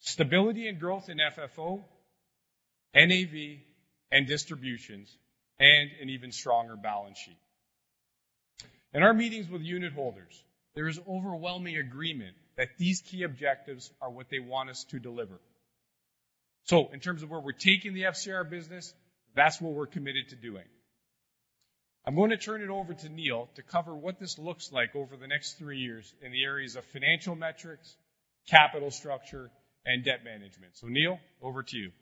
stability and growth in FFO, NAV and distributions, and an even stronger balance sheet. In our meetings with unit holders, there is overwhelming agreement that these key objectives are what they want us to deliver. So in terms of where we're taking the FCR business, that's what we're committed to doing. I'm going to turn it over to Neil to cover what this looks like over the next three years in the areas of financial metrics, capital structure, and debt management. So Neil, over to you.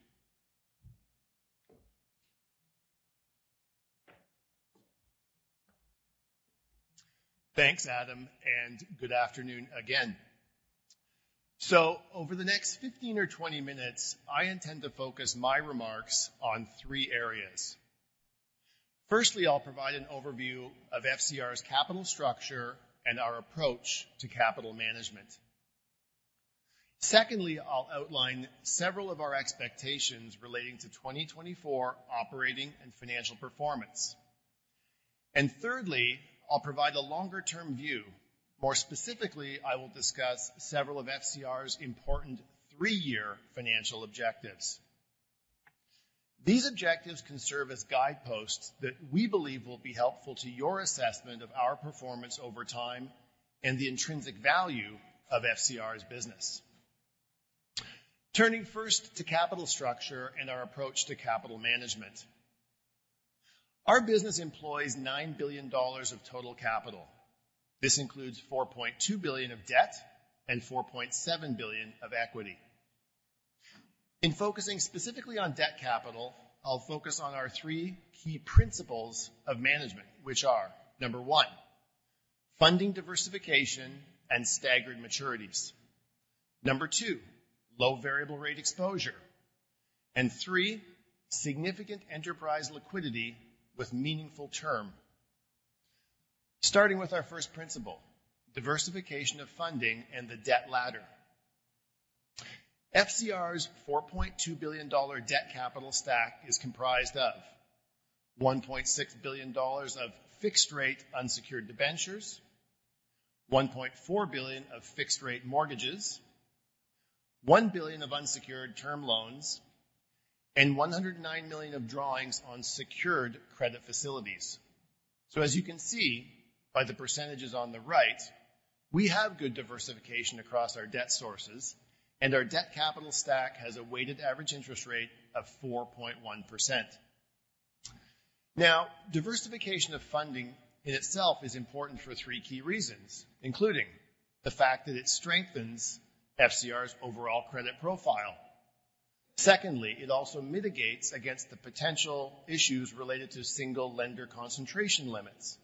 Thanks, Adam, and good afternoon again. So over the next 15 or 20 minutes, I intend to focus my remarks on three areas. Firstly, I'll provide an overview of FCR's capital structure and our approach to capital management. Secondly, I'll outline several of our expectations relating to 2024 operating and financial performance. And thirdly, I'll provide a longer-term view. More specifically, I will discuss several of FCR's important three-year financial objectives. These objectives can serve as guideposts that we believe will be helpful to your assessment of our performance over time and the intrinsic value of FCR's business. Turning first to capital structure and our approach to capital management. Our business employs 9 billion dollars of total capital. This includes 4.2 billion of debt and 4.7 billion of equity. In focusing specifically on debt capital, I'll focus on our three key principles of management, which are: number one, funding diversification and staggered maturities, number two, low variable rate exposure, and three, significant enterprise liquidity with meaningful term. Starting with our first principle, diversification of funding and the debt ladder. FCR's 4.2 billion dollar debt capital stack is comprised of: 1.6 billion dollars of fixed-rate unsecured debentures, 1.4 billion of fixed-rate mortgages, 1 billion of unsecured term loans, and 109 million of drawings on secured credit facilities. So as you can see by the percentages on the right, we have good diversification across our debt sources, and our debt capital stack has a weighted average interest rate of 4.1%. Now, diversification of funding in itself is important for three key reasons, including the fact that it strengthens FCR's overall credit profile. Secondly, it also mitigates against the potential issues related to single lender concentration limits.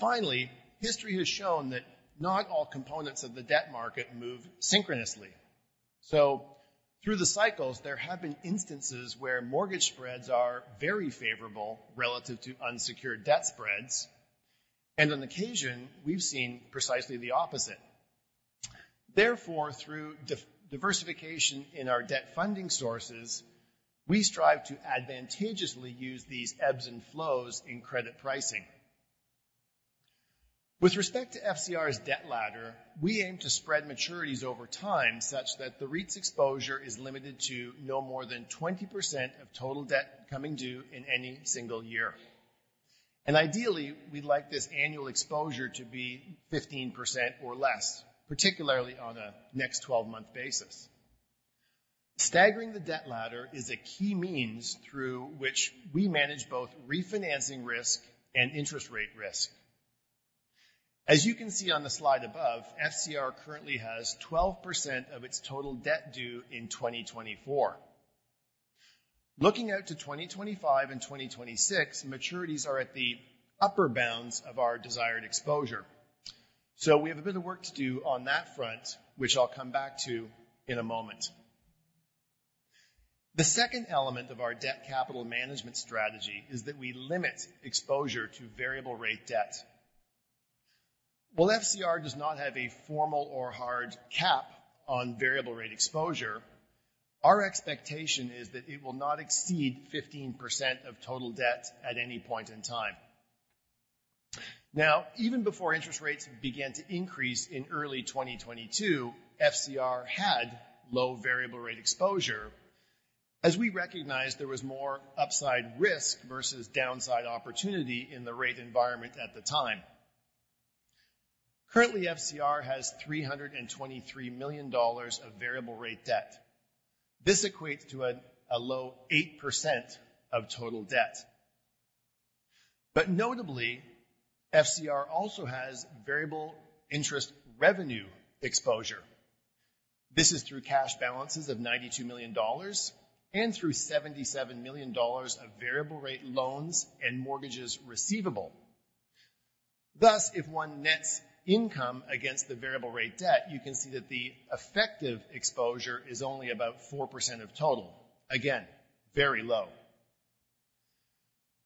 Finally, history has shown that not all components of the debt market move synchronously. Through the cycles, there have been instances where mortgage spreads are very favorable relative to unsecured debt spreads. On occasion, we've seen precisely the opposite. Therefore, through diversification in our debt funding sources, we strive to advantageously use these ebbs and flows in credit pricing. With respect to FCR's debt ladder, we aim to spread maturities over time such that the REITs' exposure is limited to no more than 20% of total debt coming due in any single year. Ideally, we'd like this annual exposure to be 15% or less, particularly on a next 12-month basis. Staggering the debt ladder is a key means through which we manage both refinancing risk and interest rate risk. As you can see on the slide above, FCR currently has 12% of its total debt due in 2024. Looking out to 2025 and 2026, maturities are at the upper bounds of our desired exposure. So we have a bit of work to do on that front, which I'll come back to in a moment. The second element of our debt capital management strategy is that we limit exposure to variable rate debt. While FCR does not have a formal or hard cap on variable rate exposure, our expectation is that it will not exceed 15% of total debt at any point in time. Now, even before interest rates began to increase in early 2022, FCR had low variable rate exposure as we recognized there was more upside risk versus downside opportunity in the rate environment at the time. Currently, FCR has 323 million dollars of variable rate debt. This equates to a low 8% of total debt. But notably, FCR also has variable interest revenue exposure. This is through cash balances of 92 million dollars and through 77 million dollars of variable rate loans and mortgages receivable. Thus, if one nets income against the variable rate debt, you can see that the effective exposure is only about 4% of total. Again, very low.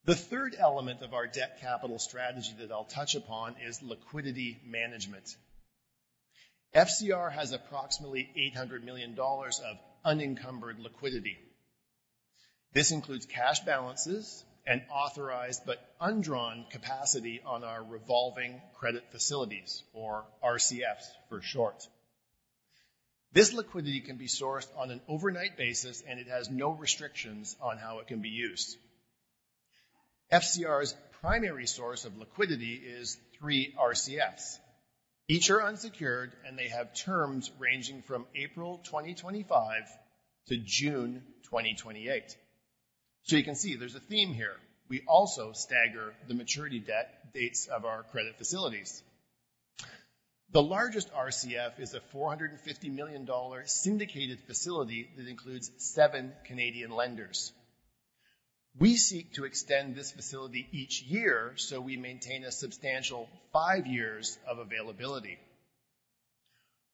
The third element of our debt capital strategy that I'll touch upon is liquidity management. FCR has approximately 800 million dollars of unencumbered liquidity. This includes cash balances and authorized but undrawn capacity on our revolving credit facilities, or RCFs for short. This liquidity can be sourced on an overnight basis, and it has no restrictions on how it can be used. FCR's primary source of liquidity is three RCFs. Each are unsecured, and they have terms ranging from April 2025 to June 2028. So you can see there's a theme here. We also stagger the maturity debt dates of our credit facilities. The largest RCF is a 450 million dollar syndicated facility that includes seven Canadian lenders. We seek to extend this facility each year so we maintain a substantial five years of availability.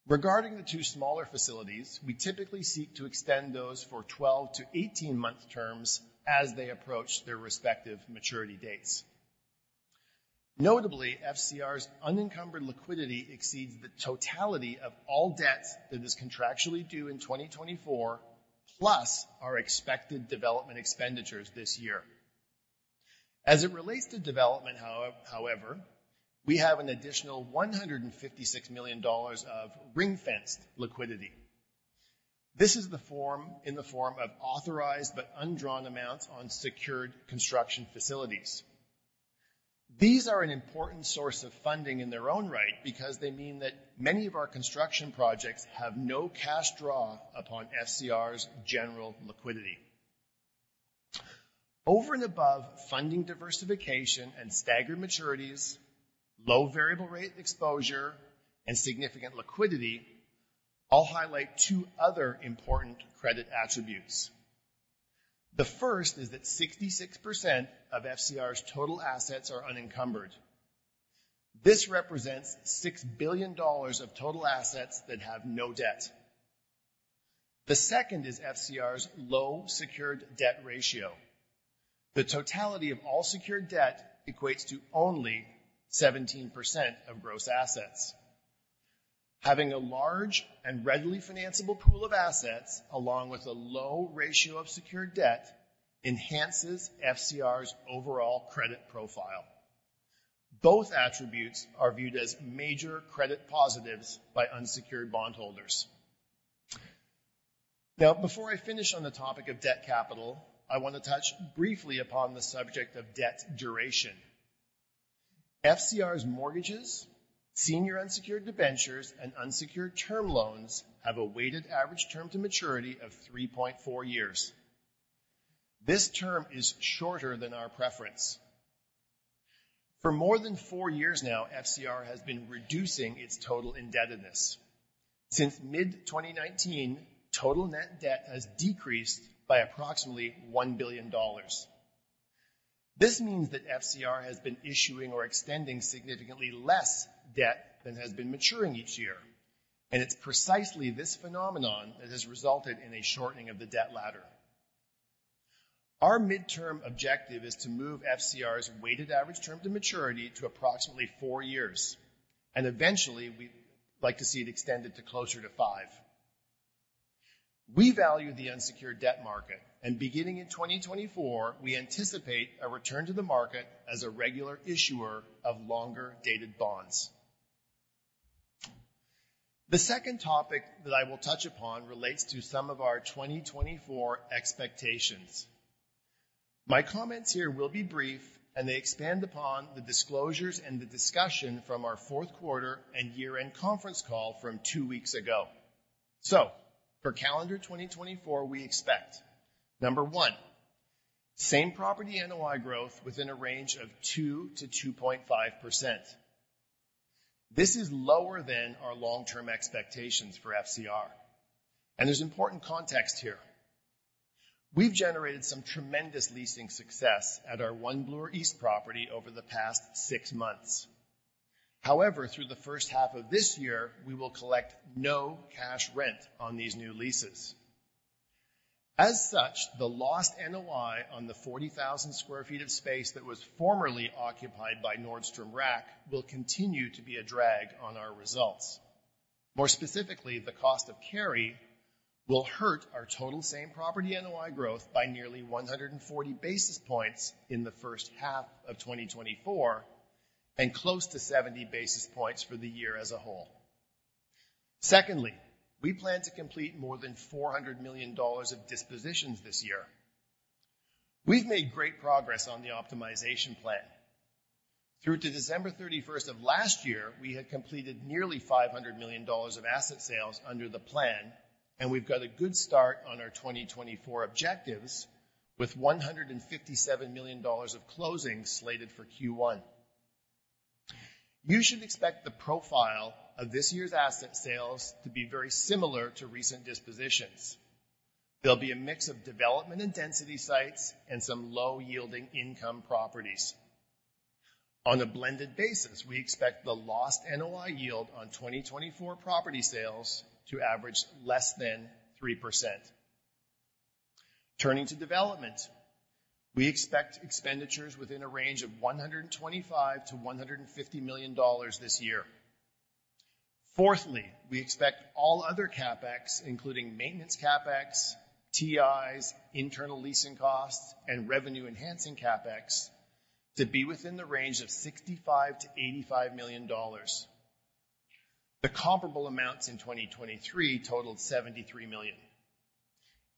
Regarding the two smaller facilities, we typically seek to extend those for 12-18-month terms as they approach their respective maturity dates. Notably, FCR's unencumbered liquidity exceeds the totality of all debts that is contractually due in 2024 plus our expected development expenditures this year. As it relates to development, however, we have an additional 156 million dollars of ring-fenced liquidity. This is in the form of authorized but undrawn amounts on secured construction facilities. These are an important source of funding in their own right because they mean that many of our construction projects have no cash draw upon FCR's general liquidity. Over and above funding diversification and staggered maturities, low variable rate exposure, and significant liquidity all highlight two other important credit attributes. The first is that 66% of FCR's total assets are unencumbered. This represents 6 billion dollars of total assets that have no debt. The second is FCR's low secured debt ratio. The totality of all secured debt equates to only 17% of gross assets. Having a large and readily financeable pool of assets along with a low ratio of secured debt enhances FCR's overall credit profile. Both attributes are viewed as major credit positives by unsecured bondholders. Now, before I finish on the topic of debt capital, I want to touch briefly upon the subject of debt duration. FCR's mortgages, senior unsecured debentures, and unsecured term loans have a weighted average term to maturity of 3.4 years. This term is shorter than our preference. For more than 4 years now, FCR has been reducing its total indebtedness. Since mid-2019, total net debt has decreased by approximately 1 billion dollars. This means that FCR has been issuing or extending significantly less debt than has been maturing each year. It's precisely this phenomenon that has resulted in a shortening of the debt ladder. Our midterm objective is to move FCR's weighted average term to maturity to approximately 4 years. Eventually, we'd like to see it extended to closer to 5. We value the unsecured debt market. Beginning in 2024, we anticipate a return to the market as a regular issuer of longer-dated bonds. The second topic that I will touch upon relates to some of our 2024 expectations. My comments here will be brief, and they expand upon the disclosures and the discussion from our fourth quarter and year-end conference call from two weeks ago. So for calendar 2024, we expect: number one, same property NOI growth within a range of 2%-2.5%. This is lower than our long-term expectations for FCR. And there's important context here. We've generated some tremendous leasing success at our One Bloor East property over the past six months. However, through the first half of this year, we will collect no cash rent on these new leases. As such, the lost NOI on the 40,000 sq ft of space that was formerly occupied by Nordstrom Rack will continue to be a drag on our results. More specifically, the cost of carry will hurt our total same property NOI growth by nearly 140 basis points in the first half of 2024 and close to 70 basis points for the year as a whole. Secondly, we plan to complete more than 400 million dollars of dispositions this year. We've made great progress on the optimization plan. Through to December 31st of last year, we had completed nearly 500 million dollars of asset sales under the plan. We've got a good start on our 2024 objectives with 157 million dollars of closings slated for Q1. You should expect the profile of this year's asset sales to be very similar to recent dispositions. There'll be a mix of development and density sites and some low-yielding income properties. On a blended basis, we expect the lost NOI yield on 2024 property sales to average less than 3%. Turning to development, we expect expenditures within a range of 125 million-150 million dollars this year. Fourthly, we expect all other CapEx, including maintenance CapEx, TIs, internal leasing costs, and revenue-enhancing CapEx, to be within the range of 65 million-85 million dollars. The comparable amounts in 2023 totaled 73 million.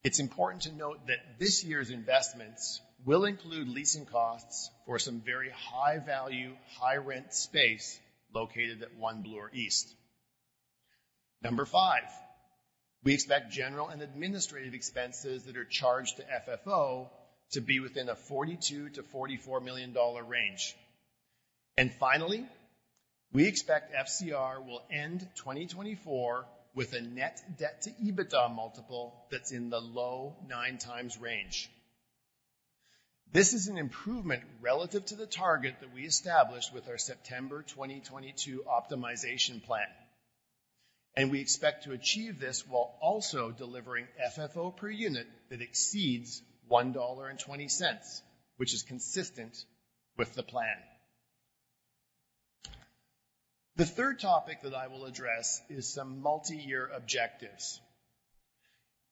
It's important to note that this year's investments will include leasing costs for some very high-value, high-rent space located at One Bloor East. Number five, we expect general and administrative expenses that are charged to FFO to be within a 42 million-44 million dollar range. And finally, we expect FCR will end 2024 with a net debt-to-EBITDA multiple that's in the low 9 times range. This is an improvement relative to the target that we established with our September 2022 optimization plan. And we expect to achieve this while also delivering FFO per unit that exceeds 1.20 dollar, which is consistent with the plan. The third topic that I will address is some multi-year objectives.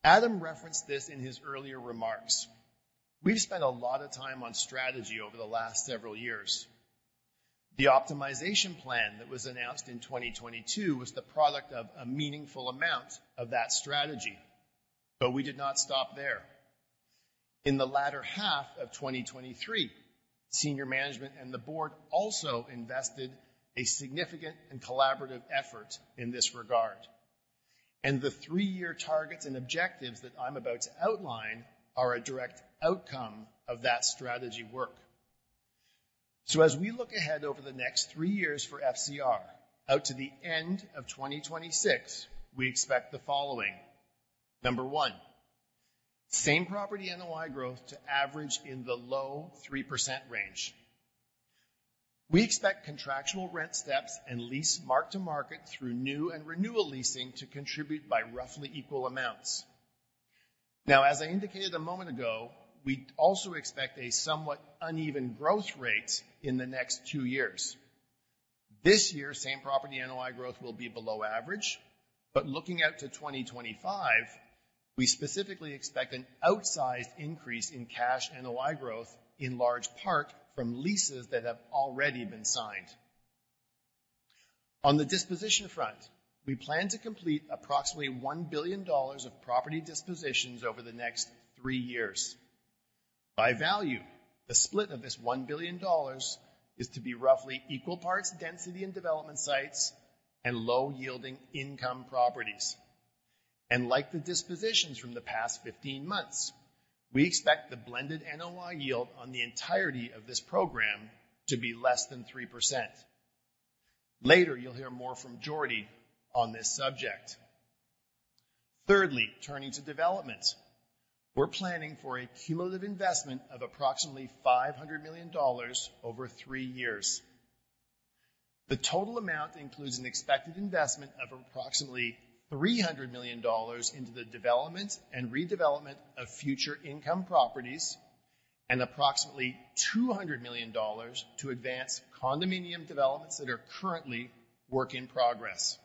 Adam referenced this in his earlier remarks. We've spent a lot of time on strategy over the last several years. The optimization plan that was announced in 2022 was the product of a meaningful amount of that strategy. But we did not stop there. In the latter half of 2023, senior management and the board also invested a significant and collaborative effort in this regard. And the three-year targets and objectives that I'm about to outline are a direct outcome of that strategy work. So as we look ahead over the next three years for FCR, out to the end of 2026, we expect the following: number one, same property NOI growth to average in the low 3% range. We expect contractual rent steps and lease mark-to-market through new and renewal leasing to contribute by roughly equal amounts. Now, as I indicated a moment ago, we also expect a somewhat uneven growth rate in the next two years. This year, same property NOI growth will be below average. But looking out to 2025, we specifically expect an outsized increase in cash NOI growth, in large part from leases that have already been signed. On the disposition front, we plan to complete approximately 1 billion dollars of property dispositions over the next three years. By value, the split of this 1 billion dollars is to be roughly equal parts density and development sites and low-yielding income properties. Like the dispositions from the past 15 months, we expect the blended NOI yield on the entirety of this program to be less than 3%. Later, you'll hear more from Jordy on this subject. Thirdly, turning to development, we're planning for a cumulative investment of approximately 500 million dollars over three years. The total amount includes an expected investment of approximately 300 million dollars into the development and redevelopment of future income properties and approximately 200 million dollars to advance condominium developments that are currently work in progress.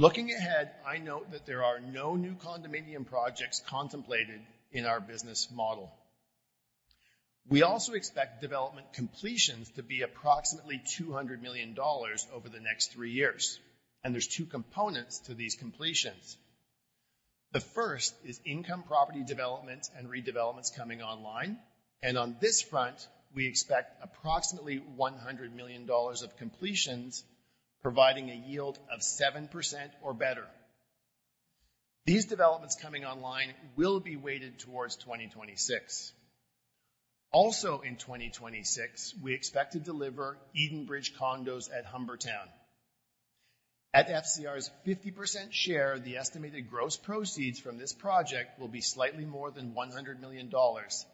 Looking ahead, I note that there are no new condominium projects contemplated in our business model. We also expect development completions to be approximately 200 million dollars over the next three years. And there's two components to these completions. The first is income property developments and redevelopments coming online. On this front, we expect approximately 100 million dollars of completions providing a yield of 7% or better. These developments coming online will be weighted towards 2026. Also in 2026, we expect to deliver Edenbridge Condos at Humbertown. At FCR's 50% share, the estimated gross proceeds from this project will be slightly more than 100 million dollars.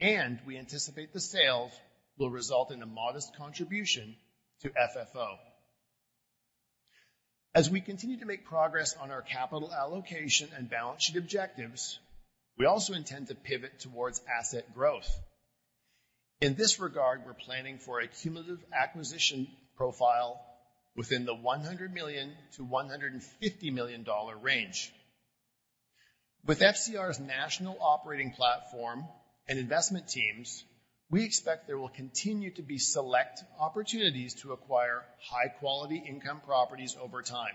We anticipate the sales will result in a modest contribution to FFO. As we continue to make progress on our capital allocation and balance sheet objectives, we also intend to pivot towards asset growth. In this regard, we're planning for a cumulative acquisition profile within the 100 million-150 million dollar range. With FCR's national operating platform and investment teams, we expect there will continue to be select opportunities to acquire high-quality income properties over time.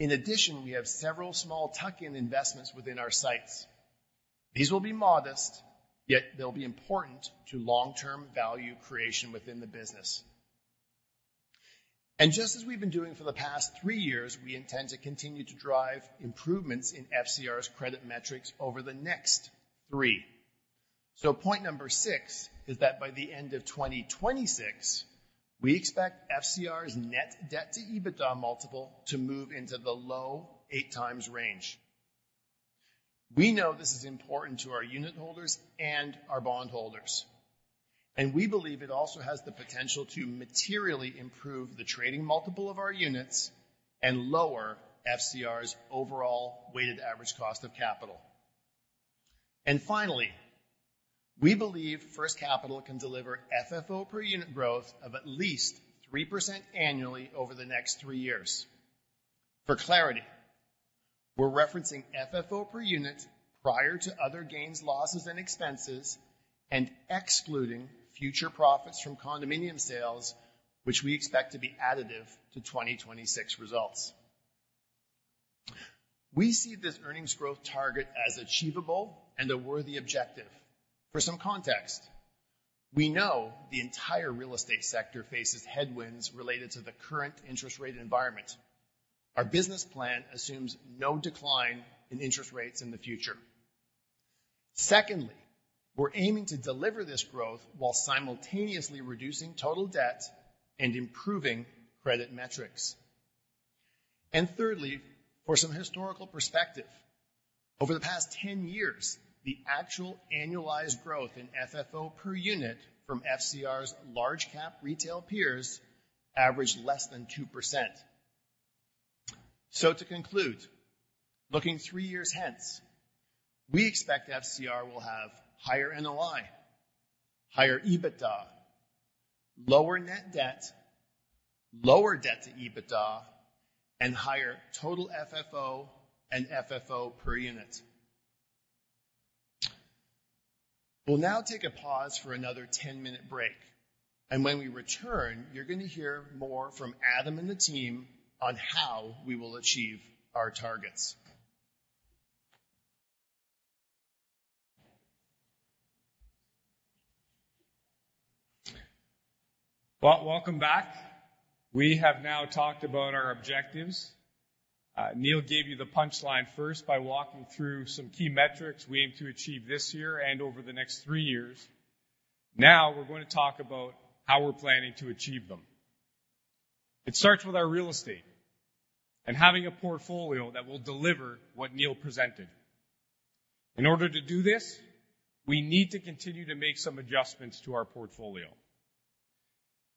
In addition, we have several small tuck-in investments within our sites. These will be modest, yet they'll be important to long-term value creation within the business. Just as we've been doing for the past three years, we intend to continue to drive improvements in FCR's credit metrics over the next three. Point number six is that by the end of 2026, we expect FCR's net debt-to-EBITDA multiple to move into the low 8x range. We know this is important to our unit holders and our bondholders. We believe it also has the potential to materially improve the trading multiple of our units and lower FCR's overall weighted average cost of capital. Finally, we believe First Capital can deliver FFO per unit growth of at least 3% annually over the next three years. For clarity, we're referencing FFO per unit prior to other gains, losses, and expenses and excluding future profits from condominium sales, which we expect to be additive to 2026 results. We see this earnings growth target as achievable and a worthy objective. For some context, we know the entire real estate sector faces headwinds related to the current interest rate environment. Our business plan assumes no decline in interest rates in the future. Secondly, we're aiming to deliver this growth while simultaneously reducing total debt and improving credit metrics. And thirdly, for some historical perspective, over the past 10 years, the actual annualized growth in FFO per unit from FCR's large-cap retail peers averaged less than 2%. So to conclude, looking three years hence, we expect FCR will have higher NOI, higher EBITDA, lower net debt, lower debt-to-EBITDA, and higher total FFO and FFO per unit. We'll now take a pause for another 10-minute break. When we return, you're going to hear more from Adam and the team on how we will achieve our targets. Well, welcome back. We have now talked about our objectives. Neil gave you the punchline first by walking through some key metrics we aim to achieve this year and over the next three years. Now, we're going to talk about how we're planning to achieve them. It starts with our real estate and having a portfolio that will deliver what Neil presented. In order to do this, we need to continue to make some adjustments to our portfolio.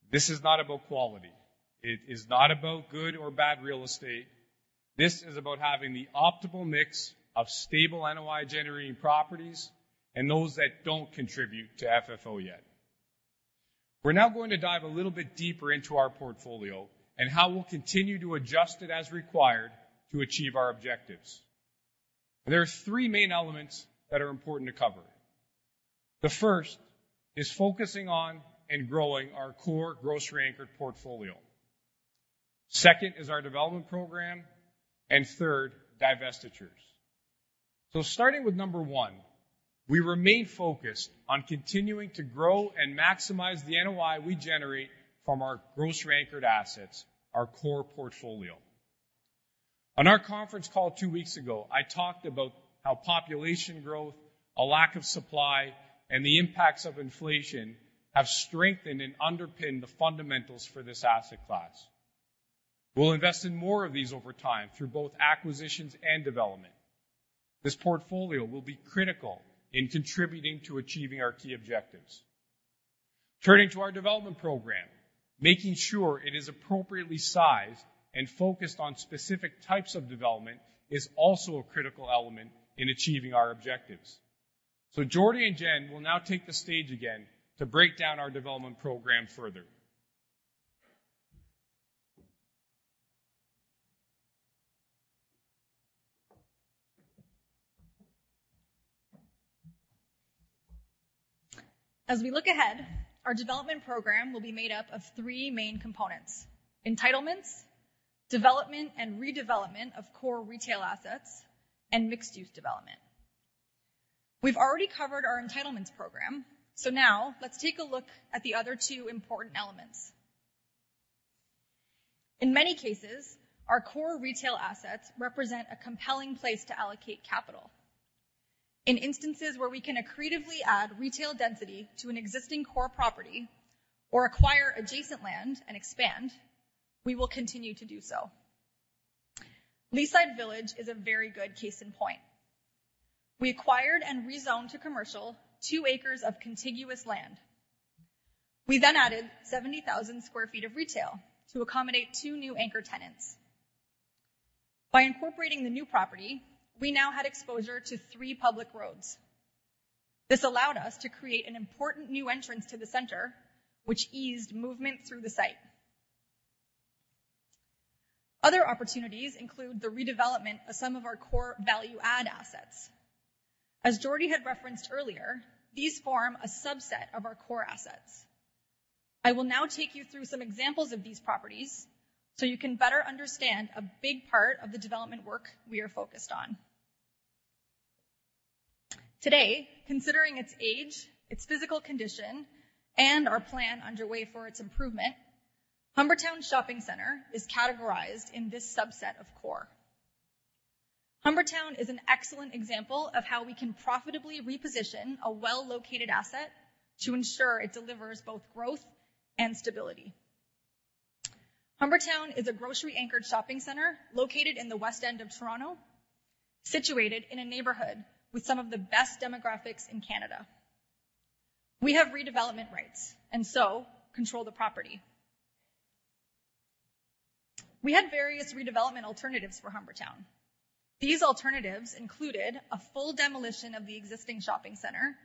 This is not about quality. It is not about good or bad real estate. This is about having the optimal mix of stable NOI-generating properties and those that don't contribute to FFO yet. We're now going to dive a little bit deeper into our portfolio and how we'll continue to adjust it as required to achieve our objectives. There are three main elements that are important to cover. The first is focusing on and growing our core grocery-anchored portfolio. Second is our development program. And third, divestitures. So starting with number one, we remain focused on continuing to grow and maximize the NOI we generate from our grocery-anchored assets, our core portfolio. On our conference call two weeks ago, I talked about how population growth, a lack of supply, and the impacts of inflation have strengthened and underpinned the fundamentals for this asset class. We'll invest in more of these over time through both acquisitions and development. This portfolio will be critical in contributing to achieving our key objectives. Turning to our development program, making sure it is appropriately sized and focused on specific types of development is also a critical element in achieving our objectives. So Jordy and Jen will now take the stage again to break down our development program further. As we look ahead, our development program will be made up of three main components: entitlements, development and redevelopment of core retail assets, and mixed-use development. We've already covered our entitlements program. So now, let's take a look at the other two important elements. In many cases, our core retail assets represent a compelling place to allocate capital. In instances where we can accretively add retail density to an existing core property or acquire adjacent land and expand, we will continue to do so. Leaside Village is a very good case in point. We acquired and rezoned to commercial two acres of contiguous land. We then added 70,000 sq ft of retail to accommodate two new anchor tenants. By incorporating the new property, we now had exposure to three public roads. This allowed us to create an important new entrance to the center, which eased movement through the site. Other opportunities include the redevelopment of some of our core value-add assets. As Jordy had referenced earlier, these form a subset of our core assets. I will now take you through some examples of these properties so you can better understand a big part of the development work we are focused on. Today, considering its age, its physical condition, and our plan underway for its improvement, Humbertown Shopping Centre is categorized in this subset of core. Humbertown is an excellent example of how we can profitably reposition a well-located asset to ensure it delivers both growth and stability. Humbertown is a grocery-anchored shopping centre located in the west end of Toronto, situated in a neighborhood with some of the best demographics in Canada. We have redevelopment rights and so control the property. We had various redevelopment alternatives for Humbertown. These alternatives included a full demolition of the existing shopping center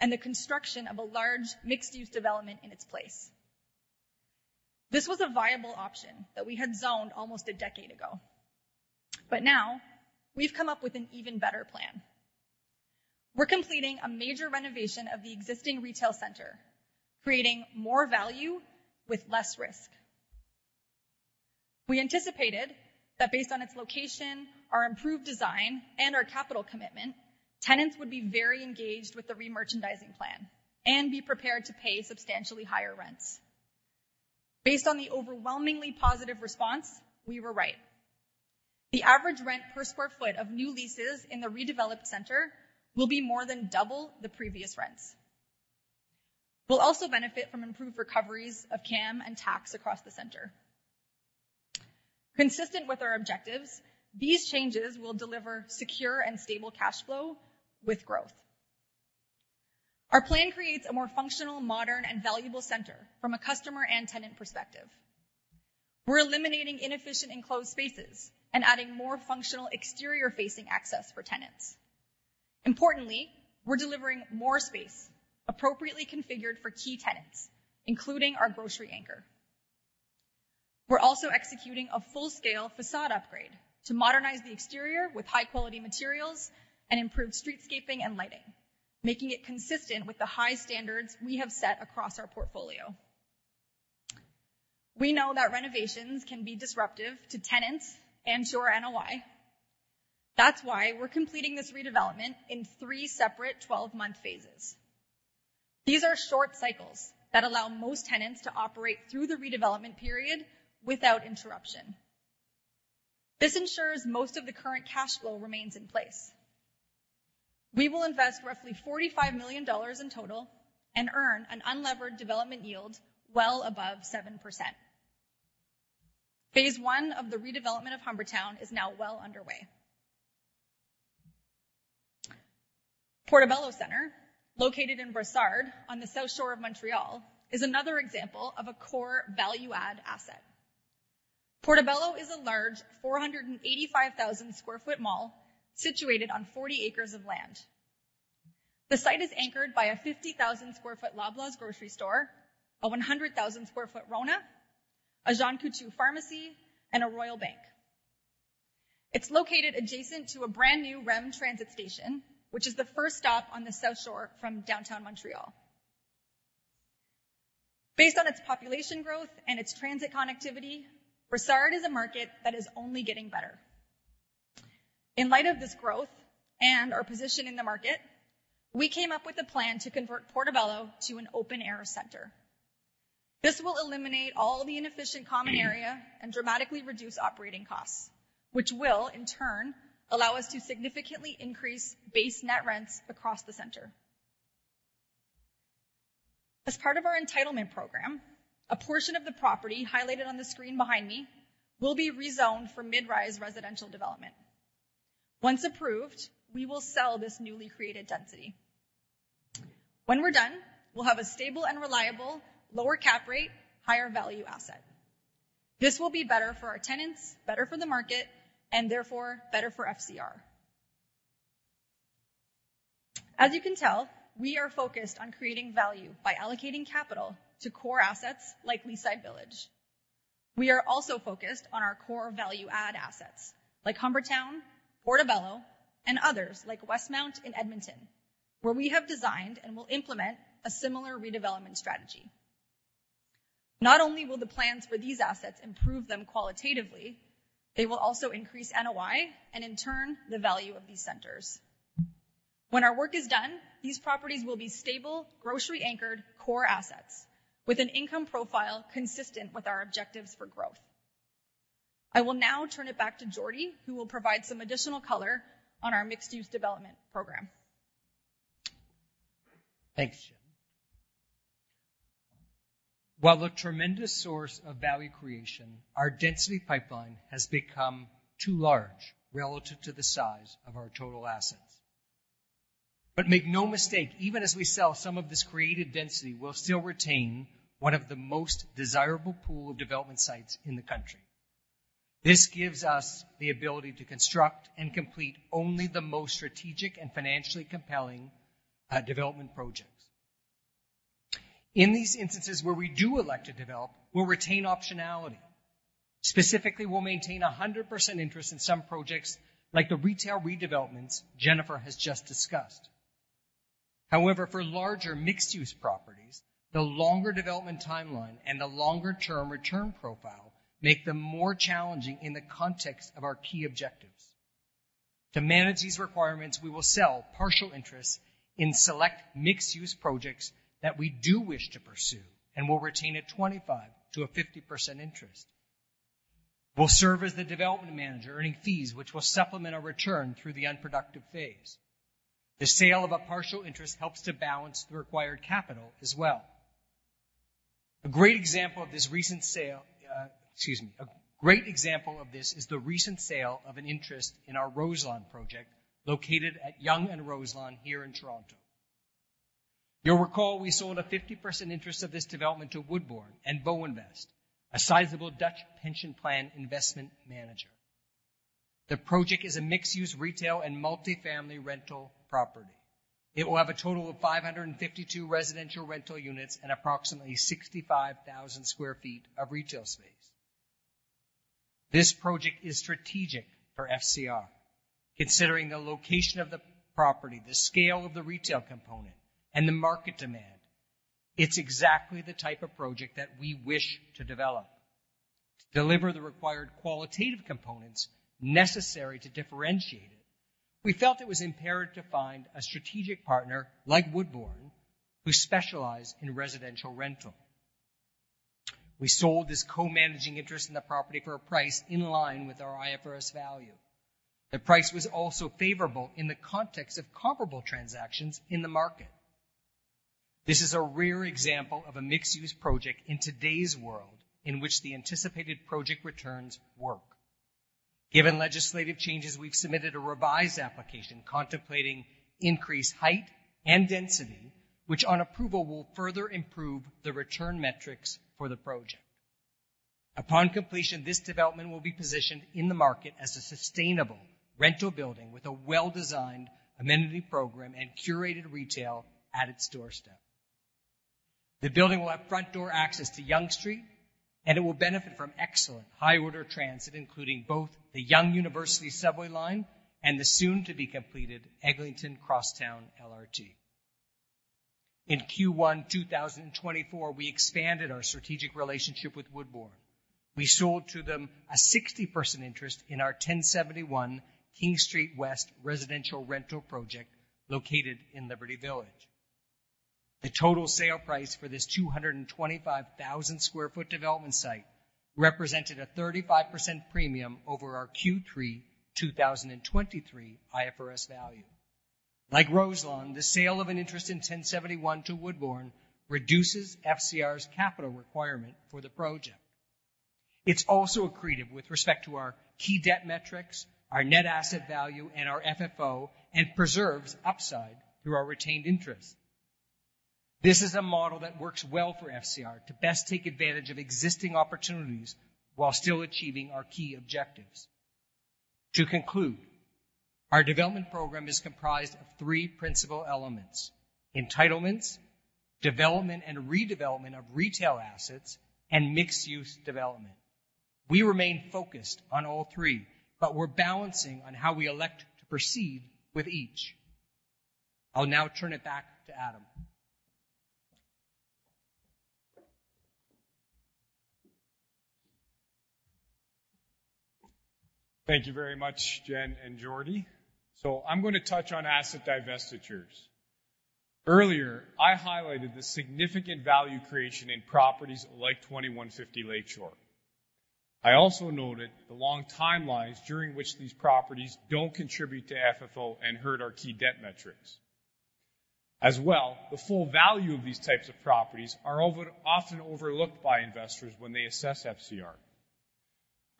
and the construction of a large mixed-use development in its place. This was a viable option that we had zoned almost a decade ago. But now, we've come up with an even better plan. We're completing a major renovation of the existing retail center, creating more value with less risk. We anticipated that based on its location, our improved design, and our capital commitment, tenants would be very engaged with the remerchandising plan and be prepared to pay substantially higher rents. Based on the overwhelmingly positive response, we were right. The average rent per square foot of new leases in the redeveloped center will be more than double the previous rents. We'll also benefit from improved recoveries of CAM and tax across the center. Consistent with our objectives, these changes will deliver secure and stable cash flow with growth. Our plan creates a more functional, modern, and valuable center from a customer and tenant perspective. We're eliminating inefficient enclosed spaces and adding more functional exterior-facing access for tenants. Importantly, we're delivering more space appropriately configured for key tenants, including our grocery anchor. We're also executing a full-scale façade upgrade to modernize the exterior with high-quality materials and improved streetscaping and lighting, making it consistent with the high standards we have set across our portfolio. We know that renovations can be disruptive to tenants and to our NOI. That's why we're completing this redevelopment in three separate 12-month phases. These are short cycles that allow most tenants to operate through the redevelopment period without interruption. This ensures most of the current cash flow remains in place. We will invest roughly 45 million dollars in total and earn an unlevered development yield well above 7%. Phase one of the redevelopment of Humbertown is now well underway. Portobello Centre, located in Brossard on the south shore of Montreal, is another example of a core value-add asset. Portobello is a large 485,000 sq ft mall situated on 40 acres of land. The site is anchored by a 50,000 sq ft Loblaws grocery store, a 100,000 sq ft Rona, a Jean Coutu pharmacy, and a Royal Bank. It's located adjacent to a brand new REM transit station, which is the first stop on the south shore from downtown Montreal. Based on its population growth and its transit connectivity, Brossard is a market that is only getting better. In light of this growth and our position in the market, we came up with a plan to convert Portobello to an open-air center. This will eliminate all the inefficient common area and dramatically reduce operating costs, which will, in turn, allow us to significantly increase base net rents across the center. As part of our entitlement program, a portion of the property highlighted on the screen behind me will be rezoned for mid-rise residential development. Once approved, we will sell this newly created density. When we're done, we'll have a stable and reliable, lower cap rate, higher value asset. This will be better for our tenants, better for the market, and therefore better for FCR. As you can tell, we are focused on creating value by allocating capital to core assets like Leaside Village. We are also focused on our core value-add assets like Humbertown, Portobello, and others like Westmount in Edmonton, where we have designed and will implement a similar redevelopment strategy. Not only will the plans for these assets improve them qualitatively, they will also increase NOI and, in turn, the value of these centers. When our work is done, these properties will be stable, grocery-anchored core assets with an income profile consistent with our objectives for growth. I will now turn it back to Jordy, who will provide some additional color on our mixed-use development program. Thanks, Jen. While a tremendous source of value creation, our density pipeline has become too large relative to the size of our total assets. But make no mistake, even as we sell some of this created density, we'll still retain one of the most desirable pools of development sites in the country. This gives us the ability to construct and complete only the most strategic and financially compelling development projects. In these instances where we do elect to develop, we'll retain optionality. Specifically, we'll maintain 100% interest in some projects like the retail redevelopments Jennifer has just discussed. However, for larger mixed-use properties, the longer development timeline and the longer-term return profile make them more challenging in the context of our key objectives. To manage these requirements, we will sell partial interest in select mixed-use projects that we do wish to pursue and will retain a 25%-50% interest. We'll serve as the development manager, earning fees which will supplement our return through the unproductive phase. The sale of a partial interest helps to balance the required capital as well. A great example of this recent sale, excuse me, a great example of this is the recent sale of an interest in our Roselindale project located at Yonge and Roselindale here in Toronto. You'll recall we sold a 50% interest of this development to Woodbourne and Bouwinvest, a sizable Dutch pension plan investment manager. The project is a mixed-use retail and multifamily rental property. It will have a total of 552 residential rental units and approximately 65,000 sq ft of retail space. This project is strategic for FCR. Considering the location of the property, the scale of the retail component, and the market demand, it's exactly the type of project that we wish to develop. To deliver the required qualitative components necessary to differentiate it, we felt it was imperative to find a strategic partner like Woodbourne who specialized in residential rental. We sold this co-managing interest in the property for a price in line with our IFRS value. The price was also favorable in the context of comparable transactions in the market. This is a rare example of a mixed-use project in today's world in which the anticipated project returns work. Given legislative changes, we've submitted a revised application contemplating increased height and density, which on approval will further improve the return metrics for the project. Upon completion, this development will be positioned in the market as a sustainable rental building with a well-designed amenity program and curated retail at its doorstep. The building will have front door access to Yonge Street, and it will benefit from excellent high-order transit, including both the Yonge-University subway line and the soon-to-be-completed Eglinton Crosstown LRT. In Q1 2024, we expanded our strategic relationship with Woodbourne. We sold to them a 60% interest in our 1071 King Street West residential rental project located in Liberty Village. The total sale price for this 225,000 sq ft development site represented a 35% premium over our Q3 2023 IFRS value. Like Roselindale, the sale of an interest in 1071 to Woodbourne reduces FCR's capital requirement for the project. It's also accretive with respect to our key debt metrics, our net asset value, and our FFO, and preserves upside through our retained interest. This is a model that works well for FCR to best take advantage of existing opportunities while still achieving our key objectives. To conclude, our development program is comprised of three principal elements: entitlements, development and redevelopment of retail assets, and mixed-use development. We remain focused on all three, but we're balancing on how we elect to proceed with each. I'll now turn it back to Adam. Thank you very much, Jen and Jordy. So I'm going to touch on asset divestitures. Earlier, I highlighted the significant value creation in properties like 2150 Lake Shore. I also noted the long timelines during which these properties don't contribute to FFO and hurt our key debt metrics. As well, the full value of these types of properties is often overlooked by investors when they assess FCR.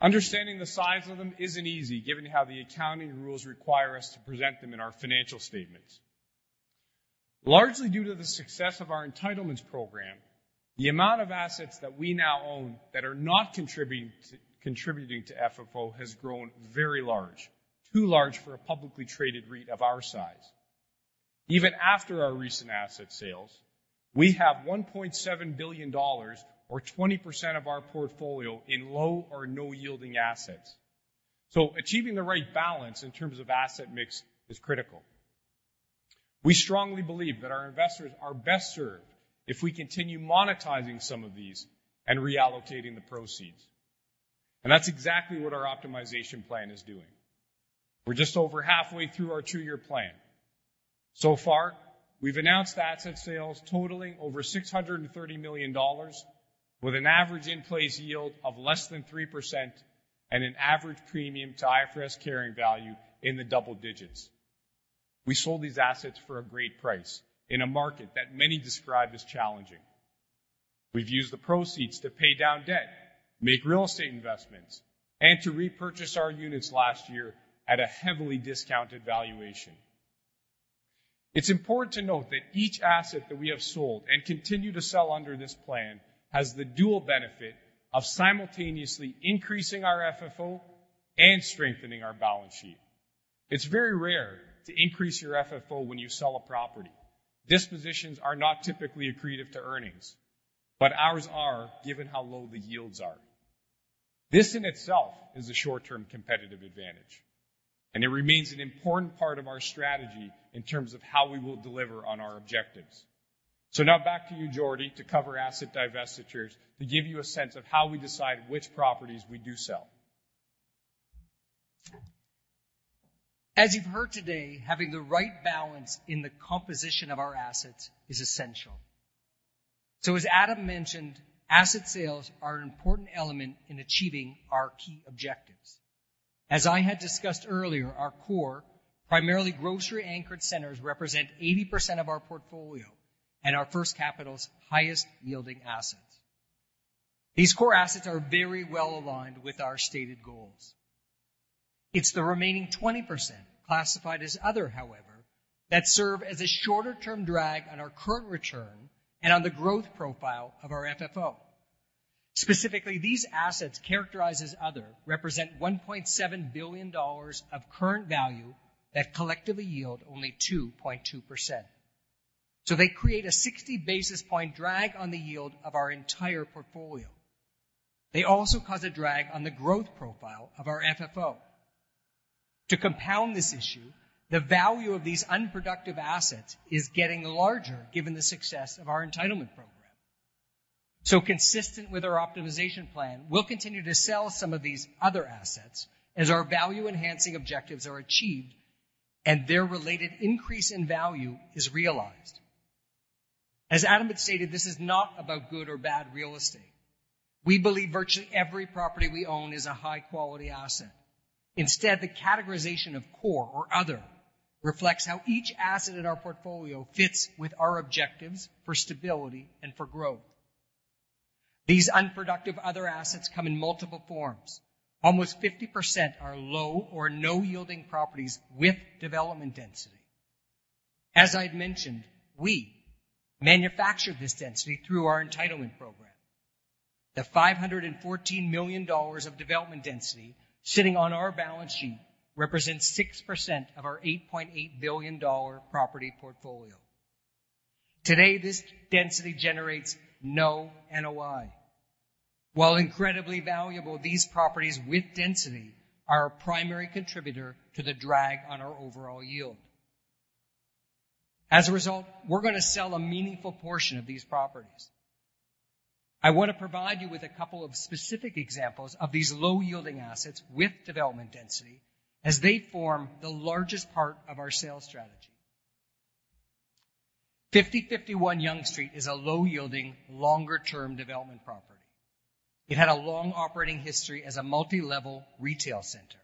Understanding the size of them isn't easy, given how the accounting rules require us to present them in our financial statements. Largely due to the success of our entitlements program, the amount of assets that we now own that are not contributing to FFO has grown very large, too large for a publicly traded REIT of our size. Even after our recent asset sales, we have 1.7 billion dollars, or 20% of our portfolio, in low or no-yielding assets. Achieving the right balance in terms of asset mix is critical. We strongly believe that our investors are best served if we continue monetizing some of these and reallocating the proceeds. That's exactly what our optimization plan is doing. We're just over halfway through our two-year plan. So far, we've announced asset sales totaling over 630 million dollars, with an average in-place yield of less than 3% and an average premium to IFRS carrying value in the double digits. We sold these assets for a great price in a market that many describe as challenging. We've used the proceeds to pay down debt, make real estate investments, and to repurchase our units last year at a heavily discounted valuation. It's important to note that each asset that we have sold and continue to sell under this plan has the dual benefit of simultaneously increasing our FFO and strengthening our balance sheet. It's very rare to increase your FFO when you sell a property. Dispositions are not typically accretive to earnings, but ours are, given how low the yields are. This in itself is a short-term competitive advantage, and it remains an important part of our strategy in terms of how we will deliver on our objectives. Now back to you, Jordy, to cover asset divestitures, to give you a sense of how we decide which properties we do sell. As you've heard today, having the right balance in the composition of our assets is essential. So, as Adam mentioned, asset sales are an important element in achieving our key objectives. As I had discussed earlier, our core, primarily grocery-anchored centers, represent 80% of our portfolio and our First Capital's highest-yielding assets. These core assets are very well aligned with our stated goals. It's the remaining 20%, classified as other, however, that serve as a shorter-term drag on our current return and on the growth profile of our FFO. Specifically, these assets characterized as other represent 1.7 billion dollars of current value that collectively yield only 2.2%. So they create a 60 basis point drag on the yield of our entire portfolio. They also cause a drag on the growth profile of our FFO. To compound this issue, the value of these unproductive assets is getting larger, given the success of our entitlement program. So, consistent with our optimization plan, we'll continue to sell some of these other assets as our value-enhancing objectives are achieved and their related increase in value is realized. As Adam had stated, this is not about good or bad real estate. We believe virtually every property we own is a high-quality asset. Instead, the categorization of core or other reflects how each asset in our portfolio fits with our objectives for stability and for growth. These unproductive other assets come in multiple forms. Almost 50% are low or no-yielding properties with development density. As I had mentioned, we manufactured this density through our entitlement program. The 514 million dollars of development density sitting on our balance sheet represents 6% of our 8.8 billion dollar property portfolio. Today, this density generates no NOI. While incredibly valuable, these properties with density are our primary contributor to the drag on our overall yield. As a result, we're going to sell a meaningful portion of these properties. I want to provide you with a couple of specific examples of these low-yielding assets with development density as they form the largest part of our sales strategy. 5051 Yonge Street is a low-yielding, longer-term development property. It had a long operating history as a multi-level retail center.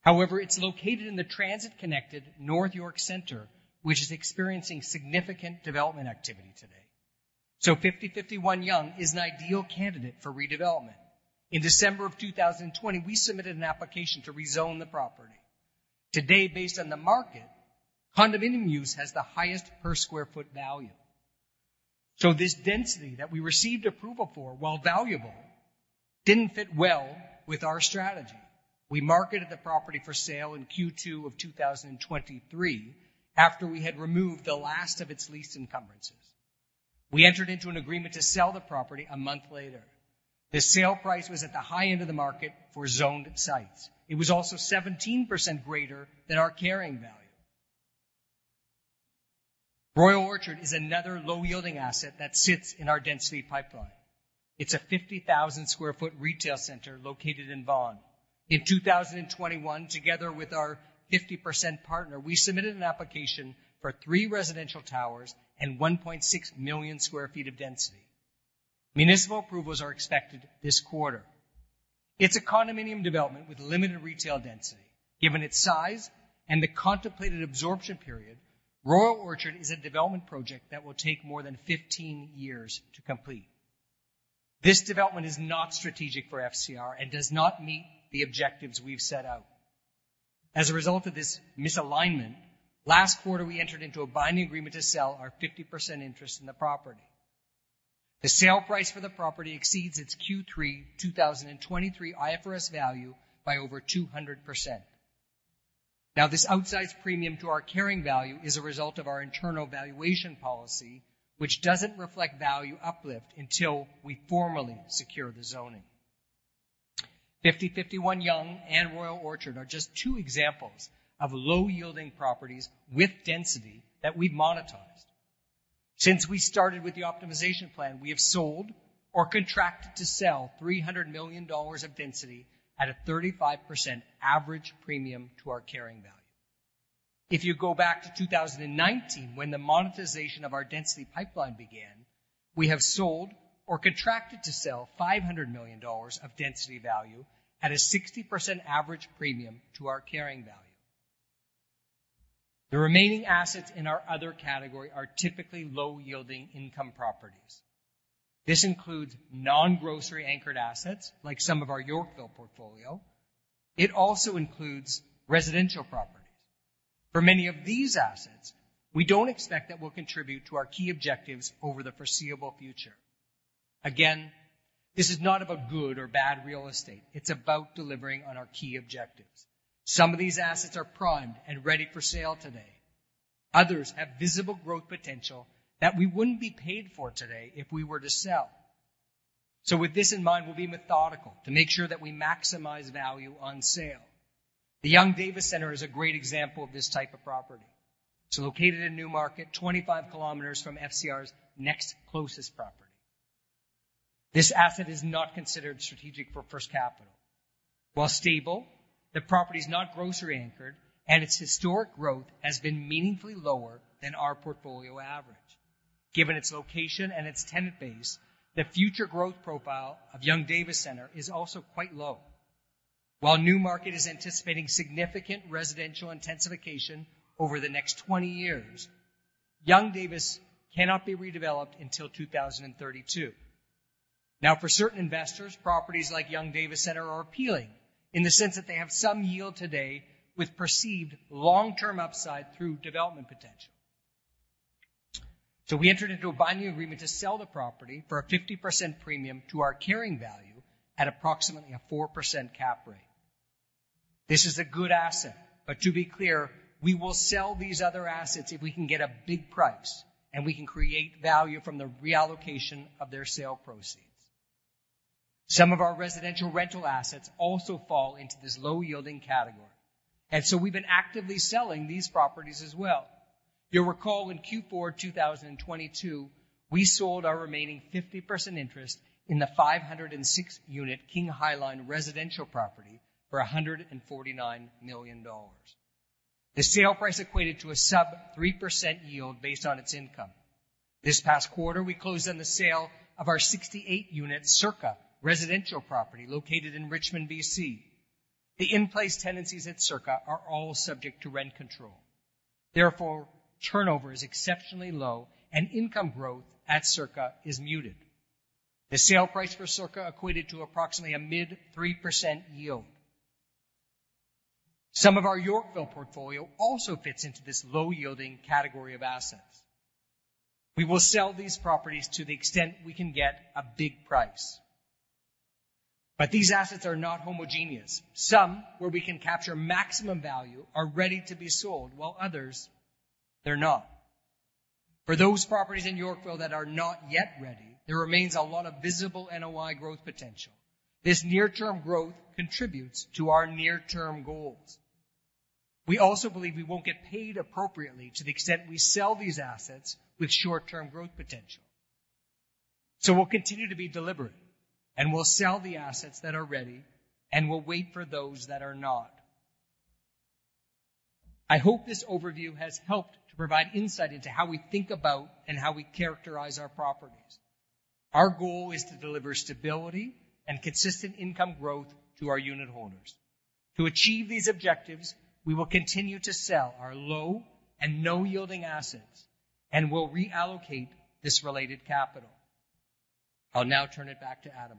However, it's located in the transit-connected North York Centre, which is experiencing significant development activity today. So 5051 Yonge is an ideal candidate for redevelopment. In December of 2020, we submitted an application to rezone the property. Today, based on the market, condominium use has the highest per square foot value. So this density that we received approval for, while valuable, didn't fit well with our strategy. We marketed the property for sale in Q2 of 2023 after we had removed the last of its lease encumbrances. We entered into an agreement to sell the property a month later. The sale price was at the high end of the market for zoned sites. It was also 17% greater than our carrying value. Royal Orchard is another low-yielding asset that sits in our density pipeline. It's a 50,000 sq ft retail center located in Vaughan. In 2021, together with our 50% partner, we submitted an application for three residential towers and 1.6 million sq ft of density. Municipal approvals are expected this quarter. It's a condominium development with limited retail density. Given its size and the contemplated absorption period, Royal Orchard is a development project that will take more than 15 years to complete. This development is not strategic for FCR and does not meet the objectives we've set out. As a result of this misalignment, last quarter we entered into a binding agreement to sell our 50% interest in the property. The sale price for the property exceeds its Q3 2023 IFRS value by over 200%. Now, this outsized premium to our carrying value is a result of our internal valuation policy, which doesn't reflect value uplift until we formally secure the zoning. 5051 Yonge and Royal Orchard are just two examples of low-yielding properties with density that we've monetized. Since we started with the optimization plan, we have sold or contracted to sell 300 million dollars of density at a 35% average premium to our carrying value. If you go back to 2019, when the monetization of our density pipeline began, we have sold or contracted to sell 500 million dollars of density value at a 60% average premium to our carrying value. The remaining assets in our other category are typically low-yielding income properties. This includes non-grocery-anchored assets, like some of our Yorkville portfolio. It also includes residential properties. For many of these assets, we don't expect that will contribute to our key objectives over the foreseeable future. Again, this is not about good or bad real estate. It's about delivering on our key objectives. Some of these assets are primed and ready for sale today. Others have visible growth potential that we wouldn't be paid for today if we were to sell. So with this in mind, we'll be methodical to make sure that we maximize value on sale. The Yonge Davis Centre is a great example of this type of property. It's located in Newmarket, 25 kilometers from FCR's next closest property. This asset is not considered strategic for First Capital. While stable, the property is not grocery-anchored, and its historic growth has been meaningfully lower than our portfolio average. Given its location and its tenant base, the future growth profile of Yonge Davis Centre is also quite low. While Newmarket is anticipating significant residential intensification over the next 20 years, Yonge Davis cannot be redeveloped until 2032. Now, for certain investors, properties like Yonge Davis Centre are appealing in the sense that they have some yield today with perceived long-term upside through development potential. So we entered into a binding agreement to sell the property for a 50% premium to our carrying value at approximately a 4% cap rate. This is a good asset. To be clear, we will sell these other assets if we can get a big price and we can create value from the reallocation of their sale proceeds. Some of our residential rental assets also fall into this low-yielding category. And so we've been actively selling these properties as well. You'll recall in Q4 2022, we sold our remaining 50% interest in the 506-unit King High Line residential property for 149 million dollars. The sale price equated to a sub-3% yield based on its income. This past quarter, we closed on the sale of our 68-unit Circa residential property located in Richmond, BC. The in-place tenancies at Circa are all subject to rent control. Therefore, turnover is exceptionally low, and income growth at Circa is muted. The sale price for Circa equated to approximately a mid-3% yield. Some of our Yorkville portfolio also fits into this low-yielding category of assets. We will sell these properties to the extent we can get a big price. But these assets are not homogeneous. Some where we can capture maximum value are ready to be sold, while others, they're not. For those properties in Yorkville that are not yet ready, there remains a lot of visible NOI growth potential. This near-term growth contributes to our near-term goals. We also believe we won't get paid appropriately to the extent we sell these assets with short-term growth potential. So we'll continue to be deliberate, and we'll sell the assets that are ready, and we'll wait for those that are not. I hope this overview has helped to provide insight into how we think about and how we characterize our properties. Our goal is to deliver stability and consistent income growth to our unit holders. To achieve these objectives, we will continue to sell our low and no-yielding assets and will reallocate this related capital. I'll now turn it back to Adam.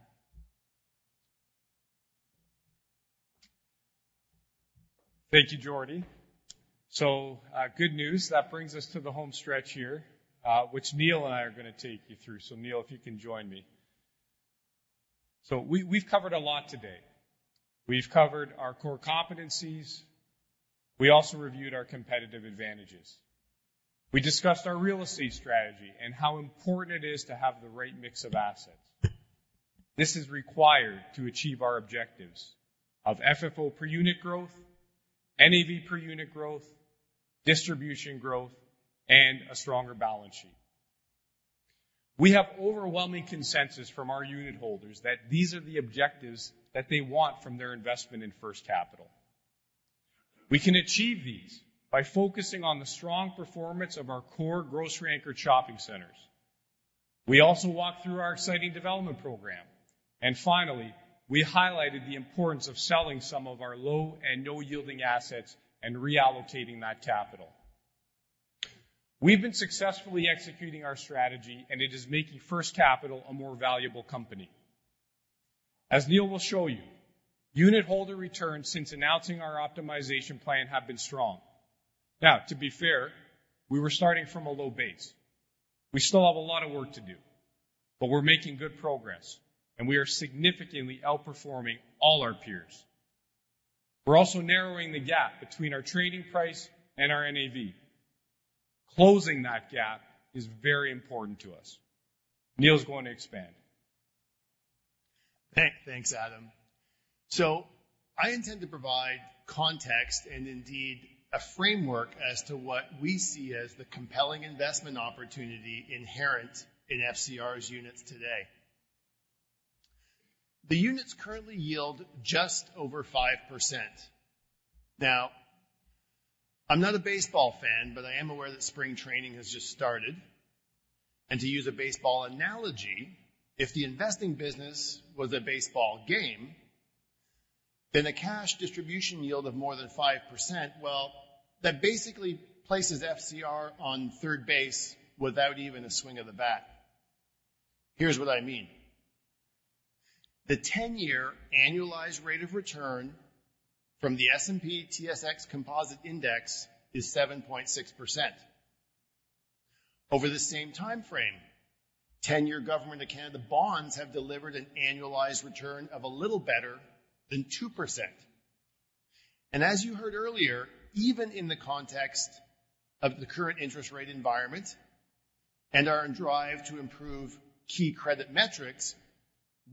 Thank you, Jordan. So good news. That brings us to the home stretch here, which Neil and I are going to take you through. So Neil, if you can join me. So we've covered a lot today. We've covered our core competencies. We also reviewed our competitive advantages. We discussed our real estate strategy and how important it is to have the right mix of assets. This is required to achieve our objectives of FFO per unit growth, NAV per unit growth, distribution growth, and a stronger balance sheet. We have overwhelming consensus from our unit holders that these are the objectives that they want from their investment in First Capital. We can achieve these by focusing on the strong performance of our core grocery-anchored shopping centers. We also walked through our exciting development program. Finally, we highlighted the importance of selling some of our low and no-yielding assets and reallocating that capital. We've been successfully executing our strategy, and it is making First Capital a more valuable company. As Neil will show you, unit holder returns since announcing our optimization plan have been strong. Now, to be fair, we were starting from a low base. We still have a lot of work to do. But we're making good progress, and we are significantly outperforming all our peers. We're also narrowing the gap between our trading price and our NAV. Closing that gap is very important to us. Neil's going to expand. Thanks, Adam. So I intend to provide context and indeed a framework as to what we see as the compelling investment opportunity inherent in FCR's units today. The units currently yield just over 5%. Now, I'm not a baseball fan, but I am aware that spring training has just started. And to use a baseball analogy, if the investing business was a baseball game, then a cash distribution yield of more than 5%, well, that basically places FCR on third base without even a swing of the bat. Here's what I mean. The 10-year annualized rate of return from the S&P TSX Composite Index is 7.6%. Over the same time frame, 10-year government of Canada bonds have delivered an annualized return of a little better than 2%. As you heard earlier, even in the context of the current interest rate environment and our drive to improve key credit metrics,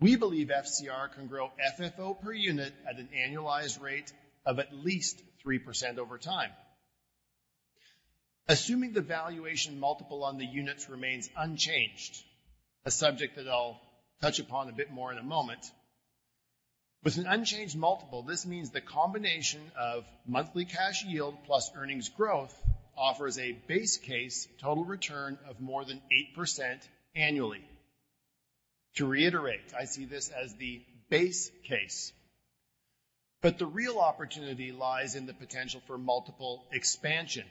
we believe FCR can grow FFO per unit at an annualized rate of at least 3% over time. Assuming the valuation multiple on the units remains unchanged, a subject that I'll touch upon a bit more in a moment, with an unchanged multiple, this means the combination of monthly cash yield plus earnings growth offers a base case total return of more than 8% annually. To reiterate, I see this as the base case. But the real opportunity lies in the potential for multiple expansion.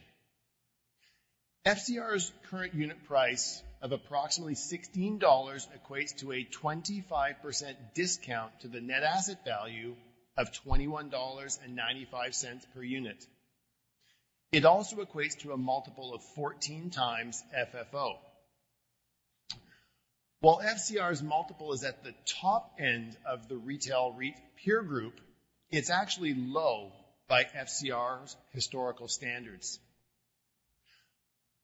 FCR's current unit price of approximately 16 dollars equates to a 25% discount to the net asset value of 21.95 dollars per unit. It also equates to a multiple of 14x FFO. While FCR's multiple is at the top end of the retail REIT peer group, it's actually low by FCR's historical standards.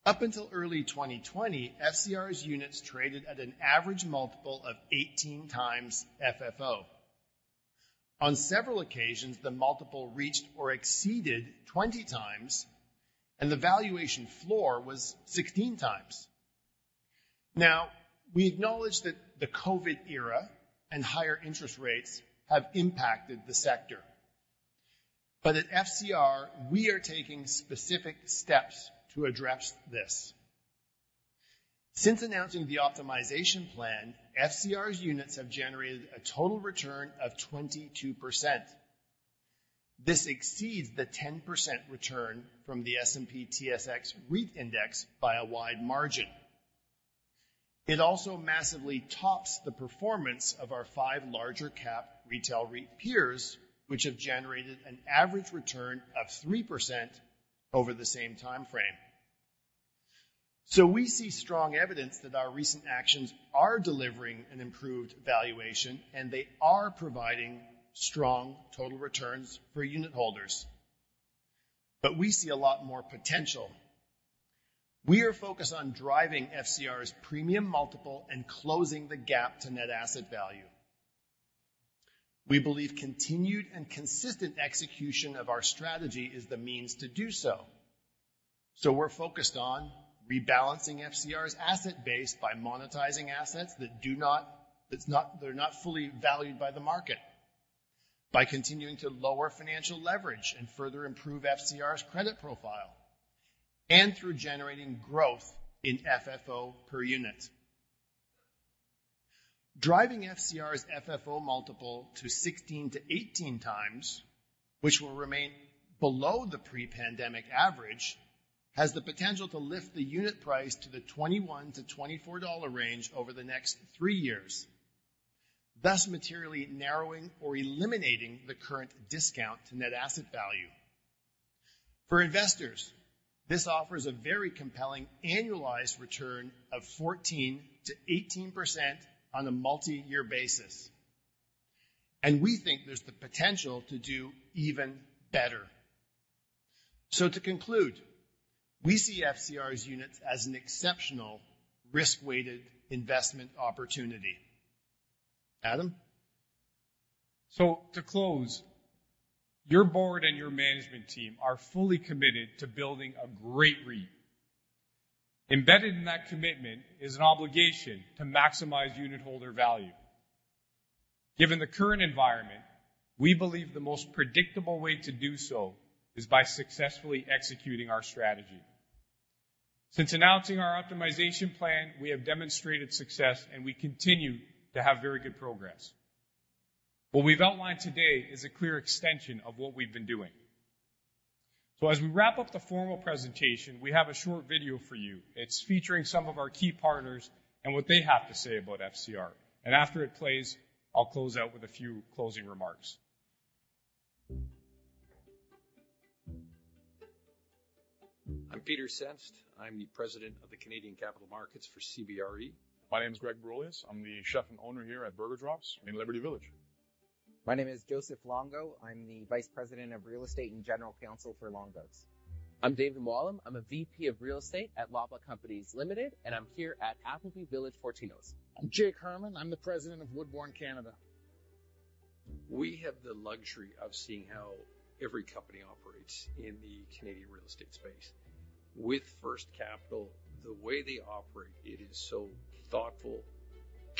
Up until early 2020, FCR's units traded at an average multiple of 18x FFO. On several occasions, the multiple reached or exceeded 20x, and the valuation floor was 16x. Now, we acknowledge that the COVID era and higher interest rates have impacted the sector. But at FCR, we are taking specific steps to address this. Since announcing the optimization plan, FCR's units have generated a total return of 22%. This exceeds the 10% return from the S&P TSX REIT Index by a wide margin. It also massively tops the performance of our five larger-cap retail REIT peers, which have generated an average return of 3% over the same time frame. So we see strong evidence that our recent actions are delivering an improved valuation, and they are providing strong total returns for unit holders. But we see a lot more potential. We are focused on driving FCR's premium multiple and closing the gap to net asset value. We believe continued and consistent execution of our strategy is the means to do so. So we're focused on rebalancing FCR's asset base by monetizing assets that are not fully valued by the market, by continuing to lower financial leverage and further improve FCR's credit profile, and through generating growth in FFO per unit. Driving FCR's FFO multiple to 16-18x, which will remain below the pre-pandemic average, has the potential to lift the unit price to the 21-24 dollar range over the next three years, thus materially narrowing or eliminating the current discount to net asset value. For investors, this offers a very compelling annualized return of 14%-18% on a multi-year basis. We think there's the potential to do even better. To conclude, we see FCR's units as an exceptional risk-weighted investment opportunity. Adam? To close, your board and your management team are fully committed to building a great REIT. Embedded in that commitment is an obligation to maximize unit holder value. Given the current environment, we believe the most predictable way to do so is by successfully executing our strategy. Since announcing our optimization plan, we have demonstrated success, and we continue to have very good progress. What we've outlined today is a clear extension of what we've been doing. So as we wrap up the formal presentation, we have a short video for you. It's featuring some of our key partners and what they have to say about FCR. And after it plays, I'll close out with a few closing remarks. I'm Peter Senst. I'm the president of the Canadian Capital Markets for CBRE. My name is Greg Bourolias. I'm the chef and owner here at Burger Drops in Liberty Village. My name is Joseph Longo. I'm the Vice President of Real Estate and General Counsel for Longo's. I'm David Mollen. I'm a VP of real estate at Loblaw Companies Limited, and I'm here at Applebee Village, Burlington. I'm Jake Herman. I'm the President of Woodbourne, Canada. We have the luxury of seeing how every company operates in the Canadian real estate space. With First Capital, the way they operate, it is so thoughtful,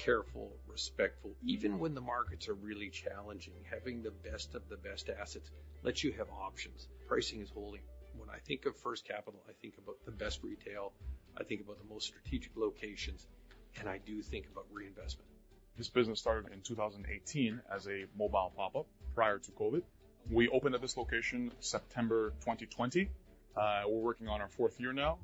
careful, respectful. Even when the markets are really challenging, having the best of the best assets lets you have options. Pricing is holding. When I think of First Capital, I think about the best retail. I think about the most strategic locations. I do think about reinvestment. This business started in 2018 as a mobile pop-up prior to COVID. We opened at this location September 2020. We're working on our fourth year now.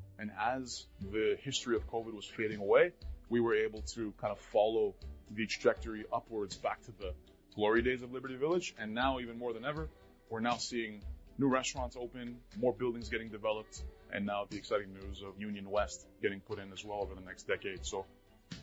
As the history of COVID was fading away, we were able to kind of follow the trajectory upwards back to the glory days of Liberty Village. Now, even more than ever, we're now seeing new restaurants open, more buildings getting developed, and now the exciting news of Union West getting put in as well over the next decade.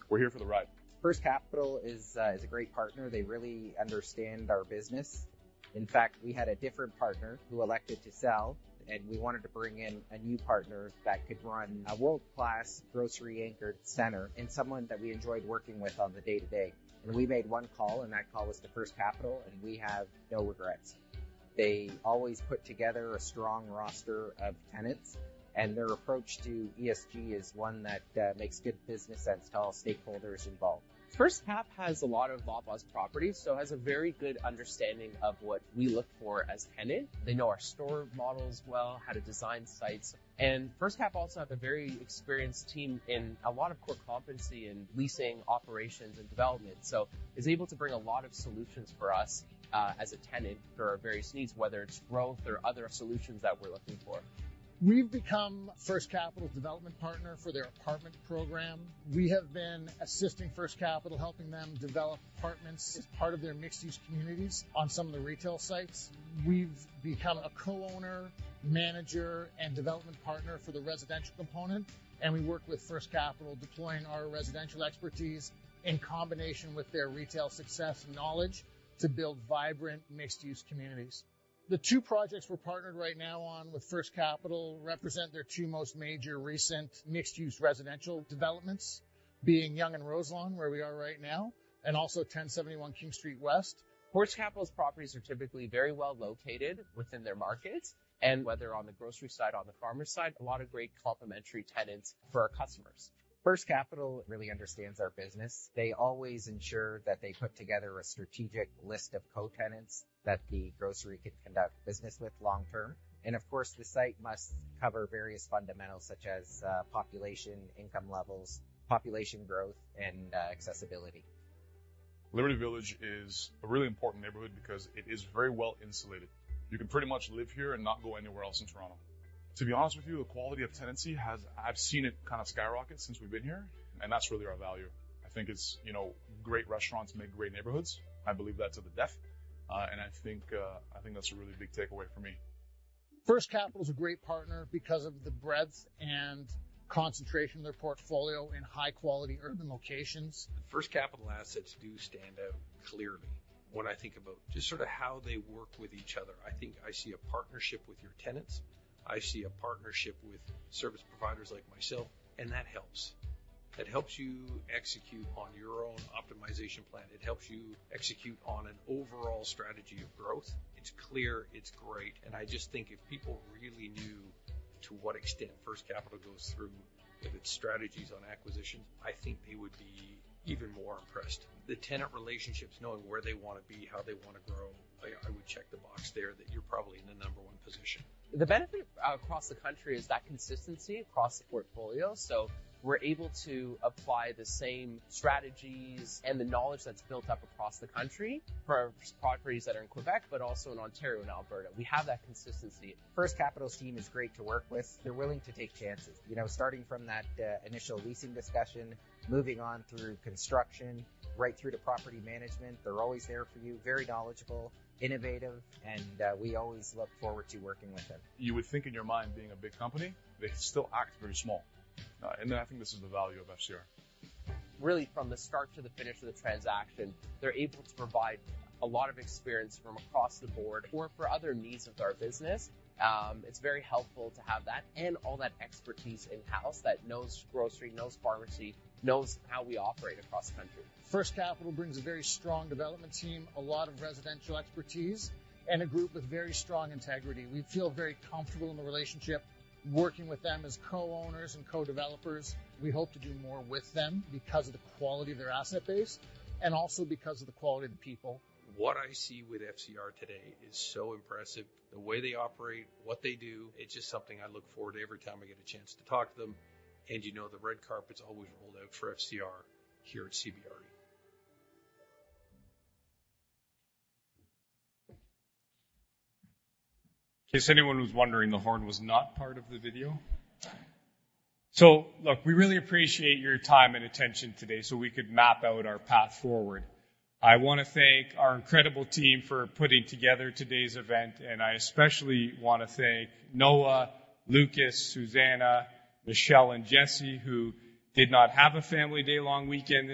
We're here for the ride. First Capital is a great partner. They really understand our business. In fact, we had a different partner who elected to sell, and we wanted to bring in a new partner that could run a world-class grocery-anchored center and someone that we enjoyed working with on the day-to-day. We made one call, and that call was to First Capital, and we have no regrets. They always put together a strong roster of tenants, and their approach to ESG is one that makes good business sense to all stakeholders involved. First Cap has a lot of Loblaws' properties, so has a very good understanding of what we look for as a tenant. They know our store models well, how to design sites. First Cap also has a very experienced team in a lot of core competency in leasing, operations, and development. So is able to bring a lot of solutions for us as a tenant for our various needs, whether it's growth or other solutions that we're looking for. We've become First Capital's development partner for their apartment program. We have been assisting First Capital, helping them develop apartments as part of their mixed-use communities on some of the retail sites. We've become a co-owner, manager, and development partner for the residential component. We work with First Capital, deploying our residential expertise in combination with their retail success and knowledge to build vibrant mixed-use communities. The two projects we're partnered right now on with First Capital represent their two most major recent mixed-use residential developments, being Yonge and Roselindale, where we are right now, and also 1071 King Street West. First Capital's properties are typically very well located within their markets. Whether on the grocery side, on the farmer side, a lot of great complementary tenants for our customers. First Capital really understands our business. They always ensure that they put together a strategic list of co-tenants that the grocery can conduct business with long term. Of course, the site must cover various fundamentals such as population, income levels, population growth, and accessibility. Liberty Village is a really important neighborhood because it is very well insulated. You can pretty much live here and not go anywhere else in Toronto. To be honest with you, the quality of tenancy has, I've seen it, kind of skyrocket since we've been here. And that's really our value. I think it's great restaurants make great neighborhoods. I believe that to the death. And I think that's a really big takeaway for me. First Capital's a great partner because of the breadth and concentration of their portfolio in high-quality urban locations. First Capital assets do stand out clearly when I think about just sort of how they work with each other. I think I see a partnership with your tenants. I see a partnership with service providers like myself. That helps. That helps you execute on your own optimization plan. It helps you execute on an overall strategy of growth. It's clear. It's great. I just think if people really knew to what extent First Capital goes through with its strategies on acquisitions, I think they would be even more impressed. The tenant relationships, knowing where they want to be, how they want to grow, I would check the box there that you're probably in the number one position. The benefit across the country is that consistency across the portfolio. So we're able to apply the same strategies and the knowledge that's built up across the country for properties that are in Quebec, but also in Ontario and Alberta. We have that consistency. First Capital's team is great to work with. They're willing to take chances, starting from that initial leasing discussion, moving on through construction, right through to property management. They're always there for you, very knowledgeable, innovative. We always look forward to working with them. You would think in your mind being a big company, they still act very small. And then I think this is the value of FCR. Really, from the start to the finish of the transaction, they're able to provide a lot of experience from across the board. Or for other needs of our business, it's very helpful to have that and all that expertise in-house that knows grocery, knows pharmacy, knows how we operate across the country. First Capital brings a very strong development team, a lot of residential expertise, and a group with very strong integrity. We feel very comfortable in the relationship working with them as co-owners and co-developers. We hope to do more with them because of the quality of their asset base and also because of the quality of the people. What I see with FCR today is so impressive. The way they operate, what they do, it's just something I look forward to every time I get a chance to talk to them. And the red carpet's always rolled out for FCR here at CBRE. In case anyone was wondering, the horn was not part of the video. So look, we really appreciate your time and attention today so we could map out our path forward. I want to thank our incredible team for putting together today's event. I especially want to thank Noah, Lucas, Susana, Michelle, and Jesse, who did not have a family day-long weekend.